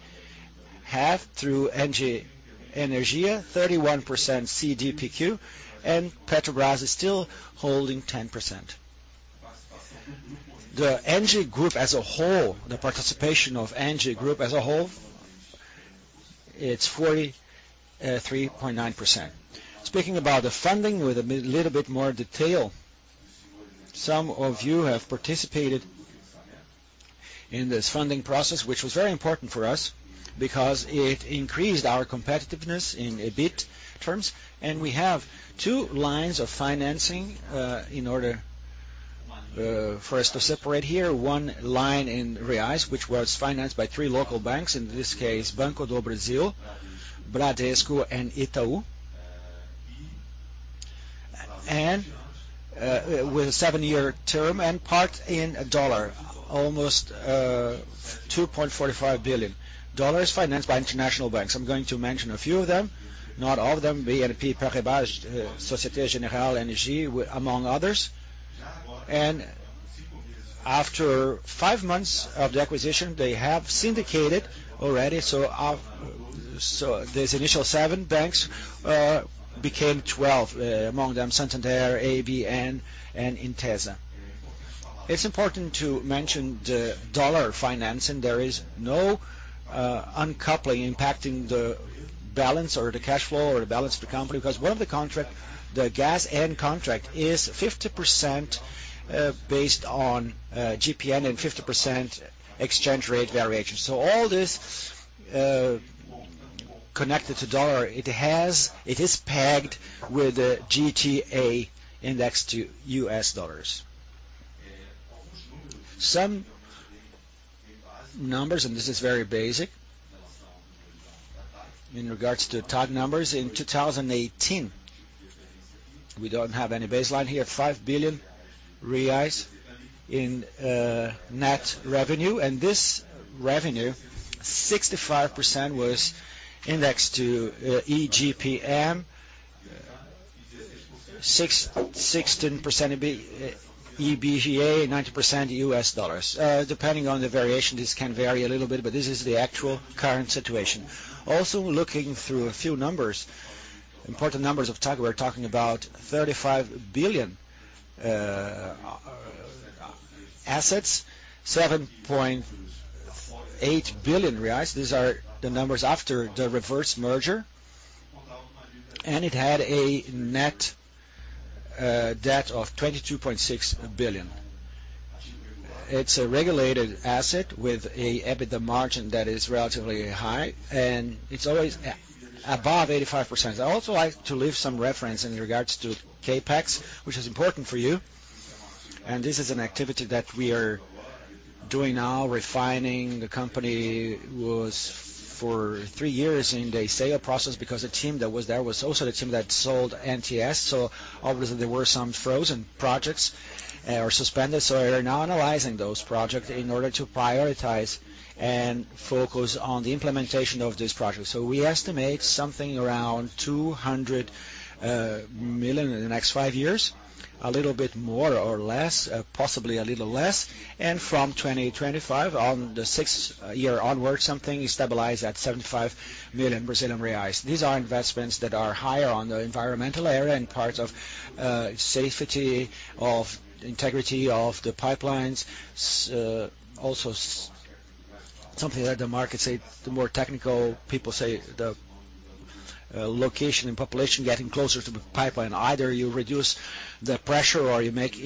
have through Engie Energia, 31% CDPQ, and Petrobras is still holding 10%. The Engie Group as a whole, the participation of Engie Group as a whole, it's 43.9%. Speaking about the funding with a little bit more detail, some of you have participated in this funding process, which was very important for us because it increased our competitiveness in a bit terms. We have two lines of financing in order for us to separate here. One line in Reais, which was financed by three local banks, in this case, Banco do Brasil, Bradesco, and Itaú, and with a seven-year term and part in a dollar, almost $2.45 billion financed by international banks. I'm going to mention a few of them, not all of them, BNP Paribas, Société Générale, ING, among others. After five months of the acquisition, they have syndicated already. So these initial seven banks became 12, among them Santander, ABN, and Intesa. It's important to mention the dollar financing. There is no uncoupling impacting the balance or the cash flow or the balance of the company because one of the gas and contract is 50% based on IGP-M and 50% exchange rate variation. So all this connected to dollar, it is pegged with the GTA index to US dollars. Some numbers, and this is very basic in regards to TAG numbers in 2018, we don't have any baseline here, R$5 billion in net revenue. This revenue, 65% was indexed to EBITDA, 16% EBITDA, and 90% US dollars. Depending on the variation, this can vary a little bit, but this is the actual current situation. Also looking through a few numbers, important numbers of TAG, we're talking about R$35 billion assets, R$7.8 billion. These are the numbers after the reverse merger. It had a net debt of R$22.6 billion. It's a regulated asset with an EBITDA margin that is relatively high, and it's always above 85%. I also like to leave some reference in regards to CAPEX, which is important for you. This is an activity that we are doing now. Refining the company was for three years in the sale process because the team that was there was also the team that sold NTS. Obviously, there were some frozen projects or suspended. We're now analyzing those projects in order to prioritize and focus on the implementation of these projects. We estimate something around R$200 million in the next five years, a little bit more or less, possibly a little less. From 2025, on the sixth year onward, something stabilized at R$75 million. These are investments that are higher on the environmental area and parts of safety, of integrity of the pipelines. Also something that the markets say, the more technical people say, the location and population getting closer to the pipeline. Either you reduce the pressure or you make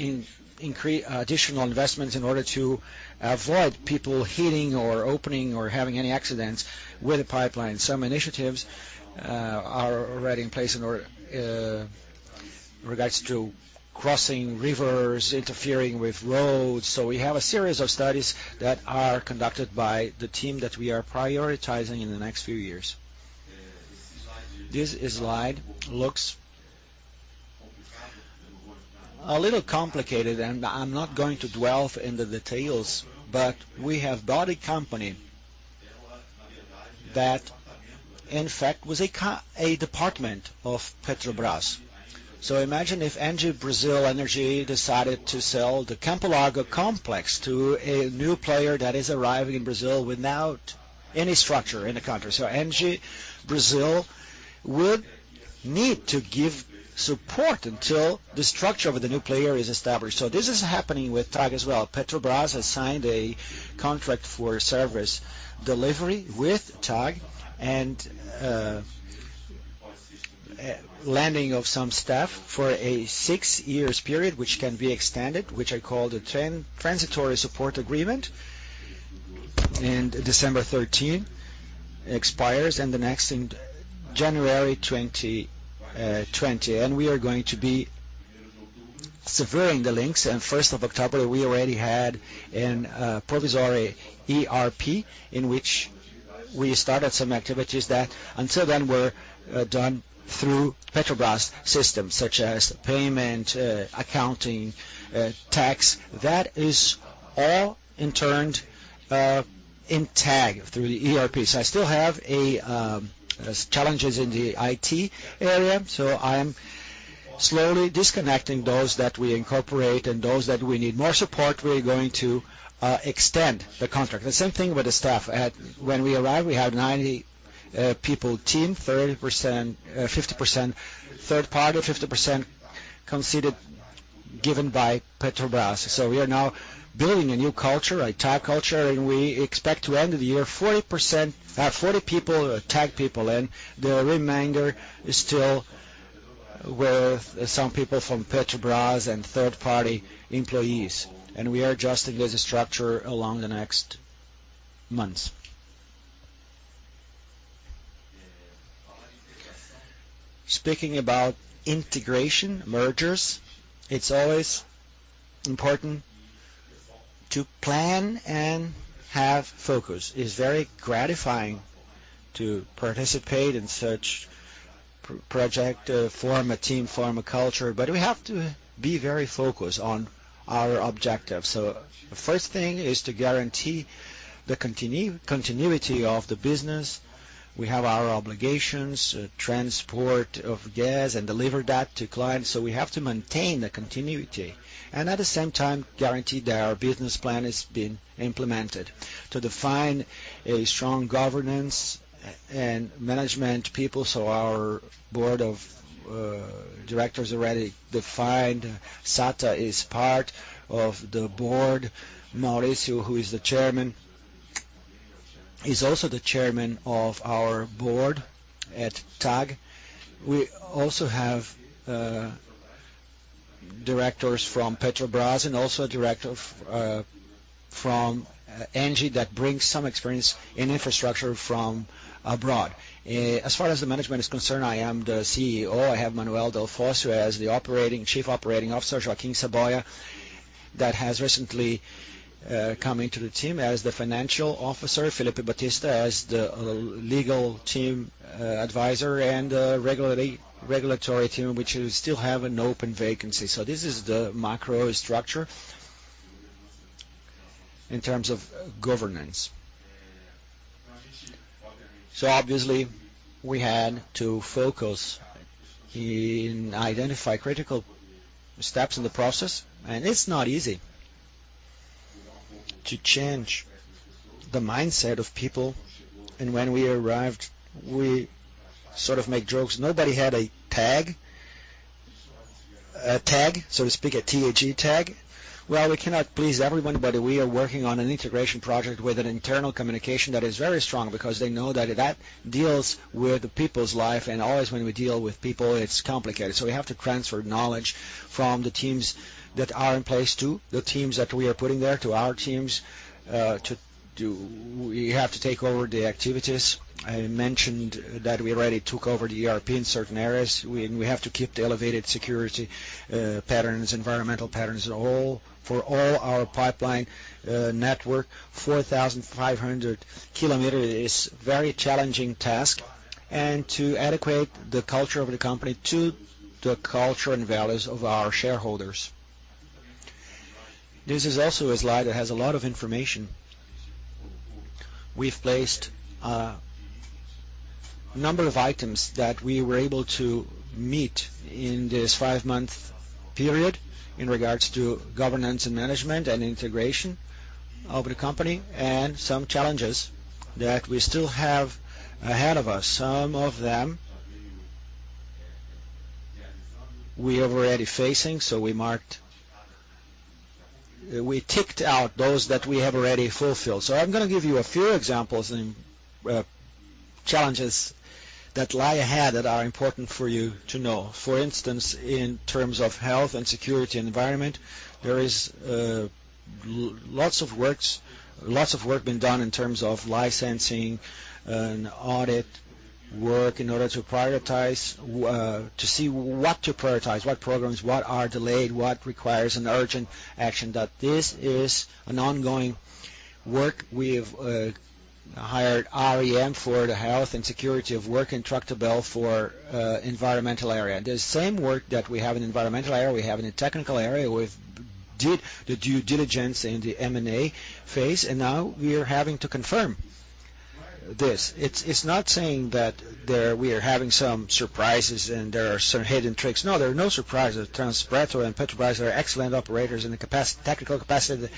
additional investments in order to avoid people hitting or opening or having any accidents with the pipeline. Some initiatives are already in place in regards to crossing rivers, interfering with roads. We have a series of studies that are conducted by the team that we are prioritizing in the next few years. This slide looks a little complicated, and I'm not going to delve into the details, but we have bought a company that, in fact, was a department of Petrobras. Imagine if Engie Brasil Energia decided to sell the Campo Largo complex to a new player that is arriving in Brazil without any structure in the country. Engie Brazil would need to give support until the structure of the new player is established. This is happening with TAG as well. Petrobras has signed a contract for service delivery with TAG and lending of some staff for a six-year period, which can be extended, which I call the transitory support agreement. December 13th expires, and the next in January 2020. We are going to be severing the links. On 1st of October, we already had a provisional ERP in which we started some activities that until then were done through Petrobras systems, such as payment, accounting, tax. That is all internal in TAG through the ERP. I still have challenges in the IT area. I am slowly disconnecting those that we incorporate and those that we need more support. We're going to extend the contract. The same thing with the staff. When we arrived, we had a 90-people team, 50% third party, 50% conceded given by Petrobras. We are now building a new culture, a TAG culture, and we expect to end the year with 40 people, TAG people, and the remainder is still with some people from Petrobras and third-party employees. We are adjusting this structure along the next months. Speaking about integration, mergers, it's always important to plan and have focus. It's very gratifying to participate in such projects, form a team, form a culture. But we have to be very focused on our objectives. The first thing is to guarantee the continuity of the business. We have our obligations, transport of gas, and deliver that to clients. We have to maintain the continuity and at the same time guarantee that our business plan has been implemented to define a strong governance and management people. Our board of directors already defined Sata is part of the board. Mauricio, who is the chairman, is also the chairman of our board at TAG. We also have directors from Petrobras and also a director from Engie that brings some experience in infrastructure from abroad. As far as the management is concerned, I am the CEO. I have Emmanuel Delfosse as the Chief Operating Officer, Joaquim Saboia, that has recently come into the team as the Financial Officer, Philippe Batista, as the legal team advisor and regulatory team, which still have an open vacancy. This is the macro structure in terms of governance. Obviously, we had to focus in identifying critical steps in the process. It's not easy to change the mindset of people. When we arrived, we sort of made jokes. Nobody had a tag, a tag, so to speak, a TAG tag. We cannot please everyone, but we are working on an integration project with an internal communication that is very strong because they know that deals with the people's life. Always when we deal with people, it's complicated. So we have to transfer knowledge from the teams that are in place to the teams that we are putting there to our teams to do. We have to take over the activities. I mentioned that we already took over the ERP in certain areas. We have to keep the elevated security patterns, environmental patterns, for all our pipeline network, 4,500 kilometers. It is a very challenging task and to adequate the culture of the company to the culture and values of our shareholders. This is also a slide that has a lot of information. We've placed a number of items that we were able to meet in this five-month period in regards to governance and management and integration of the company and some challenges that we still have ahead of us. Some of them we are already facing. We ticked out those that we have already fulfilled. I'm going to give you a few examples and challenges that lie ahead that are important for you to know. For instance, in terms of health and security environment, there is lots of work being done in terms of licensing and audit work in order to prioritize, to see what to prioritize, what programs, what are delayed, what requires urgent action. This is ongoing work. We have hired ERM for the health and security of work and Tractebel for the environmental area. The same work that we have in the environmental area, we have in the technical area. We did the due diligence in the M&A phase, and now we are having to confirm this. It's not saying that we are having some surprises and there are some hidden tricks. No, there are no surprises. Transparency and Petrobras are excellent operators in the technical capacity,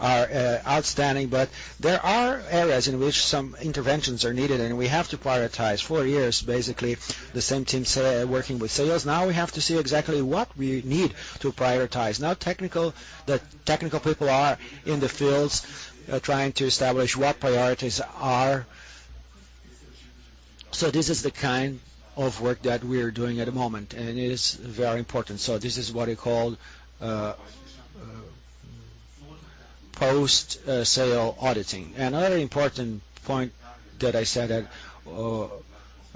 are outstanding, but there are areas in which some interventions are needed, and we have to prioritize four years, basically, the same team working with sales. Now we have to see exactly what we need to prioritize. Now, technical people are in the fields trying to establish what priorities are. This is the kind of work that we are doing at the moment, and it is very important. This is what we call post-sale auditing. Another important point that I said that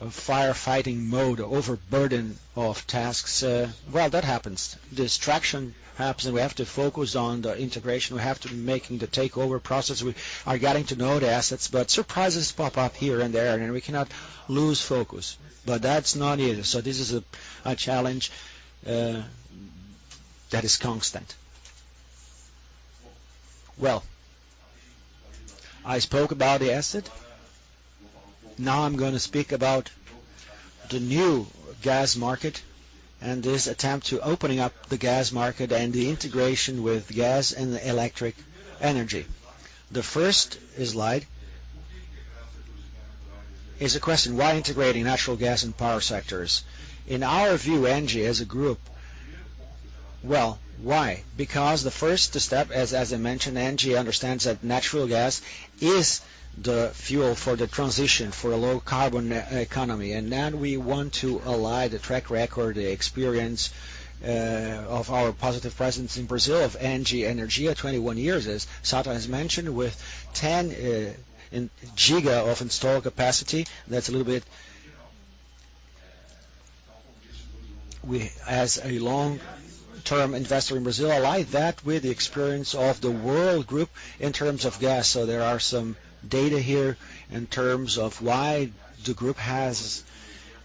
firefighting mode, overburden of tasks. That happens. Distraction happens, and we have to focus on the integration. We have to be making the takeover process. We are getting to know the assets, but surprises pop up here and there, and we cannot lose focus. But that's not easy. This is a challenge that is constant. I spoke about the asset. Now I'm going to speak about the new gas market and this attempt to open up the gas market and the integration with gas and electric energy. The first slide is a question: why integrating natural gas and power sectors? In our view, Engie as a group, why? Because the first step, as I mentioned, Engie understands that natural gas is the fuel for the transition for a low-carbon economy. We want to align the track record, the experience of our positive presence in Brazil of Engie Energia 21 years, as Sata has mentioned, with 10 gigawatts of installed capacity. That's a little bit as a long-term investor in Brazil, align that with the experience of the world group in terms of gas. There are some data here in terms of what the group has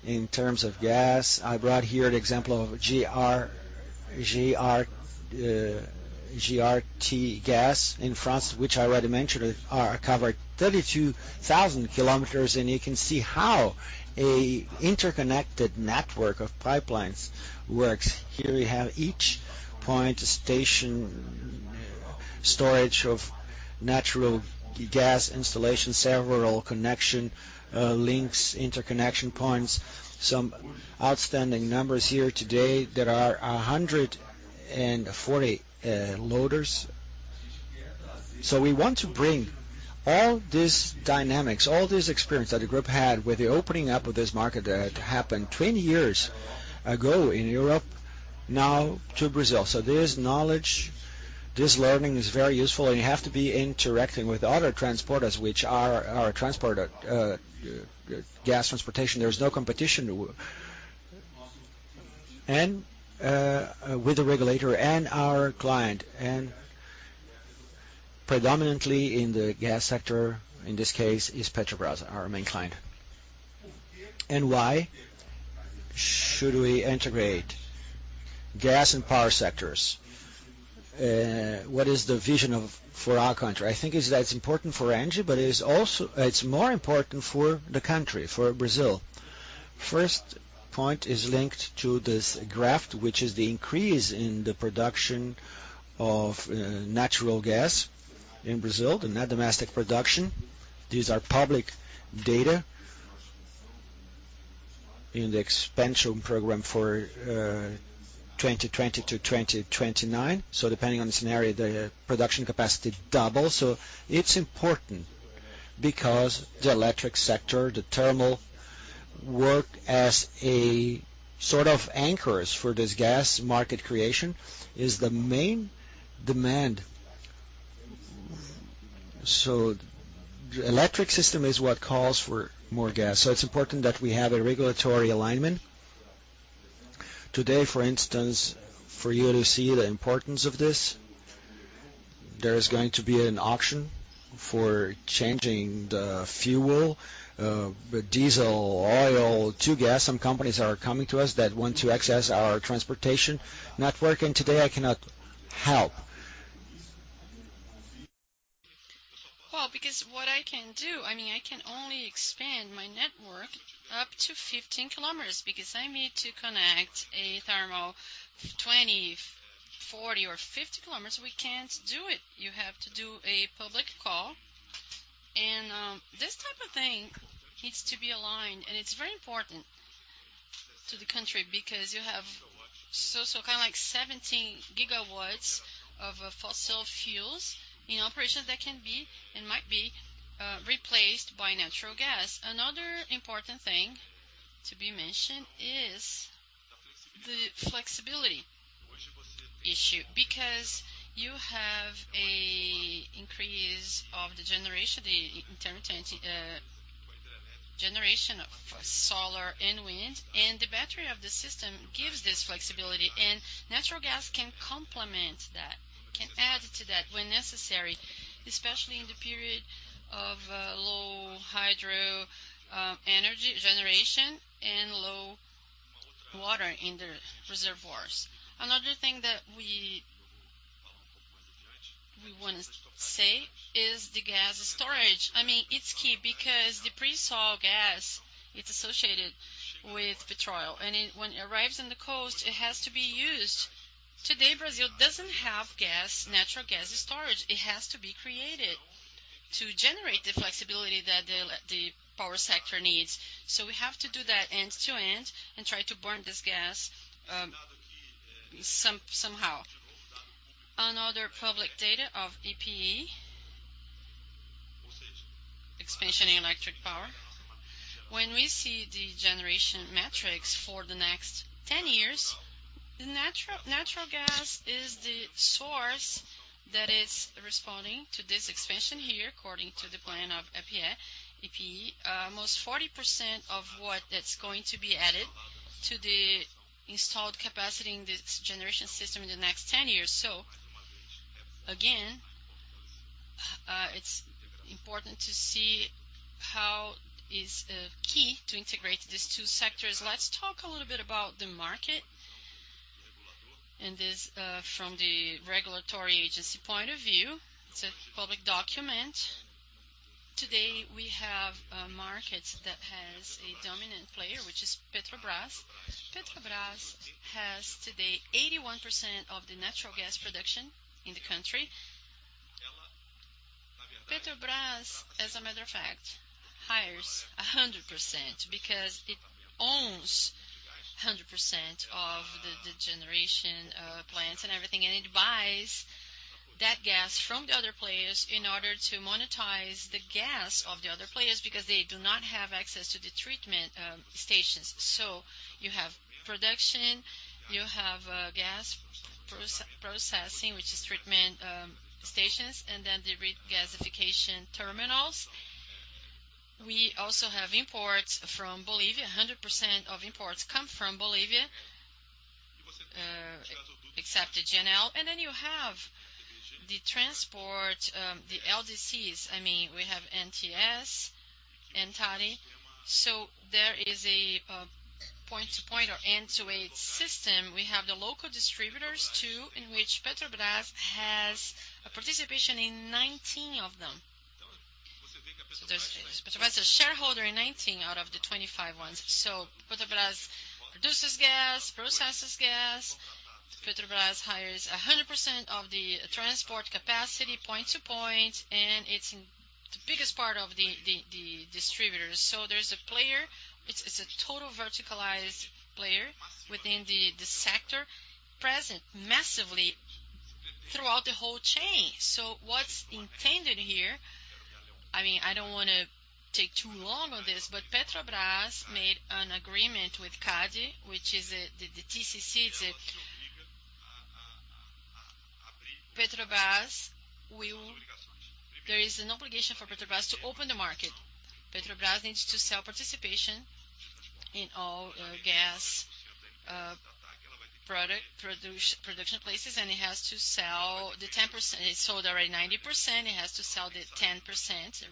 in terms of gas. I brought here the example of GRT gas in France, which I already mentioned, covered 32,000 kilometers, and you can see how an interconnected network of pipelines works. Here we have each point, a station storage of natural gas installation, several connection links, interconnection points. Some outstanding numbers here today: there are 140 loaders. We want to bring all these dynamics, all this experience that the group had with the opening up of this market that happened 20 years ago in Europe now to Brazil. This knowledge, this learning is very useful, and you have to be interacting with other transporters, which are our transport gas transportation. There is no competition with the regulator and our client. Predominantly in the gas sector, in this case, is Petrobras, our main client. Why should we integrate gas and power sectors? What is the vision for our country? I think that's important for Engie but it's more important for the country, for Brazil. First point is linked to this graph, which is the increase in the production of natural gas in Brazil, the net domestic production. These are public data in the expansion program for 2020 to 2029. Depending on the scenario, the production capacity doubles. It's important because the electric sector, the thermal work as a sort of anchors for this gas market creation is the main demand. The electric system is what calls for more gas. It's important that we have a regulatory alignment. Today, for instance, for you to see the importance of this, there is going to be an auction for changing the fuel, the diesel, oil, to gas. Some companies are coming to us that want to access our transportation network. And today, I cannot help. Well, because what I can do, I mean, I can only expand my network up to 15 kilometers because I need to connect a thermal 20, 40, or 50 kilometers. We can't do it. You have to do a public call. This type of thing needs to be aligned. It's very important to the country because you have kind of like 17 gigawatts of fossil fuels in operations that can be and might be replaced by natural gas. Another important thing to be mentioned is the flexibility issue because you have an increase of the generation of solar and wind, and the battery of the system gives this flexibility. Natural gas can complement that, can add to that when necessary, especially in the period of low hydro energy generation and low water in the reservoirs. Another thing that we want to say is the gas storage. I mean, it's key because the pre-salt gas, it's associated with petroleum. When it arrives on the coast, it has to be used. Today, Brazil doesn't have natural gas storage. It has to be created to generate the flexibility that the power sector needs. We have to do that end-to-end and try to burn this gas somehow. Another public data of EPE, expansion in electric power. When we see the generation metrics for the next 10 years, natural gas is the source that is responding to this expansion here according to the plan of EPE. Most 40% of what that's going to be added to the installed capacity in this generation system in the next 10 years. It's important to see how it is key to integrate these two sectors. Let's talk a little bit about the market from the regulatory agency point of view. It's a public document. Today, we have a market that has a dominant player, which is Petrobras. Petrobras has today 81% of the natural gas production in the country. Petrobras, as a matter of fact, hires 100% because it owns 100% of the generation plants and everything. It buys that gas from the other players in order to monetize the gas of the other players because they do not have access to the treatment stations. So you have production, you have gas processing, which is treatment stations, and then the regasification terminals. We also have imports from Bolivia. 100% of imports come from Bolivia, except the LNG. Then you have the transport, the LDCs. We have NTS, TBG. So there is a point-to-point or end-to-end system. We have the local distributors too, in which Petrobras has a participation in 19 of them. Petrobras is a shareholder in 19 out of the 25 ones. So Petrobras produces gas, processes gas. Petrobras hires 100% of the transport capacity, point-to-point, and it's the biggest part of the distributors. There's a player. It's a total verticalized player within the sector present massively throughout the whole chain. What's intended here? I mean, I don't want to take too long on this, but Petrobras made an agreement with CADE, which is the TCC. There is an obligation for Petrobras to open the market. Petrobras needs to sell participation in all gas production places, and it has to sell the 10%. It sold already 90%. It has to sell the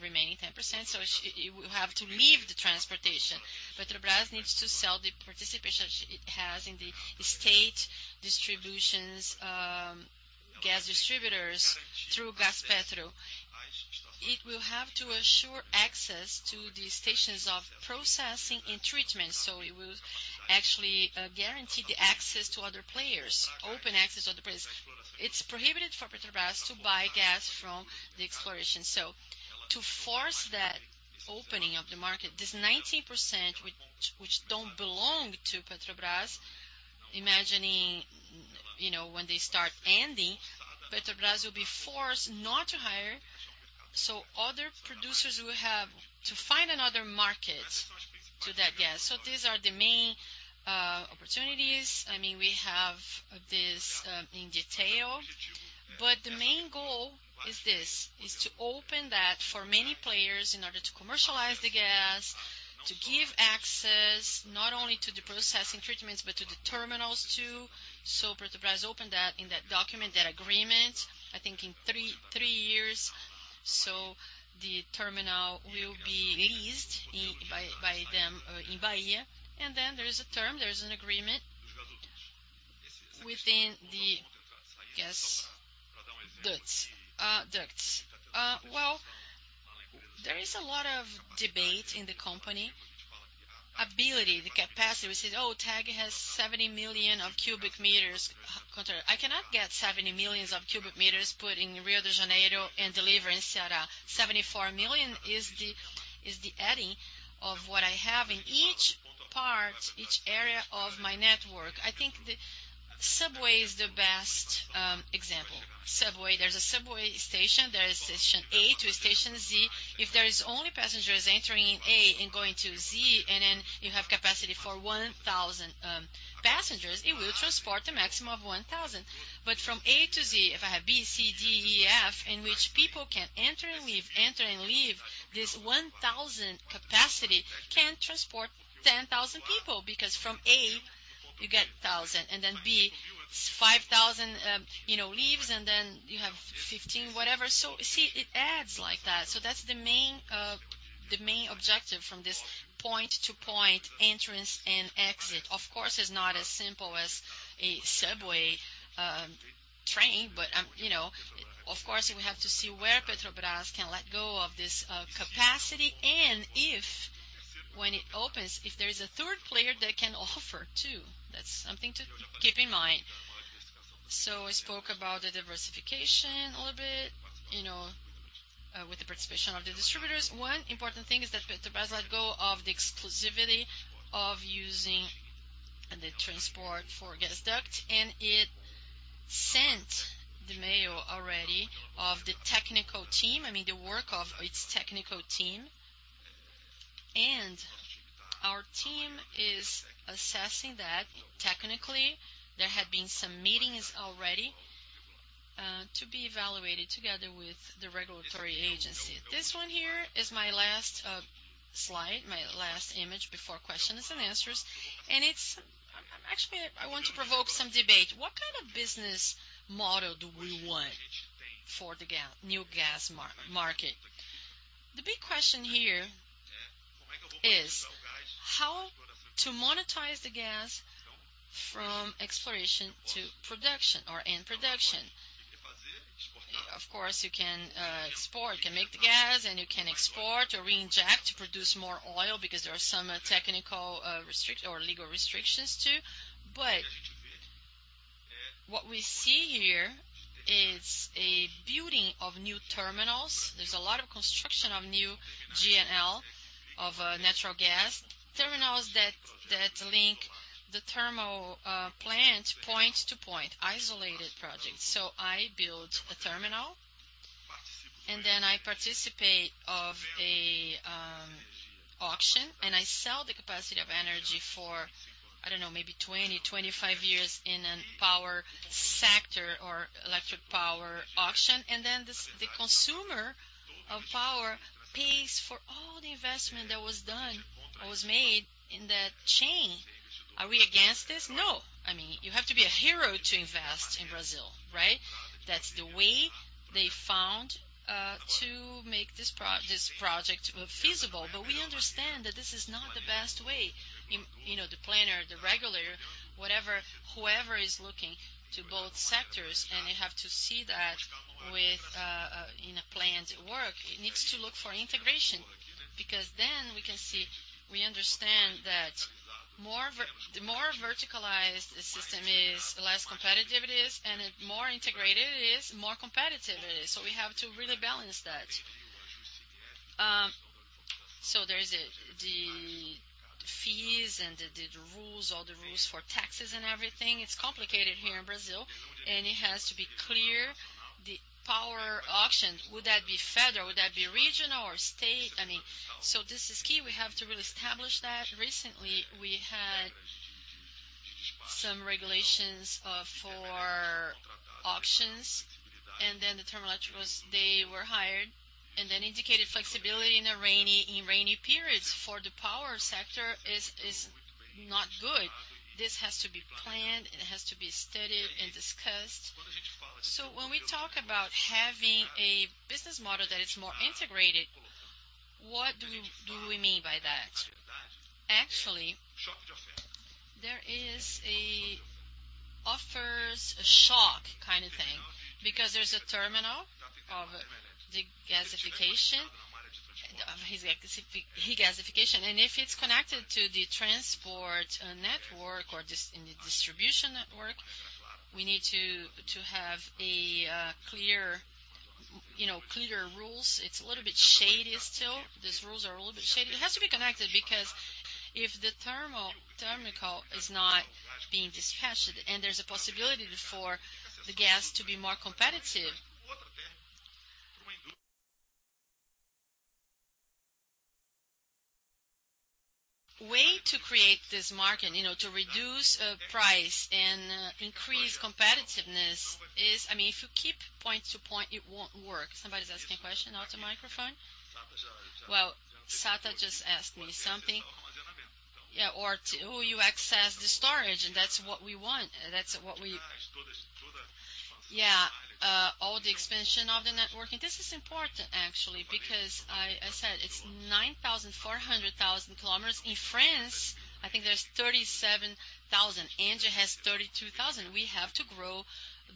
remaining 10%. It will have to leave the transportation. Petrobras needs to sell the participation it has in the state distributions, gas distributors through GasPetro. It will have to assure access to the stations of processing and treatment. It will actually guarantee the access to other players, open access to other players. It's prohibited for Petrobras to buy gas from the exploration. To force that opening of the market, this 19% which don't belong to Petrobras, imagining when they start ending, Petrobras will be forced not to hire. Other producers will have to find another market to that gas. These are the main opportunities. I mean, we have this in detail. But the main goal is this, is to open that for many players in order to commercialize the gas, to give access not only to the processing treatments, but to the terminals too. Petrobras opened that in that document, that agreement, I think in three years. The terminal will be leased by them in Bahia. And then there is a term, there is an agreement within the gas goods. There is a lot of debate in the company ability, the capacity. We say, "Oh, TAG has 70 million cubic meters." I cannot get 70 million cubic meters put in Rio de Janeiro and deliver in Ceará. 74 million is the adding of what I have in each part, each area of my network. I think the subway is the best example. Subway. There's a subway station. There is station A to station Z. If there are only passengers entering A and going to Z, and then you have capacity for 1,000 passengers, it will transport a maximum of 1,000. But from A to Z, if I have B, C, D, E, F, in which people can enter and leave, enter and leave, this 1,000 capacity can transport 10,000 people because from A, you get 1,000, and then B, 5,000 leaves, and then you have 15, whatever. So see, it adds like that. That's the main objective from this point-to-point entrance and exit. Of course, it's not as simple as a subway train, but of course, we have to see where Petrobras can let go of this capacity. If, when it opens, if there is a third player that can offer too, that's something to keep in mind. I spoke about the diversification a little bit with the participation of the distributors. One important thing is that Petrobras let go of the exclusivity of using the transport for gas duct, and it sent the mail already of the technical team, I mean, the work of its technical team. Our team is assessing that technically. There had been some meetings already to be evaluated together with the regulatory agency. This one here is my last slide, my last image before questions and answers. Actually, I want to provoke some debate. What kind of business model do we want for the new gas market? The big question here is how to monetize the gas from exploration to production or end production. Of course, you can export, you can make the gas, and you can export or reinject to produce more oil because there are some technical restrictions or legal restrictions too. But what we see here is a building of new terminals. There's a lot of construction of new LNG of natural gas terminals that link the thermal plant point-to-point, isolated projects. So I build a terminal, and then I participate in an auction, and I sell the capacity of energy for, I don't know, maybe 20, 25 years in a power sector or electric power auction. The consumer of power pays for all the investment that was done or was made in that chain. Are we against this? No. I mean, you have to be a hero to invest in Brazil, right? That's the way they found to make this project feasible. But we understand that this is not the best way. The planner, the regulator, whoever is looking to both sectors, you have to see that in a planned work. It needs to look for integration because we can see we understand that the more verticalized the system is, the less competitive it is, and the more integrated it is, the more competitive it is. So we have to really balance that. There's the fees and the rules, all the rules for taxes and everything. It's complicated here in Brazil, and it has to be clear. The power auction, would that be federal? Would that be regional or state? I mean, so this is key. We have to really establish that. Recently, we had some regulations for auctions, and then the thermal electricals, they were hired and then indicated flexibility in rainy periods for the power sector is not good. This has to be planned. It has to be studied and discussed. So when we talk about having a business model that is more integrated, what do we mean by that? Actually, there is an offer, a shock kind of thing because there's a terminal of the gasification, and if it's connected to the transport network or the distribution network, we need to have clear rules. It's a little bit shady still. These rules are a little bit shady. It has to be connected because if the thermal chemical is not being dispatched, and there's a possibility for the gas to be more competitive, the way to create this market, to reduce price and increase competitiveness is, I mean, if you keep point-to-point, it won't work. Somebody's asking a question out of the microphone. Sata just asked me something. Yeah, or you access the storage, and that's what we want. That's what we want, all the expansion of the networking. This is important, actually, because I said it's 9,400,000 kilometers. In France, I think there's 37,000. India has 32,000. We have to grow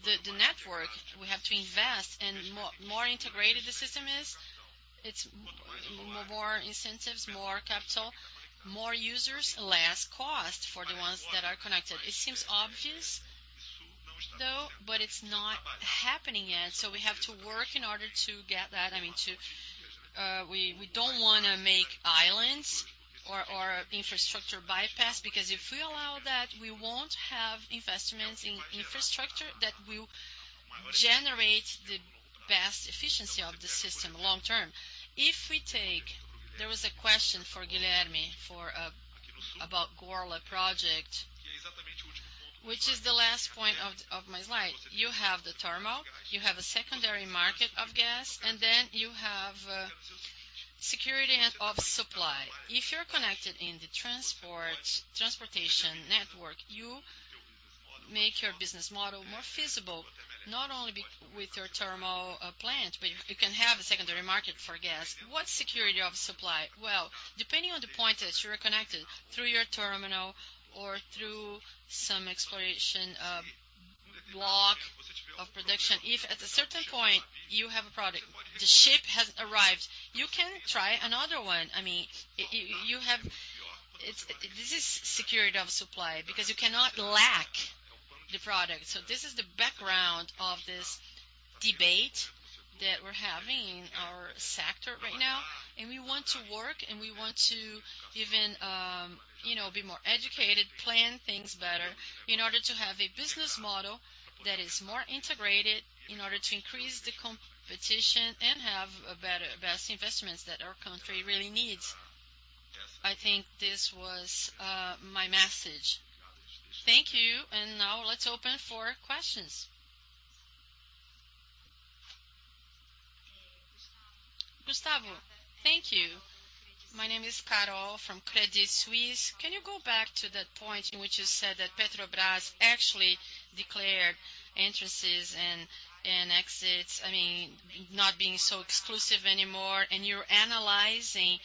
the network. We have to invest. The more integrated the system is, it's more incentives, more capital, more users, less cost for the ones that are connected. It seems obvious, though, but it's not happening yet. We have to work in order to get that. I mean, we don't want to make islands or infrastructure bypass because if we allow that, we won't have investments in infrastructure that will generate the best efficiency of the system long term. If we take there was a question for Guilherme about the Golar project, which is the last point of my slide. You have the thermal, you have a secondary market of gas, and then you have security of supply. If you're connected in the transportation network, you make your business model more feasible, not only with your thermal plant, but you can have a secondary market for gas. What's security of supply? Well, depending on the point that you're connected through your terminal or through some exploration block of production, if at a certain point you have a product, the ship has arrived, you can try another one. I mean, this is security of supply because you cannot lack the product. This is the background of this debate that we're having in our sector right now. We want to work, and we want to even be more educated, plan things better in order to have a business model that is more integrated in order to increase the competition and have the best investments that our country really needs. I think this was my message. Thank you. Now let's open for questions. Gustavo, thank you. My name is Carol from Credit Suisse. Can you go back to that point in which you said that Petrobras actually declared entrances and exits, I mean, not being so exclusive anymore, and you're analyzing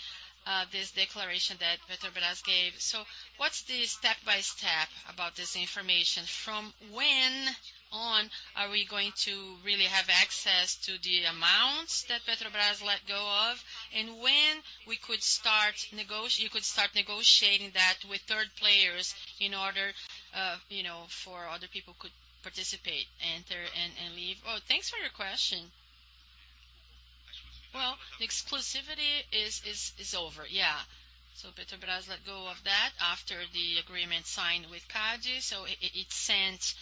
this declaration that Petrobras gave? So what's the step-by-step about this information? From when on are we going to really have access to the amounts that Petrobras let go of, and when we could start negotiating that with third players in order for other people to participate, enter, and leave? Oh, thanks for your question. The exclusivity is over, yeah. So Petrobras let go of that after the agreement signed with CADE. So it sent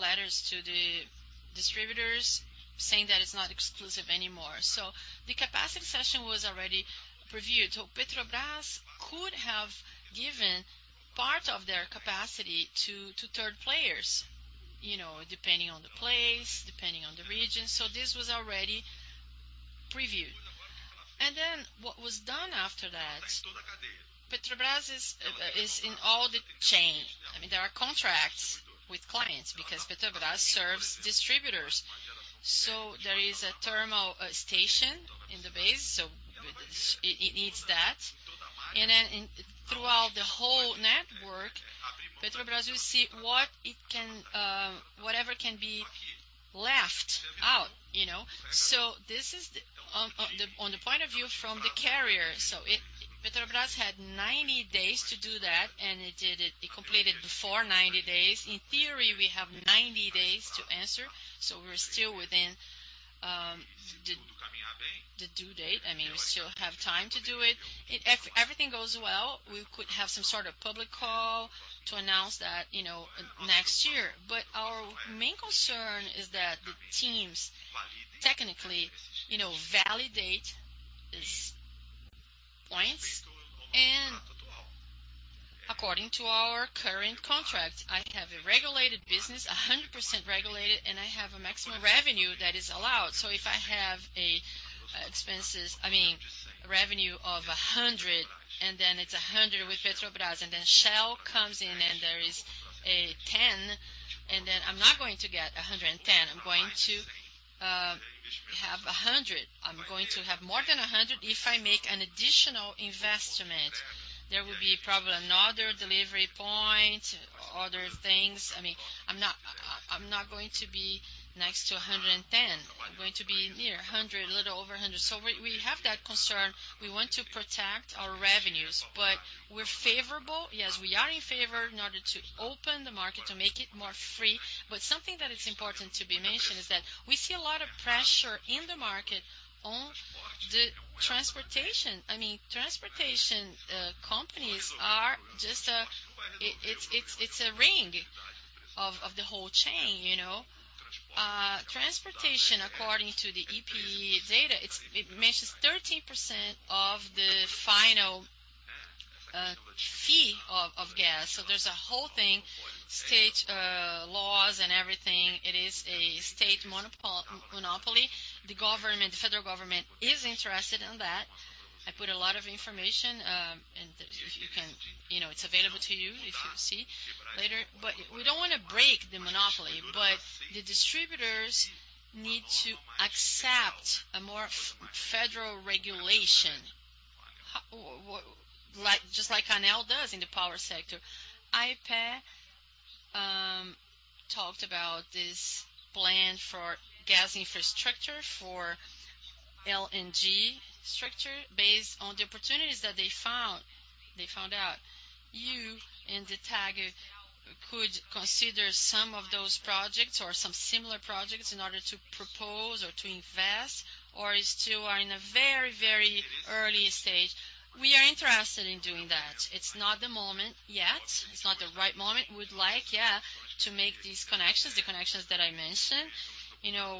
letters to the distributors saying that it's not exclusive anymore. So the capacity session was already previewed. So Petrobras could have given part of their capacity to third players, depending on the place, depending on the region. So this was already previewed. And then what was done after that, Petrobras is in all the chain. I mean, there are contracts with clients because Petrobras serves distributors. So there is a thermal station in the base, so it needs that. And then throughout the whole network, Petrobras will see whatever can be left out. So this is on the point of view from the carrier. So Petrobras had 90 days to do that, and it completed before 90 days. In theory, we have 90 days to answer. So we're still within the due date. I mean, we still have time to do it. If everything goes well, we could have some sort of public call to announce that next year. But our main concern is that the teams technically validate these points. According to our current contract, I have a regulated business, 100% regulated, and I have a maximum revenue that is allowed. So if I have expenses, I mean, revenue of 100, and then it's 100 with Petrobras, and then Shell comes in and there is a 10, and then I'm not going to get 110. I'm going to have 100. I'm going to have more than 100. If I make an additional investment, there will be probably another delivery point, other things. I mean, I'm not going to be next to 110. I'm going to be near 100, a little over 100. So we have that concern. We want to protect our revenues, but we're favorable. Yes, we are in favor in order to open the market to make it more free. Something that is important to be mentioned is that we see a lot of pressure in the market on the transportation. Transportation companies are just a ring of the whole chain. Transportation, according to the EPE data, measures 13% of the final fee of gas. There's a whole thing, state laws and everything. It is a state monopoly. The federal government is interested in that. I put a lot of information, and if you can, it's available to you if you see later. We don't want to break the monopoly, but the distributors need to accept more federal regulation, just like ANEEL does in the power sector. EPE talked about this plan for gas infrastructure for LNG structure based on the opportunities that they found out. You and the TAG could consider some of those projects or some similar projects in order to propose or to invest, or still are in a very, very early stage. We are interested in doing that. It's not the moment yet. It's not the right moment. We'd like to make these connections, the connections that I mentioned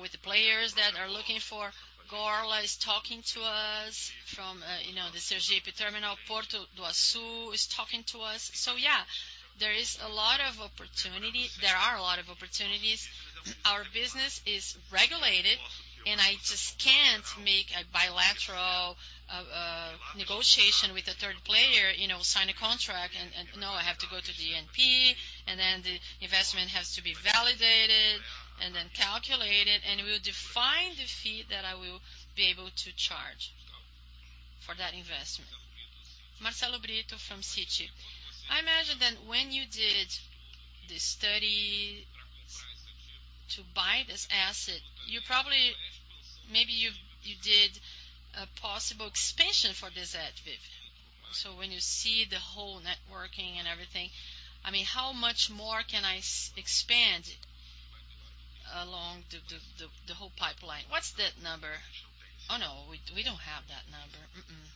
with the players that are looking for Golar is talking to us from the Sergipe terminal. Porto do Açu is talking to us. There is a lot of opportunity. There are a lot of opportunities. Our business is regulated, and I just can't make a bilateral negotiation with a third player, sign a contract, and no, I have to go to the ANP, and then the investment has to be validated and then calculated, and we'll define the fee that I will be able to charge for that investment. Marcelo Brito from Citi. I imagine that when you did the study to buy this asset, maybe you did a possible expansion for this EVTE. So when you see the whole networking and everything, I mean, how much more can I expand along the whole pipeline? What's that number? Oh, no, we don't have that number.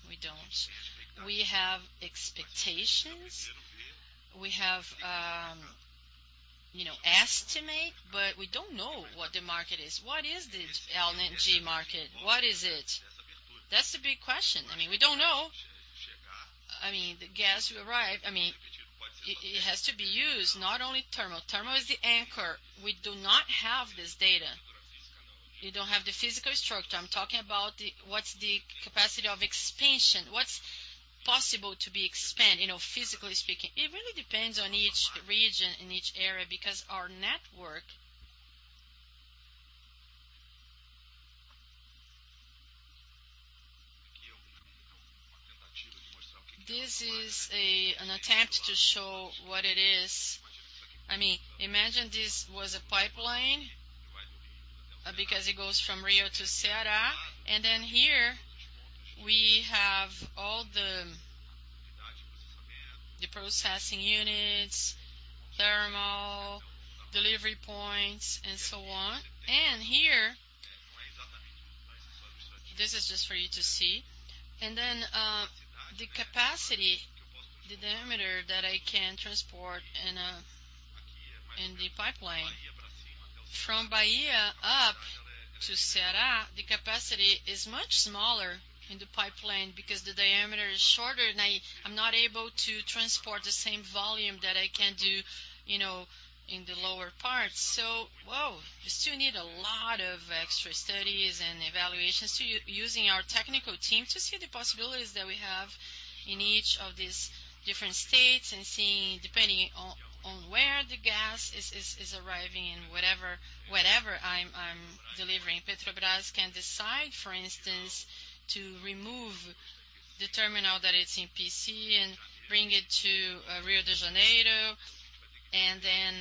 We don't. We have expectations. We have estimate, but we don't know what the market is. What is the LNG market? What is it? That's the big question. I mean, we don't know. I mean, the gas will arrive. I mean, it has to be used, not only thermal. Thermal is the anchor. We do not have this data. You don't have the physical structure. I'm talking about what's the capacity of expansion, what's possible to be expanded, physically speaking. It really depends on each region and each area because our network. This is an attempt to show what it is. I mean, imagine this was a pipeline because it goes from Rio to Ceará. Here we have all the processing units, thermal, delivery points, and so on. This is just for you to see. The capacity, the diameter that I can transport in the pipeline from Bahia up to Ceará, the capacity is much smaller in the pipeline because the diameter is shorter, and I'm not able to transport the same volume that I can do in the lower parts. We still need a lot of extra studies and evaluations using our technical team to see the possibilities that we have in each of these different states and seeing depending on where the gas is arriving and whatever I'm delivering. Petrobras can decide, for instance, to remove the terminal that it's in Pecém and bring it to Rio de Janeiro. Then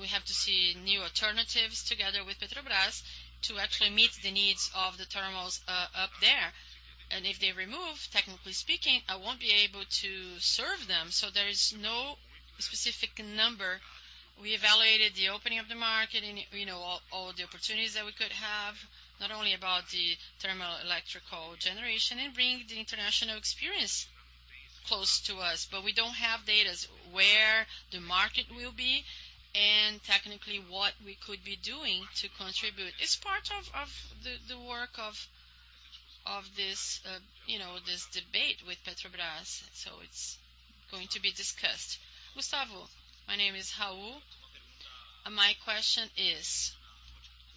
we have to see new alternatives together with Petrobras to actually meet the needs of the thermals up there. If they remove, technically speaking, I won't be able to serve them. There is no specific number. We evaluated the opening of the market and all the opportunities that we could have, not only about the thermal electrical generation and bring the international experience close to us. We don't have data where the market will be and technically what we could be doing to contribute. It's part of the work of this debate with Petrobras. It's going to be discussed. Gustavo, my name is Raul. My question is,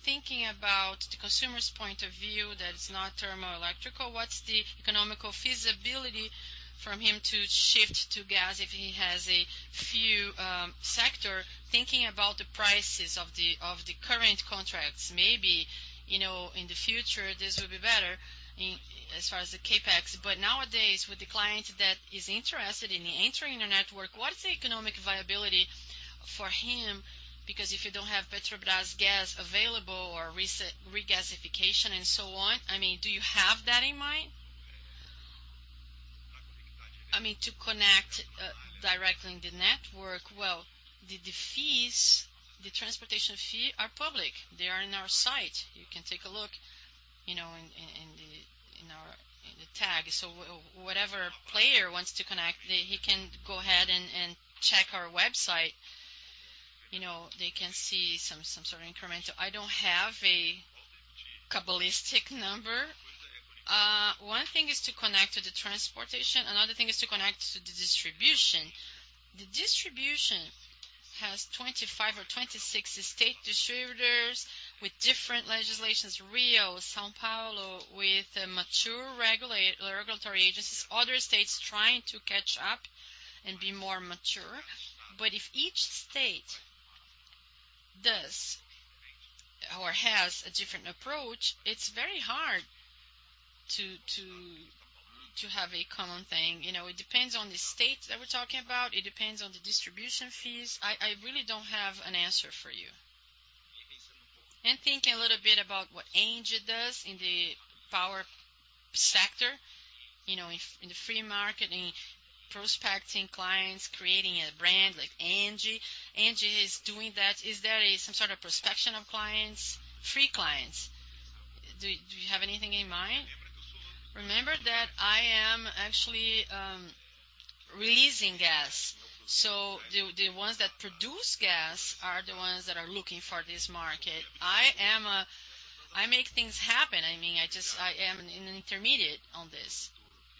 thinking about the consumer's point of view that it's not thermal electrical, what's the economical feasibility from him to shift to gas if he has a few sectors? Thinking about the prices of the current contracts, maybe in the future, this will be better as far as the capex. But nowadays, with the client that is interested in entering the network, what's the economic viability for him? Because if you don't have Petrobras gas available or regasification and so on, do you have that in mind? To connect directly in the network, the fees, the transportation fee are public. They are in our site. You can take a look in the tag. So whatever player wants to connect, he can go ahead and check our website. They can see some sort of incremental. I don't have a cabalistic number. One thing is to connect to the transportation. Another thing is to connect to the distribution. The distribution has 25 or 26 state distributors with different legislations, Rio, São Paulo, with mature regulatory agencies, other states trying to catch up and be more mature. But if each state does or has a different approach, it's very hard to have a common thing. It depends on the state that we're talking about. It depends on the distribution fees. I really don't have an answer for you. Thinking a little bit about what Engie does in the power sector, in the free market, in prospecting clients, creating a brand like Engie. Engie is doing that. Is there some sort of prospection of clients, free clients? Do you have anything in mind? Remember that I am actually releasing gas. The ones that produce gas are the ones that are looking for this market. I make things happen. I mean, I am an intermediary on this.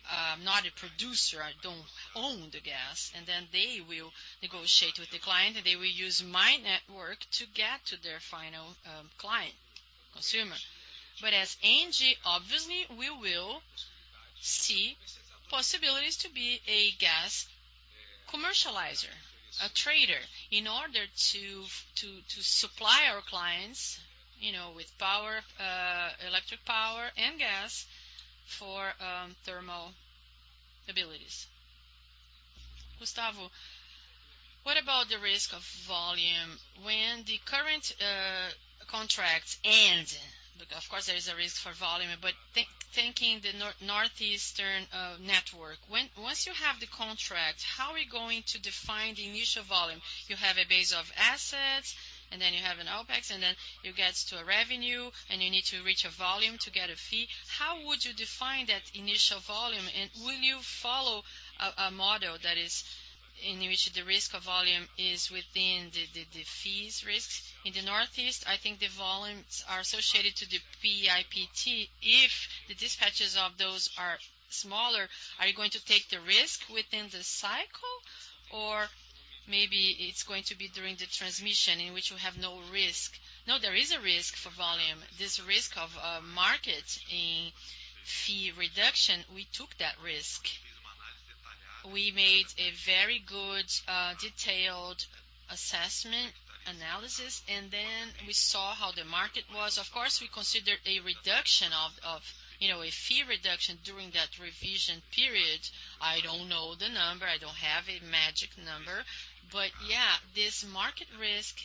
I'm not a producer. I don't own the gas. They will negotiate with the client, and they will use my network to get to their final client, consumer. But as Engie, obviously, we will see possibilities to be a gas commercializer, a trader in order to supply our clients with electric power and gas for thermal abilities. Gustavo, what about the risk of volume? When the current contracts end, of course, there is a risk for volume, but thinking the northeastern network, once you have the contract, how are you going to define the initial volume? You have a base of assets, and then you have an OPEX, and then it gets to a revenue, and you need to reach a volume to get a fee. How would you define that initial volume? Will you follow a model that is in which the risk of volume is within the fees risks? In the northeast, I think the volumes are associated to the PPT. If the dispatches of those are smaller, are you going to take the risk within the cycle, or maybe it's going to be during the transmission in which we have no risk? No, there is a risk for volume. This risk of market in fee reduction, we took that risk. We made a very good detailed assessment analysis, and then we saw how the market was. Of course, we considered a reduction of a fee reduction during that revision period. I don't know the number. I don't have a magic number. But yeah, this market risk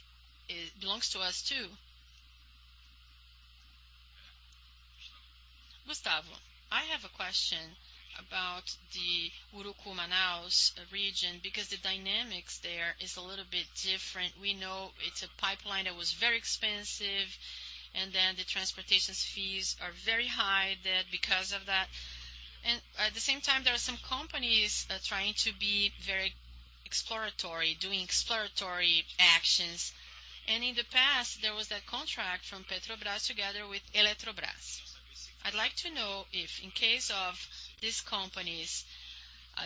belongs to us too. Gustavo, I have a question about the Urucu-Manaus region because the dynamics there is a little bit different. We know it's a pipeline that was very expensive, and then the transportation fees are very high because of that. At the same time, there are some companies trying to be very exploratory, doing exploratory actions. In the past, there was that contract from Petrobras together with Eletrobras. I'd like to know if, in case of these companies,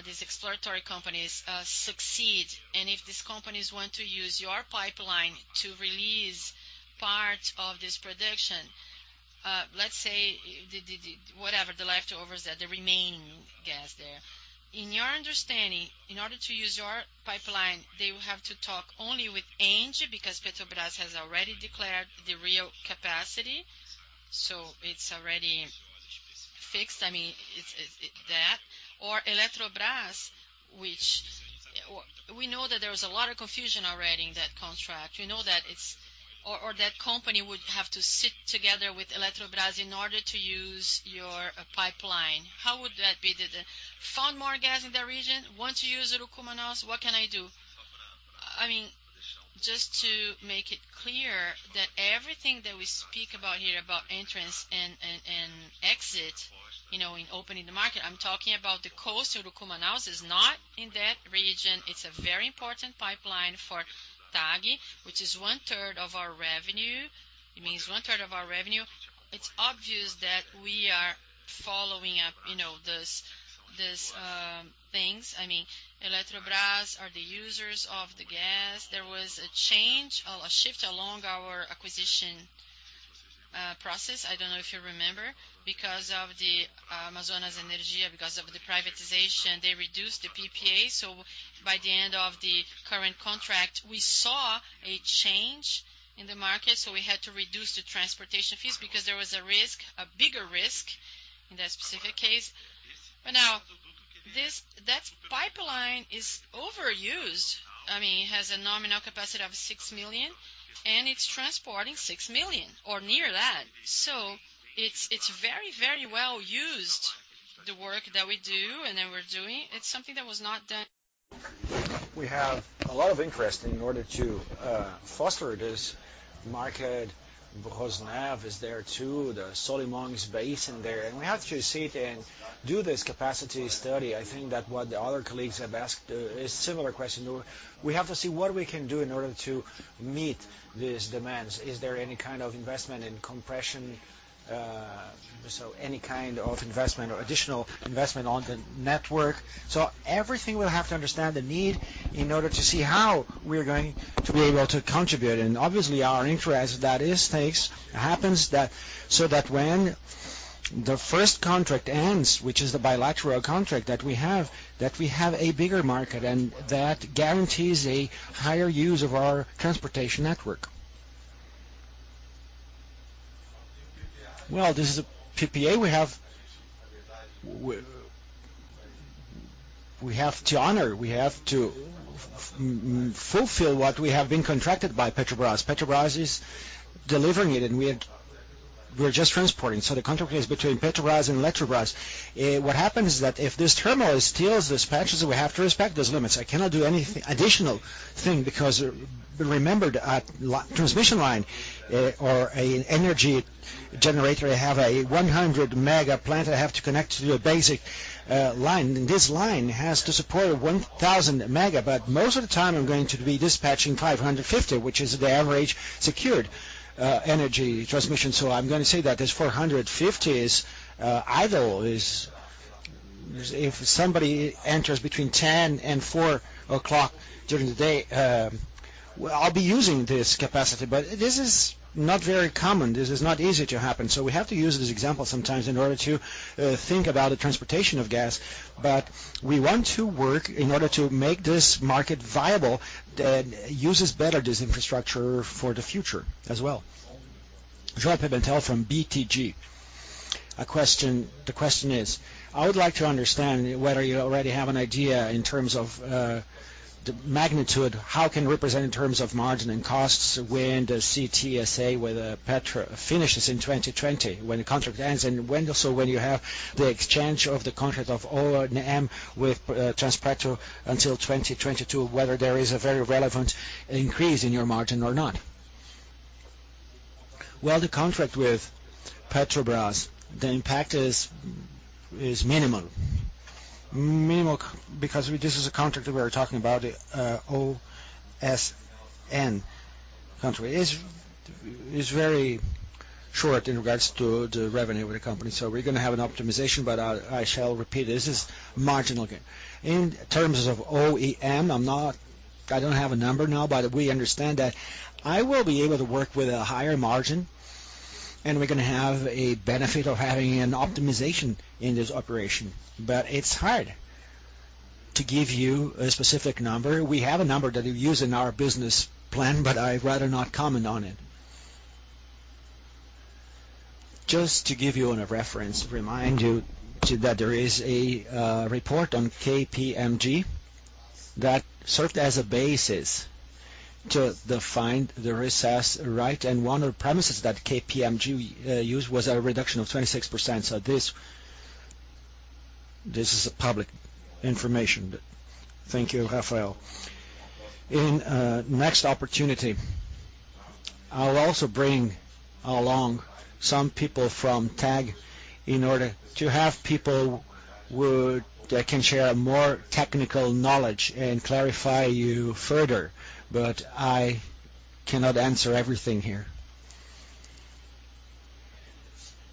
these exploratory companies succeed, and if these companies want to use your pipeline to release part of this production, let's say whatever the leftovers that the remaining gas there. In your understanding, in order to use your pipeline, they will have to talk only with Engie because Petrobras has already declared the real capacity. So it's already fixed. I mean, that or Eletrobras, which we know that there was a lot of confusion already in that contract. We know that it's or that company would have to sit together with Eletrobras in order to use your pipeline. How would that be? Found more gas in the region. Want to use Urucu-Manaus? What can I do? I mean, just to make it clear that everything that we speak about here about entrance and exit in opening the market, I'm talking about the coastal Urucu-Manaus is not in that region. It's a very important pipeline for TAG, which is one-third of our revenue. It means one-third of our revenue. It's obvious that we are following up those things. I mean, Eletrobras are the users of the gas. There was a change, a shift along our acquisition process. I don't know if you remember because of the Amazonas Energia, because of the privatization, they reduced the PPA. So by the end of the current contract, we saw a change in the market. We had to reduce the transportation fees because there was a risk, a bigger risk in that specific case. Now, that pipeline is overused. I mean, it has a nominal capacity of 6 million, and it's transporting 6 million or near that. It's very, very well used, the work that we do and that we're doing. It's something that was not done. We have a lot of interest in order to foster this market because Eneva is there too, the Solimões Basin there. We have to see it and do this capacity study. I think that what the other colleagues have asked is a similar question. We have to see what we can do in order to meet these demands. Is there any kind of investment in compression? Any kind of investment or additional investment on the network? Everything we'll have to understand the need in order to see how we're going to be able to contribute. Obviously, our interest is that this happens so that when the first contract ends, which is the bilateral contract that we have, we have a bigger market and that guarantees a higher use of our transportation network. Well, this is a PPA we have to honor. We have to fulfill what we have been contracted by Petrobras. Petrobras is delivering it, and we're just transporting. The contract is between Petrobras and Eletrobras. What happens is that if this thermal steel dispatches, we have to respect those limits. I cannot do any additional thing because remember, a transmission line or an energy generator, I have a 100-mega plant. I have to connect to a basic line. This line has to support 1,000 mega. But most of the time, I'm going to be dispatching 550, which is the average secured energy transmission. So I'm going to say that this 450 is idle if somebody enters between 10 and 4 o'clock during the day. I'll be using this capacity, but this is not very common. This is not easy to happen. So we have to use this example sometimes in order to think about the transportation of gas. But we want to work in order to make this market viable that uses better this infrastructure for the future as well. Joel Pimentel from BTG. The question is, I would like to understand whether you already have an idea in terms of the magnitude, how it can represent in terms of margin and costs when the GTSA with Petrobras finishes in 2020, when the contract ends, and when also you have the exchange of the contract of O&M with Transpetro until 2022, whether there is a very relevant increase in your margin or not. Well, the contract with Petrobras, the impact is minimal. Minimal because this is a contract that we are talking about, O&M contract. It's very short in regards to the revenue of the company. So we're going to have an optimization, but I shall repeat this is marginal again. In terms of O&M, I don't have a number now, but we understand that I will be able to work with a higher margin, and we're going to have a benefit of having an optimization in this operation. But it's hard to give you a specific number. We have a number that we use in our business plan, but I'd rather not comment on it. Just to give you a reference, remind you that there is a report on KPMG that served as a basis to define the risks as right. One of the premises that KPMG used was a reduction of 26%. So this is public information. Thank you, Rafael. In the next opportunity, I'll also bring along some people from TAG in order to have people that can share more technical knowledge and clarify you further, but I cannot answer everything here.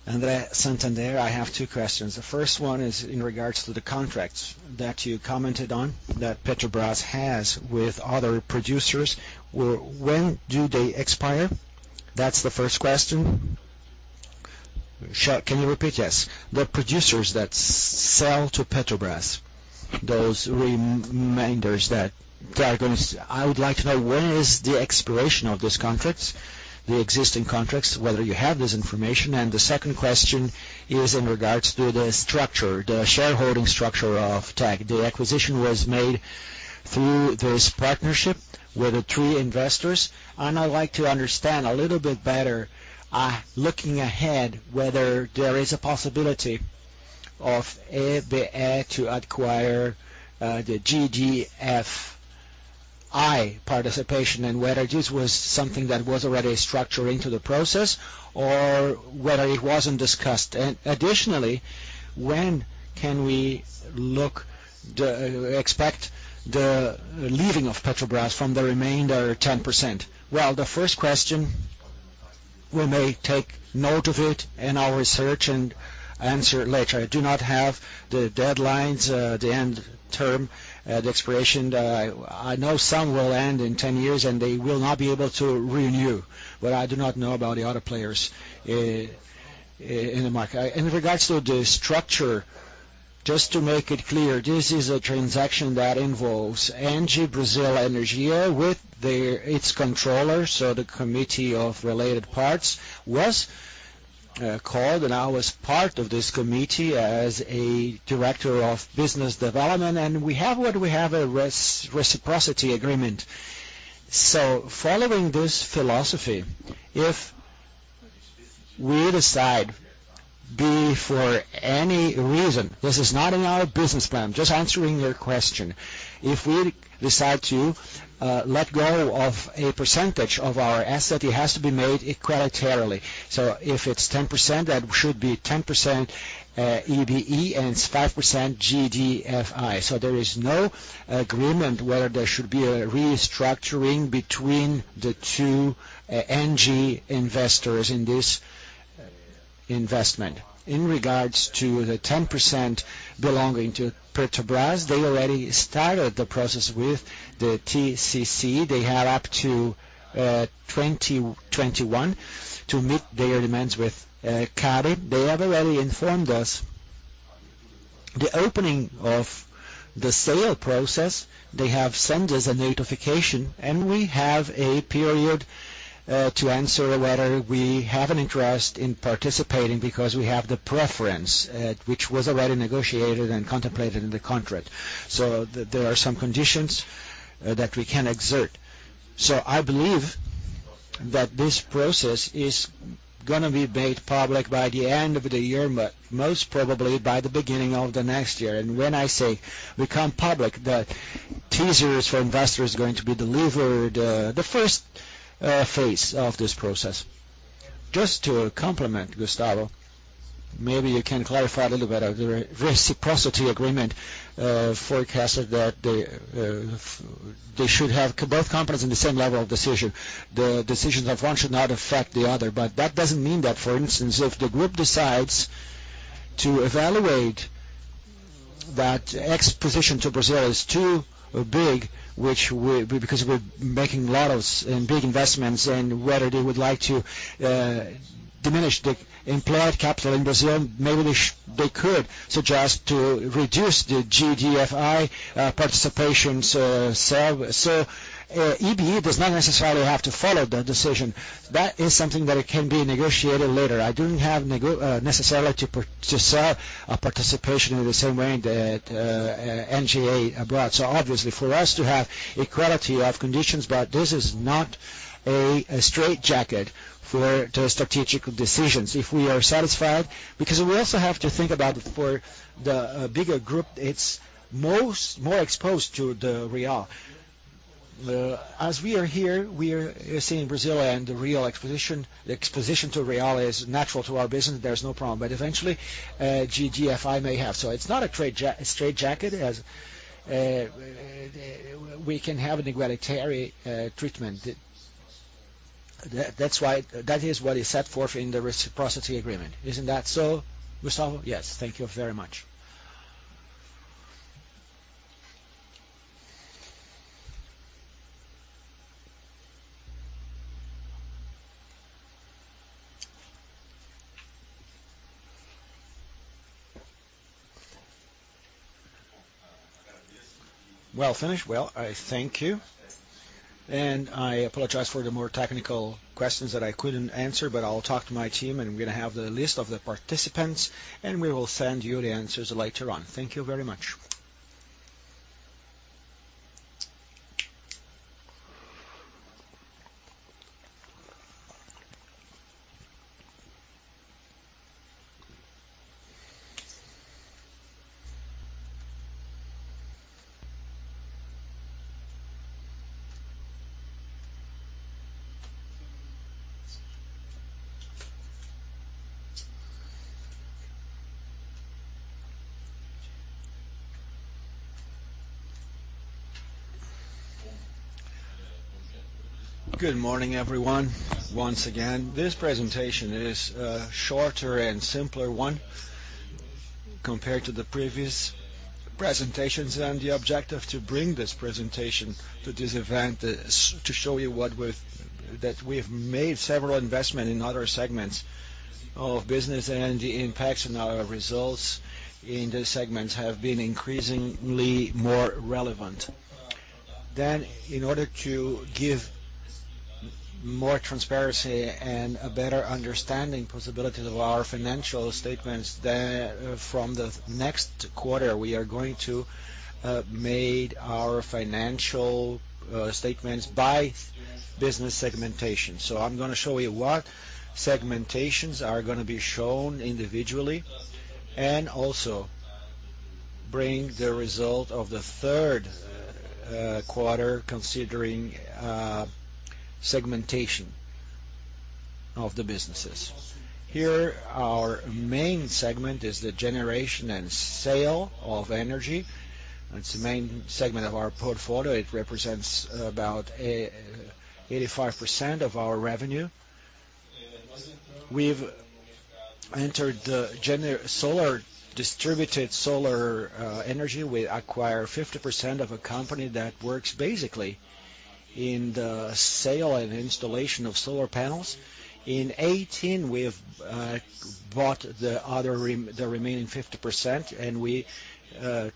Andrea Santander, I have two questions. The first one is in regards to the contracts that you commented on that Petrobras has with other producers. When do they expire? That's the first question. Can you repeat? Yes. The producers that sell to Petrobras, those remainders that are going to—I would like to know when is the expiration of these contracts, the existing contracts, whether you have this information. The second question is in regards to the structure, the shareholding structure of TAG. The acquisition was made through this partnership with the three investors. I'd like to understand a little bit better, looking ahead, whether there is a possibility of EBE to acquire the GDFI participation and whether this was something that was already structured into the process or whether it wasn't discussed. Additionally, when can we expect the leaving of Petrobras from the remainder 10%? The first question, we may take note of it in our research and answer later. I do not have the deadlines, the end term, the expiration. I know some will end in 10 years, and they will not be able to renew, but I do not know about the other players in the market. In regards to the structure, just to make it clear, this is a transaction that involves Engie Brazil Energia with its controller. So the committee of related parts was called, and I was part of this committee as a director of business development. We have a reciprocity agreement. So following this philosophy, if we decide for any reason, this is not in our business plan, just answering your question. If we decide to let go of a percentage of our asset, it has to be made equitably. If it's 10%, that should be 10% EBE, and it's 5% GDFI. There is no agreement whether there should be a restructuring between the two Engie investors in this investment. In regards to the 10% belonging to Petrobras, they already started the process with the TCC. They have up to 2021 to meet their demands with CADE. They have already informed us. The opening of the sale process, they have sent us a notification, and we have a period to answer whether we have an interest in participating because we have the preference, which was already negotiated and contemplated in the contract. There are some conditions that we can exert. I believe that this process is going to be made public by the end of the year, but most probably by the beginning of the next year. When I say become public, the teasers for investors are going to be delivered the first phase of this process. Just to complement, Gustavo, maybe you can clarify a little bit of the reciprocity agreement forecasted that they should have both companies in the same level of decision. The decisions of one should not affect the other. That doesn't mean that, for instance, if the group decides to evaluate that X position to Brazil is too big, because we're making a lot of big investments and whether they would like to diminish the employed capital in Brazil, maybe they could suggest to reduce the GDFI participation. EBE does not necessarily have to follow the decision. That is something that can be negotiated later. I don't have necessarily to sell a participation in the same way that Engie brought. Obviously, for us to have equality of conditions, but this is not a straightjacket for strategic decisions. If we are satisfied, because we also have to think about it for the bigger group, it's more exposed to the real. As we are here, we are seeing Brazil and the real exposition to real is natural to our business. There's no problem. But eventually, GDFI may have. It's not a straightjacket as we can have an egalitarian treatment. That is what is set forth in the reciprocity agreement. Isn't that so, Gustavo? Yes. Thank you very much. Finished? I thank you. I apologize for the more technical questions that I couldn't answer, but I'll talk to my team, and we're going to have the list of the participants, and we will send you the answers later on. Thank you very much. Good morning, everyone. Once again, this presentation is a shorter and simpler one compared to the previous presentations. The objective to bring this presentation to this event is to show you that we've made several investments in other segments of business, and the impacts and our results in these segments have been increasingly more relevant. In order to give more transparency and a better understanding possibility of our financial statements, from the next quarter, we are going to make our financial statements by business segmentation. I'm going to show you what segmentations are going to be shown individually and also bring the result of the third quarter considering segmentation of the businesses. Here, our main segment is the generation and sale of energy. It's the main segment of our portfolio. It represents about 85% of our revenue. We've entered the solar distributed solar energy. We acquire 50% of a company that works basically in the sale and installation of solar panels. In '18, we bought the remaining 50%, and we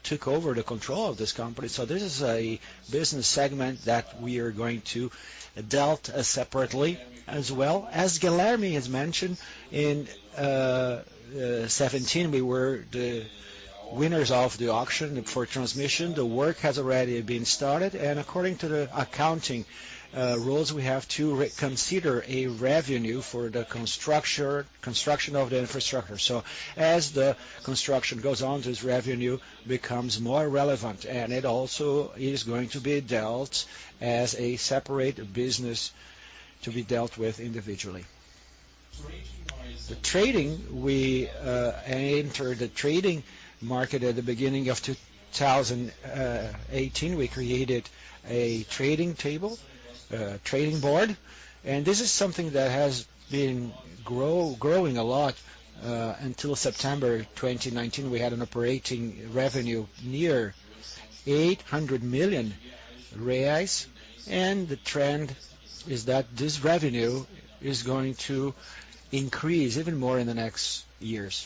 took over the control of this company. This is a business segment that we are going to deal with separately as well. As Guilherme has mentioned, in '17, we were the winners of the auction for transmission. The work has already been started. According to the accounting rules, we have to consider a revenue for the construction of the infrastructure. As the construction goes on, this revenue becomes more relevant, and it also is going to be dealt as a separate business to be dealt with individually. The trading, we entered the trading market at the beginning of 2018. We created a trading table, trading board. This is something that has been growing a lot. Until September 2019, we had an operating revenue near R$800 million. The trend is that this revenue is going to increase even more in the next years.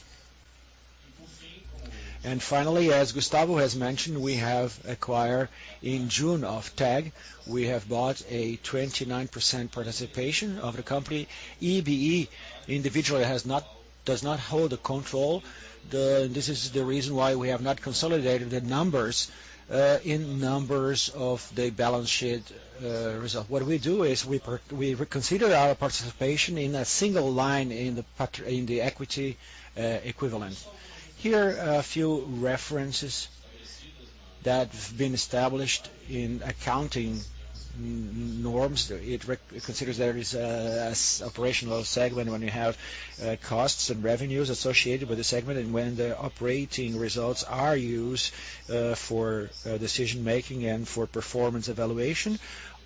Finally, as Gustavo has mentioned, we have acquired in June of Tag, we have bought a 29% participation of the company. EBE individually does not hold the control. This is the reason why we have not consolidated the numbers in numbers of the balance sheet result. What we do is we reconsider our participation in a single line in the equity equivalent. Here, a few references that have been established in accounting norms. It considers there is an operational segment when you have costs and revenues associated with the segment and when the operating results are used for decision-making and for performance evaluation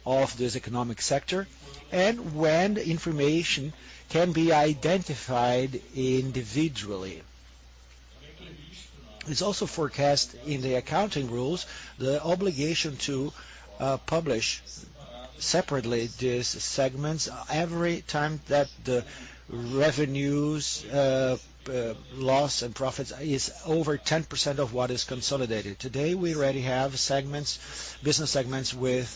of this economic sector, and when information can be identified individually. It's also forecast in the accounting rules, the obligation to publish separately these segments every time that the revenues, loss, and profits is over 10% of what is consolidated. Today, we already have business segments with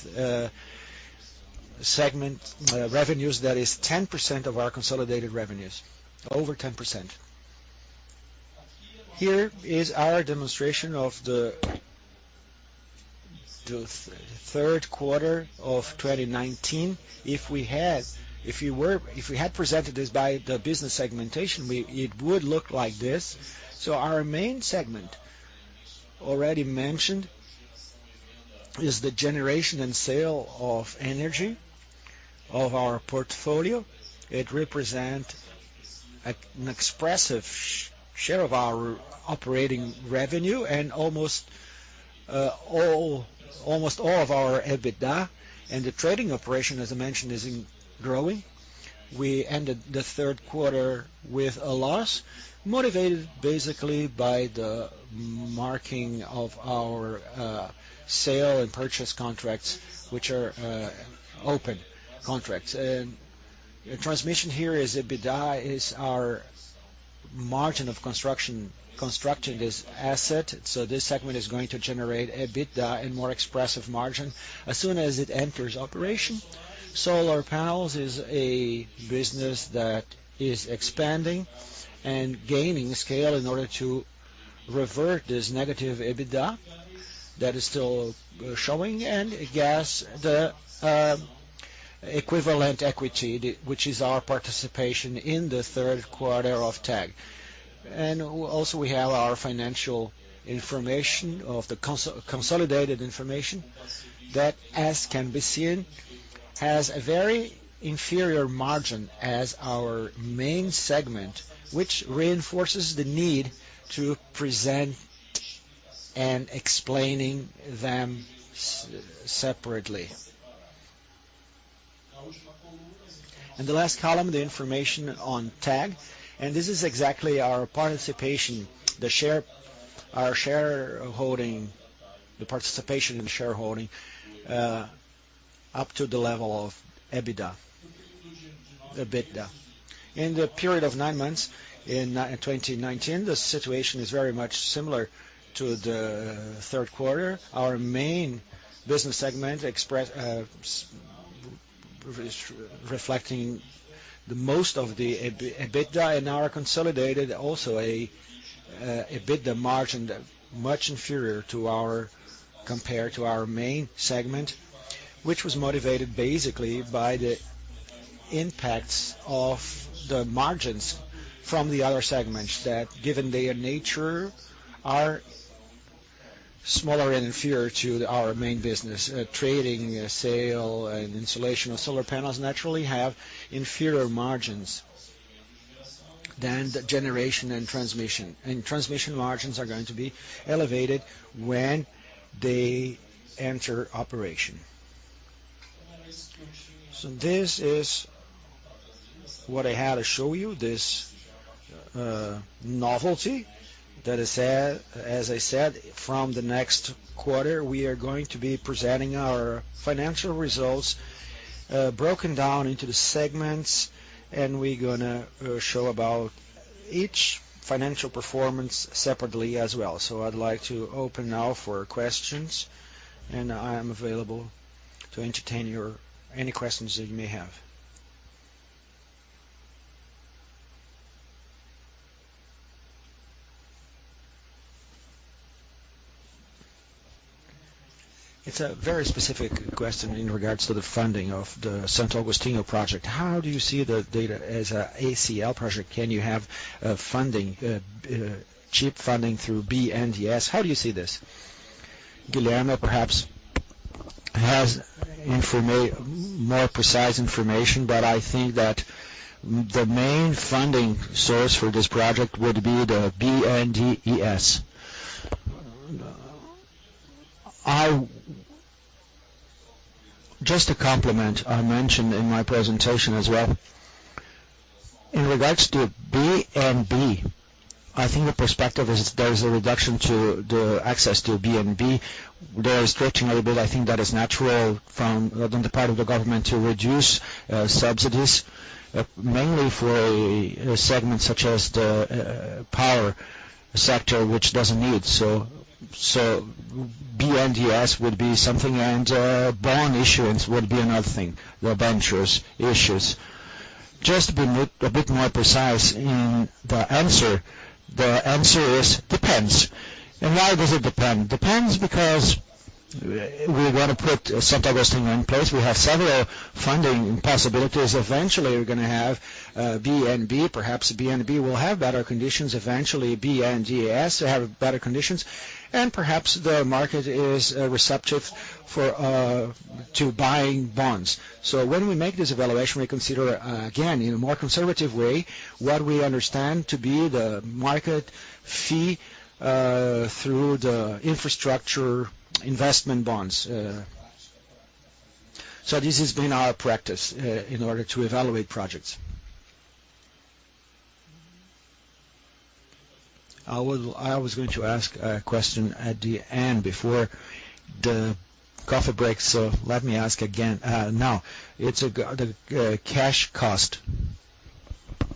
segment revenues that is 10% of our consolidated revenues, over 10%. Here is our demonstration of the third quarter of 2019. If we had presented this by the business segmentation, it would look like this. Our main segment, already mentioned, is the generation and sale of energy of our portfolio. It represents an expressive share of our operating revenue and almost all of our EBITDA. The trading operation, as I mentioned, is growing. We ended the third quarter with a loss, motivated basically by the marking of our sale and purchase contracts, which are open contracts. Transmission here is EBITDA is our margin of construction, constructing this asset. This segment is going to generate EBITDA and more expressive margin as soon as it enters operation. Solar panels is a business that is expanding and gaining scale in order to revert this negative EBITDA that is still showing and gas the equivalent equity, which is our participation in the third quarter of Tag. Also, we have our financial information of the consolidated information that, as can be seen, has a very inferior margin as our main segment, which reinforces the need to present and explain them separately. The last column, the information on Tag. This is exactly our participation, the shareholding, the participation in shareholding up to the level of EBITDA. In the period of nine months in 2019, the situation is very much similar to the third quarter. Our main business segment reflecting most of the EBITDA and our consolidated, also an EBITDA margin much inferior compared to our main segment, which was motivated basically by the impacts of the margins from the other segments that, given their nature, are smaller and inferior to our main business. Trading, sale, and installation of solar panels naturally have inferior margins than the generation and transmission. Transmission margins are going to be elevated when they enter operation. This is what I had to show you, this novelty that, as I said, from the next quarter, we are going to be presenting our financial results broken down into the segments, and we're going to show each financial performance separately as well. I'd like to open now for questions, and I am available to entertain any questions that you may have. It's a very specific question in regards to the funding of the Santo Agostinho project. How do you see the data as an ACL project? Can you have cheap funding through BNDES? How do you see this? Guilherme perhaps has more precise information, but I think that the main funding source for this project would be the BNDES. Just to complement, I mentioned in my presentation as well, in regards to BNB, I think the perspective is there is a reduction to the access to BNB. They are stretching a little bit. I think that is natural from the part of the government to reduce subsidies, mainly for a segment such as the power sector, which doesn't need. BNDES would be something, and bond issuance would be another thing, debentures issues. Just to be a bit more precise in the answer, the answer is it depends. Why does it depend? It depends because we're going to put Santo Agostinho in place. We have several funding possibilities. Eventually, we're going to have BNB. Perhaps BNB will have better conditions. Eventually, BNDS will have better conditions. Perhaps the market is receptive to buying bonds. So when we make this evaluation, we consider, again, in a more conservative way, what we understand to be the market fee through the infrastructure investment bonds. This has been our practice in order to evaluate projects. I was going to ask a question at the end before the coffee breaks, so let me ask again. Now, it's the cash cost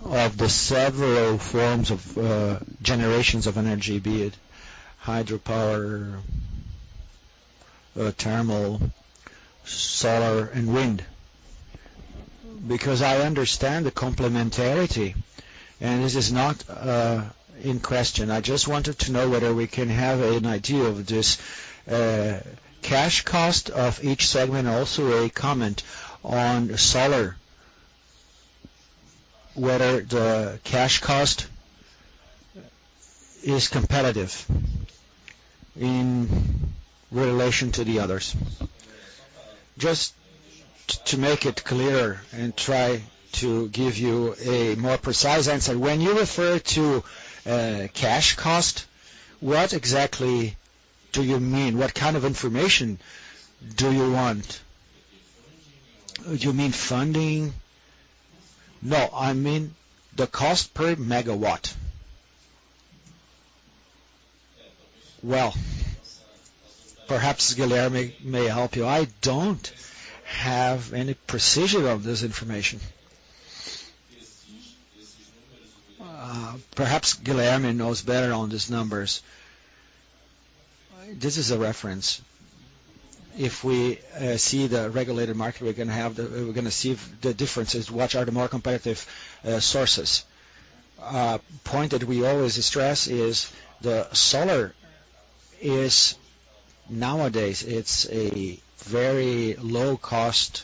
of the several forms of generations of energy, be it hydropower, thermal, solar, and wind, because I understand the complementarity, and this is not in question. I just wanted to know whether we can have an idea of this cash cost of each segment, also a comment on solar, whether the cash cost is competitive in relation to the others. Just to make it clearer and try to give you a more precise answer, when you refer to cash cost, what exactly do you mean? What kind of information do you want? Do you mean funding? No, I mean the cost per megawatt. Perhaps Guilherme may help you. I don't have any precision of this information. Perhaps Guilherme knows better on these numbers. This is a reference. If we see the regulated market, we're going to have the differences. What are the more competitive sources? A point that we always stress is the solar is nowadays a very low-cost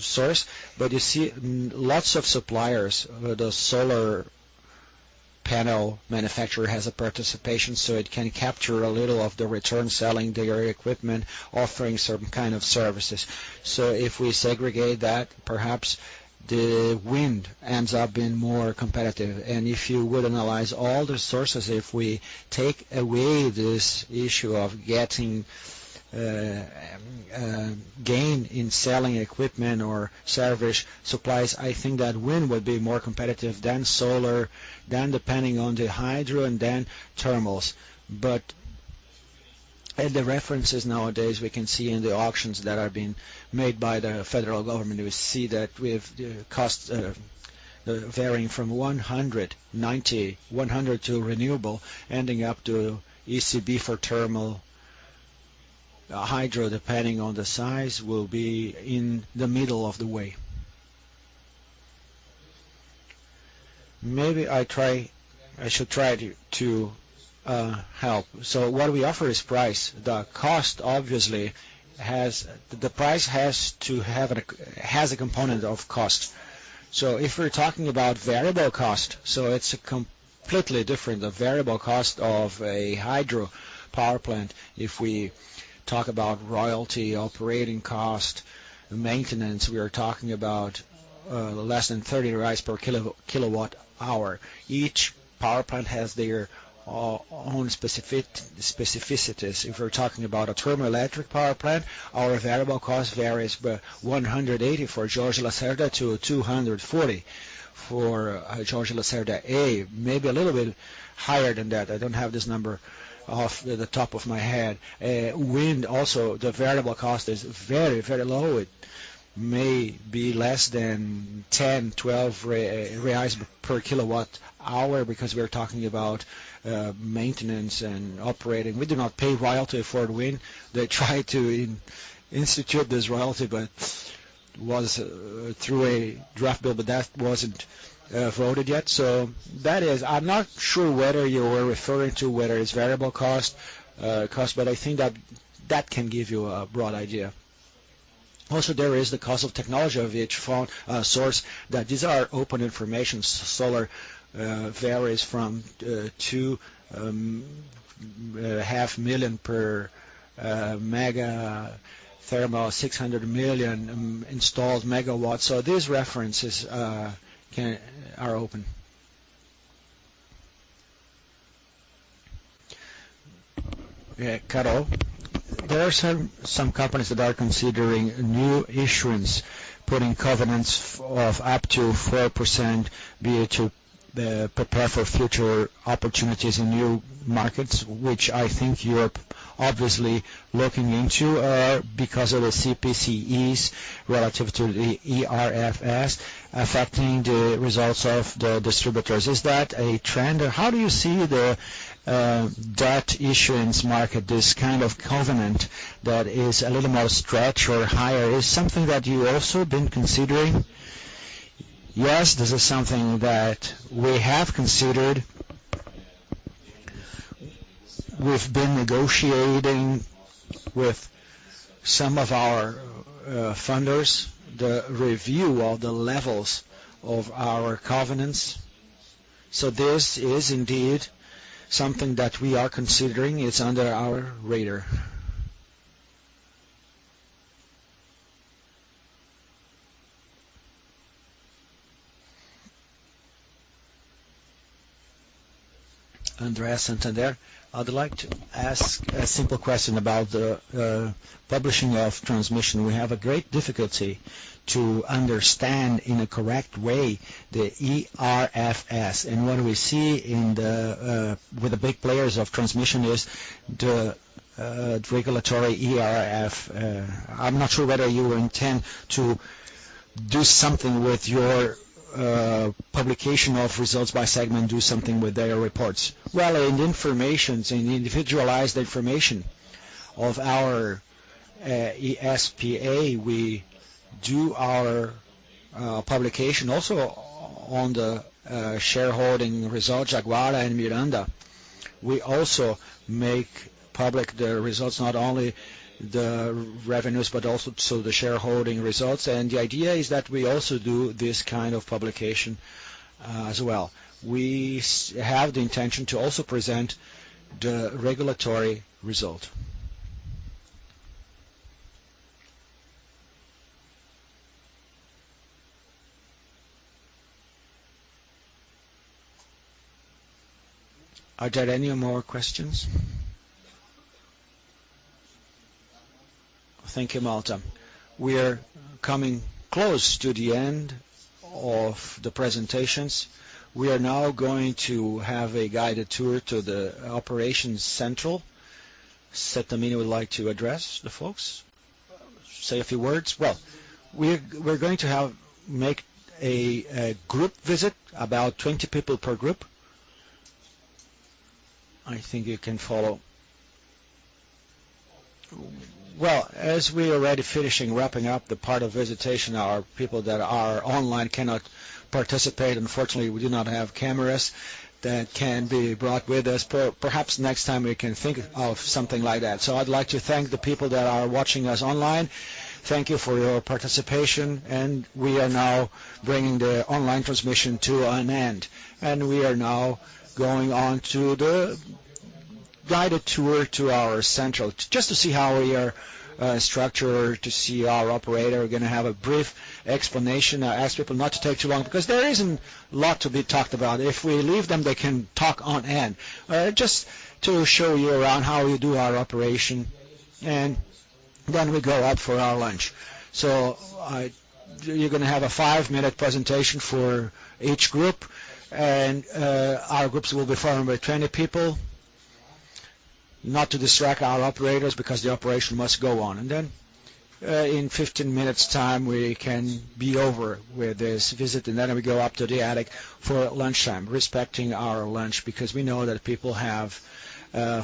source, but you see lots of suppliers. The solar panel manufacturer has a participation, so it can capture a little of the return selling their equipment, offering some kind of services. So if we segregate that, perhaps the wind ends up being more competitive. If you would analyze all the sources, if we take away this issue of getting gain in selling equipment or service supplies, I think that wind would be more competitive than solar, then depending on the hydro and then thermals. But the references nowadays, we can see in the auctions that are being made by the federal government, we see that we have costs varying from $100 to renewable, ending up to ICB for thermal, hydro, depending on the size, will be in the middle of the way. Maybe I should try to help. What we offer is price. The cost obviously has to have a component of price. If we're talking about variable cost, it's completely different. The variable cost of a hydro power plant, if we talk about royalty, operating cost, maintenance, we are talking about less than R$30 per kilowatt hour. Each power plant has their own specificities. If we're talking about a thermoelectric power plant, our variable cost varies from R$180 for Jorge Lacerda to R$240 for Jorge Lacerda A, maybe a little bit higher than that. I don't have this number off the top of my head. Wind also, the variable cost is very, very low. It may be less than R$10, R$12 per kilowatt hour because we're talking about maintenance and operating. We do not pay royalty for the wind. They tried to institute this royalty, but it was through a draft bill, but that wasn't voted yet. So I'm not sure whether you were referring to whether it's variable cost, but I think that can give you a broad idea. Also, there is the cost of technology of each source that these are open information. Solar varies from $2.5 million per megawatt, thermal, $600 million installed megawatts. So these references are open. Carol, there are some companies that are considering new issuance, putting covenants of up to 4%, be it to prepare for future opportunities in new markets, which I think you're obviously looking into because of the CPCs relative to the IFRS affecting the results of the distributors. Is that a trend? How do you see the debt issuance market, this kind of covenant that is a little more stretched or higher? Is something that you also have been considering? Yes, this is something that we have considered. We've been negotiating with some of our funders, the review of the levels of our covenants. So this is indeed something that we are considering. It's under our radar. Andrea from Santander, I'd like to ask a simple question about the publishing of transmission. We have a great difficulty to understand in a correct way the EBITDA. What we see with the big players of transmission is the regulatory EBITDA. I'm not sure whether you intend to do something with your publication of results by segment, do something with their reports. Well, in information, in individualized information of our EBITDA, we do our publication also on the shareholding results, EBITDA and EBITDA. We also make public the results, not only the revenues, but also the shareholding results. The idea is that we also do this kind of publication as well. We have the intention to also present the regulatory result. Are there any more questions? Thank you, Malta. We're coming close to the end of the presentations. We are now going to have a guided tour to the operations central. Sattamini would like to address the folks, say a few words. We're going to make a group visit, about 20 people per group. I think you can follow. As we are already finishing, wrapping up the part of visitation, our people that are online cannot participate. Unfortunately, we do not have cameras that can be brought with us. Perhaps next time we can think of something like that. I'd like to thank the people that are watching us online. Thank you for your participation. We are now bringing the online transmission to an end. We are now going on to the guided tour to our central, just to see how we are structured, to see our operator. We're going to have a brief explanation. I ask people not to take too long because there isn't a lot to be talked about. If we leave them, they can talk on end, just to show you around how we do our operation. Then we go up for our lunch. So you're going to have a five-minute presentation for each group. Our groups will be formed by 20 people, not to distract our operators because the operation must go on. Then in 15 minutes' time, we can be over with this visit. Then we go up to the attic for lunchtime, respecting our lunch because we know that people have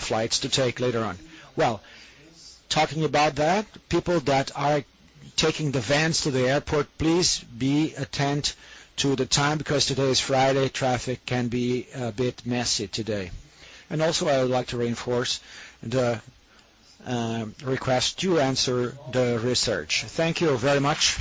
flights to take later on. Talking about that, people that are taking the vans to the airport, please be attentive to the time because today is Friday. Traffic can be a bit messy today. Also, I would like to reinforce the request to answer the research. Thank you very much.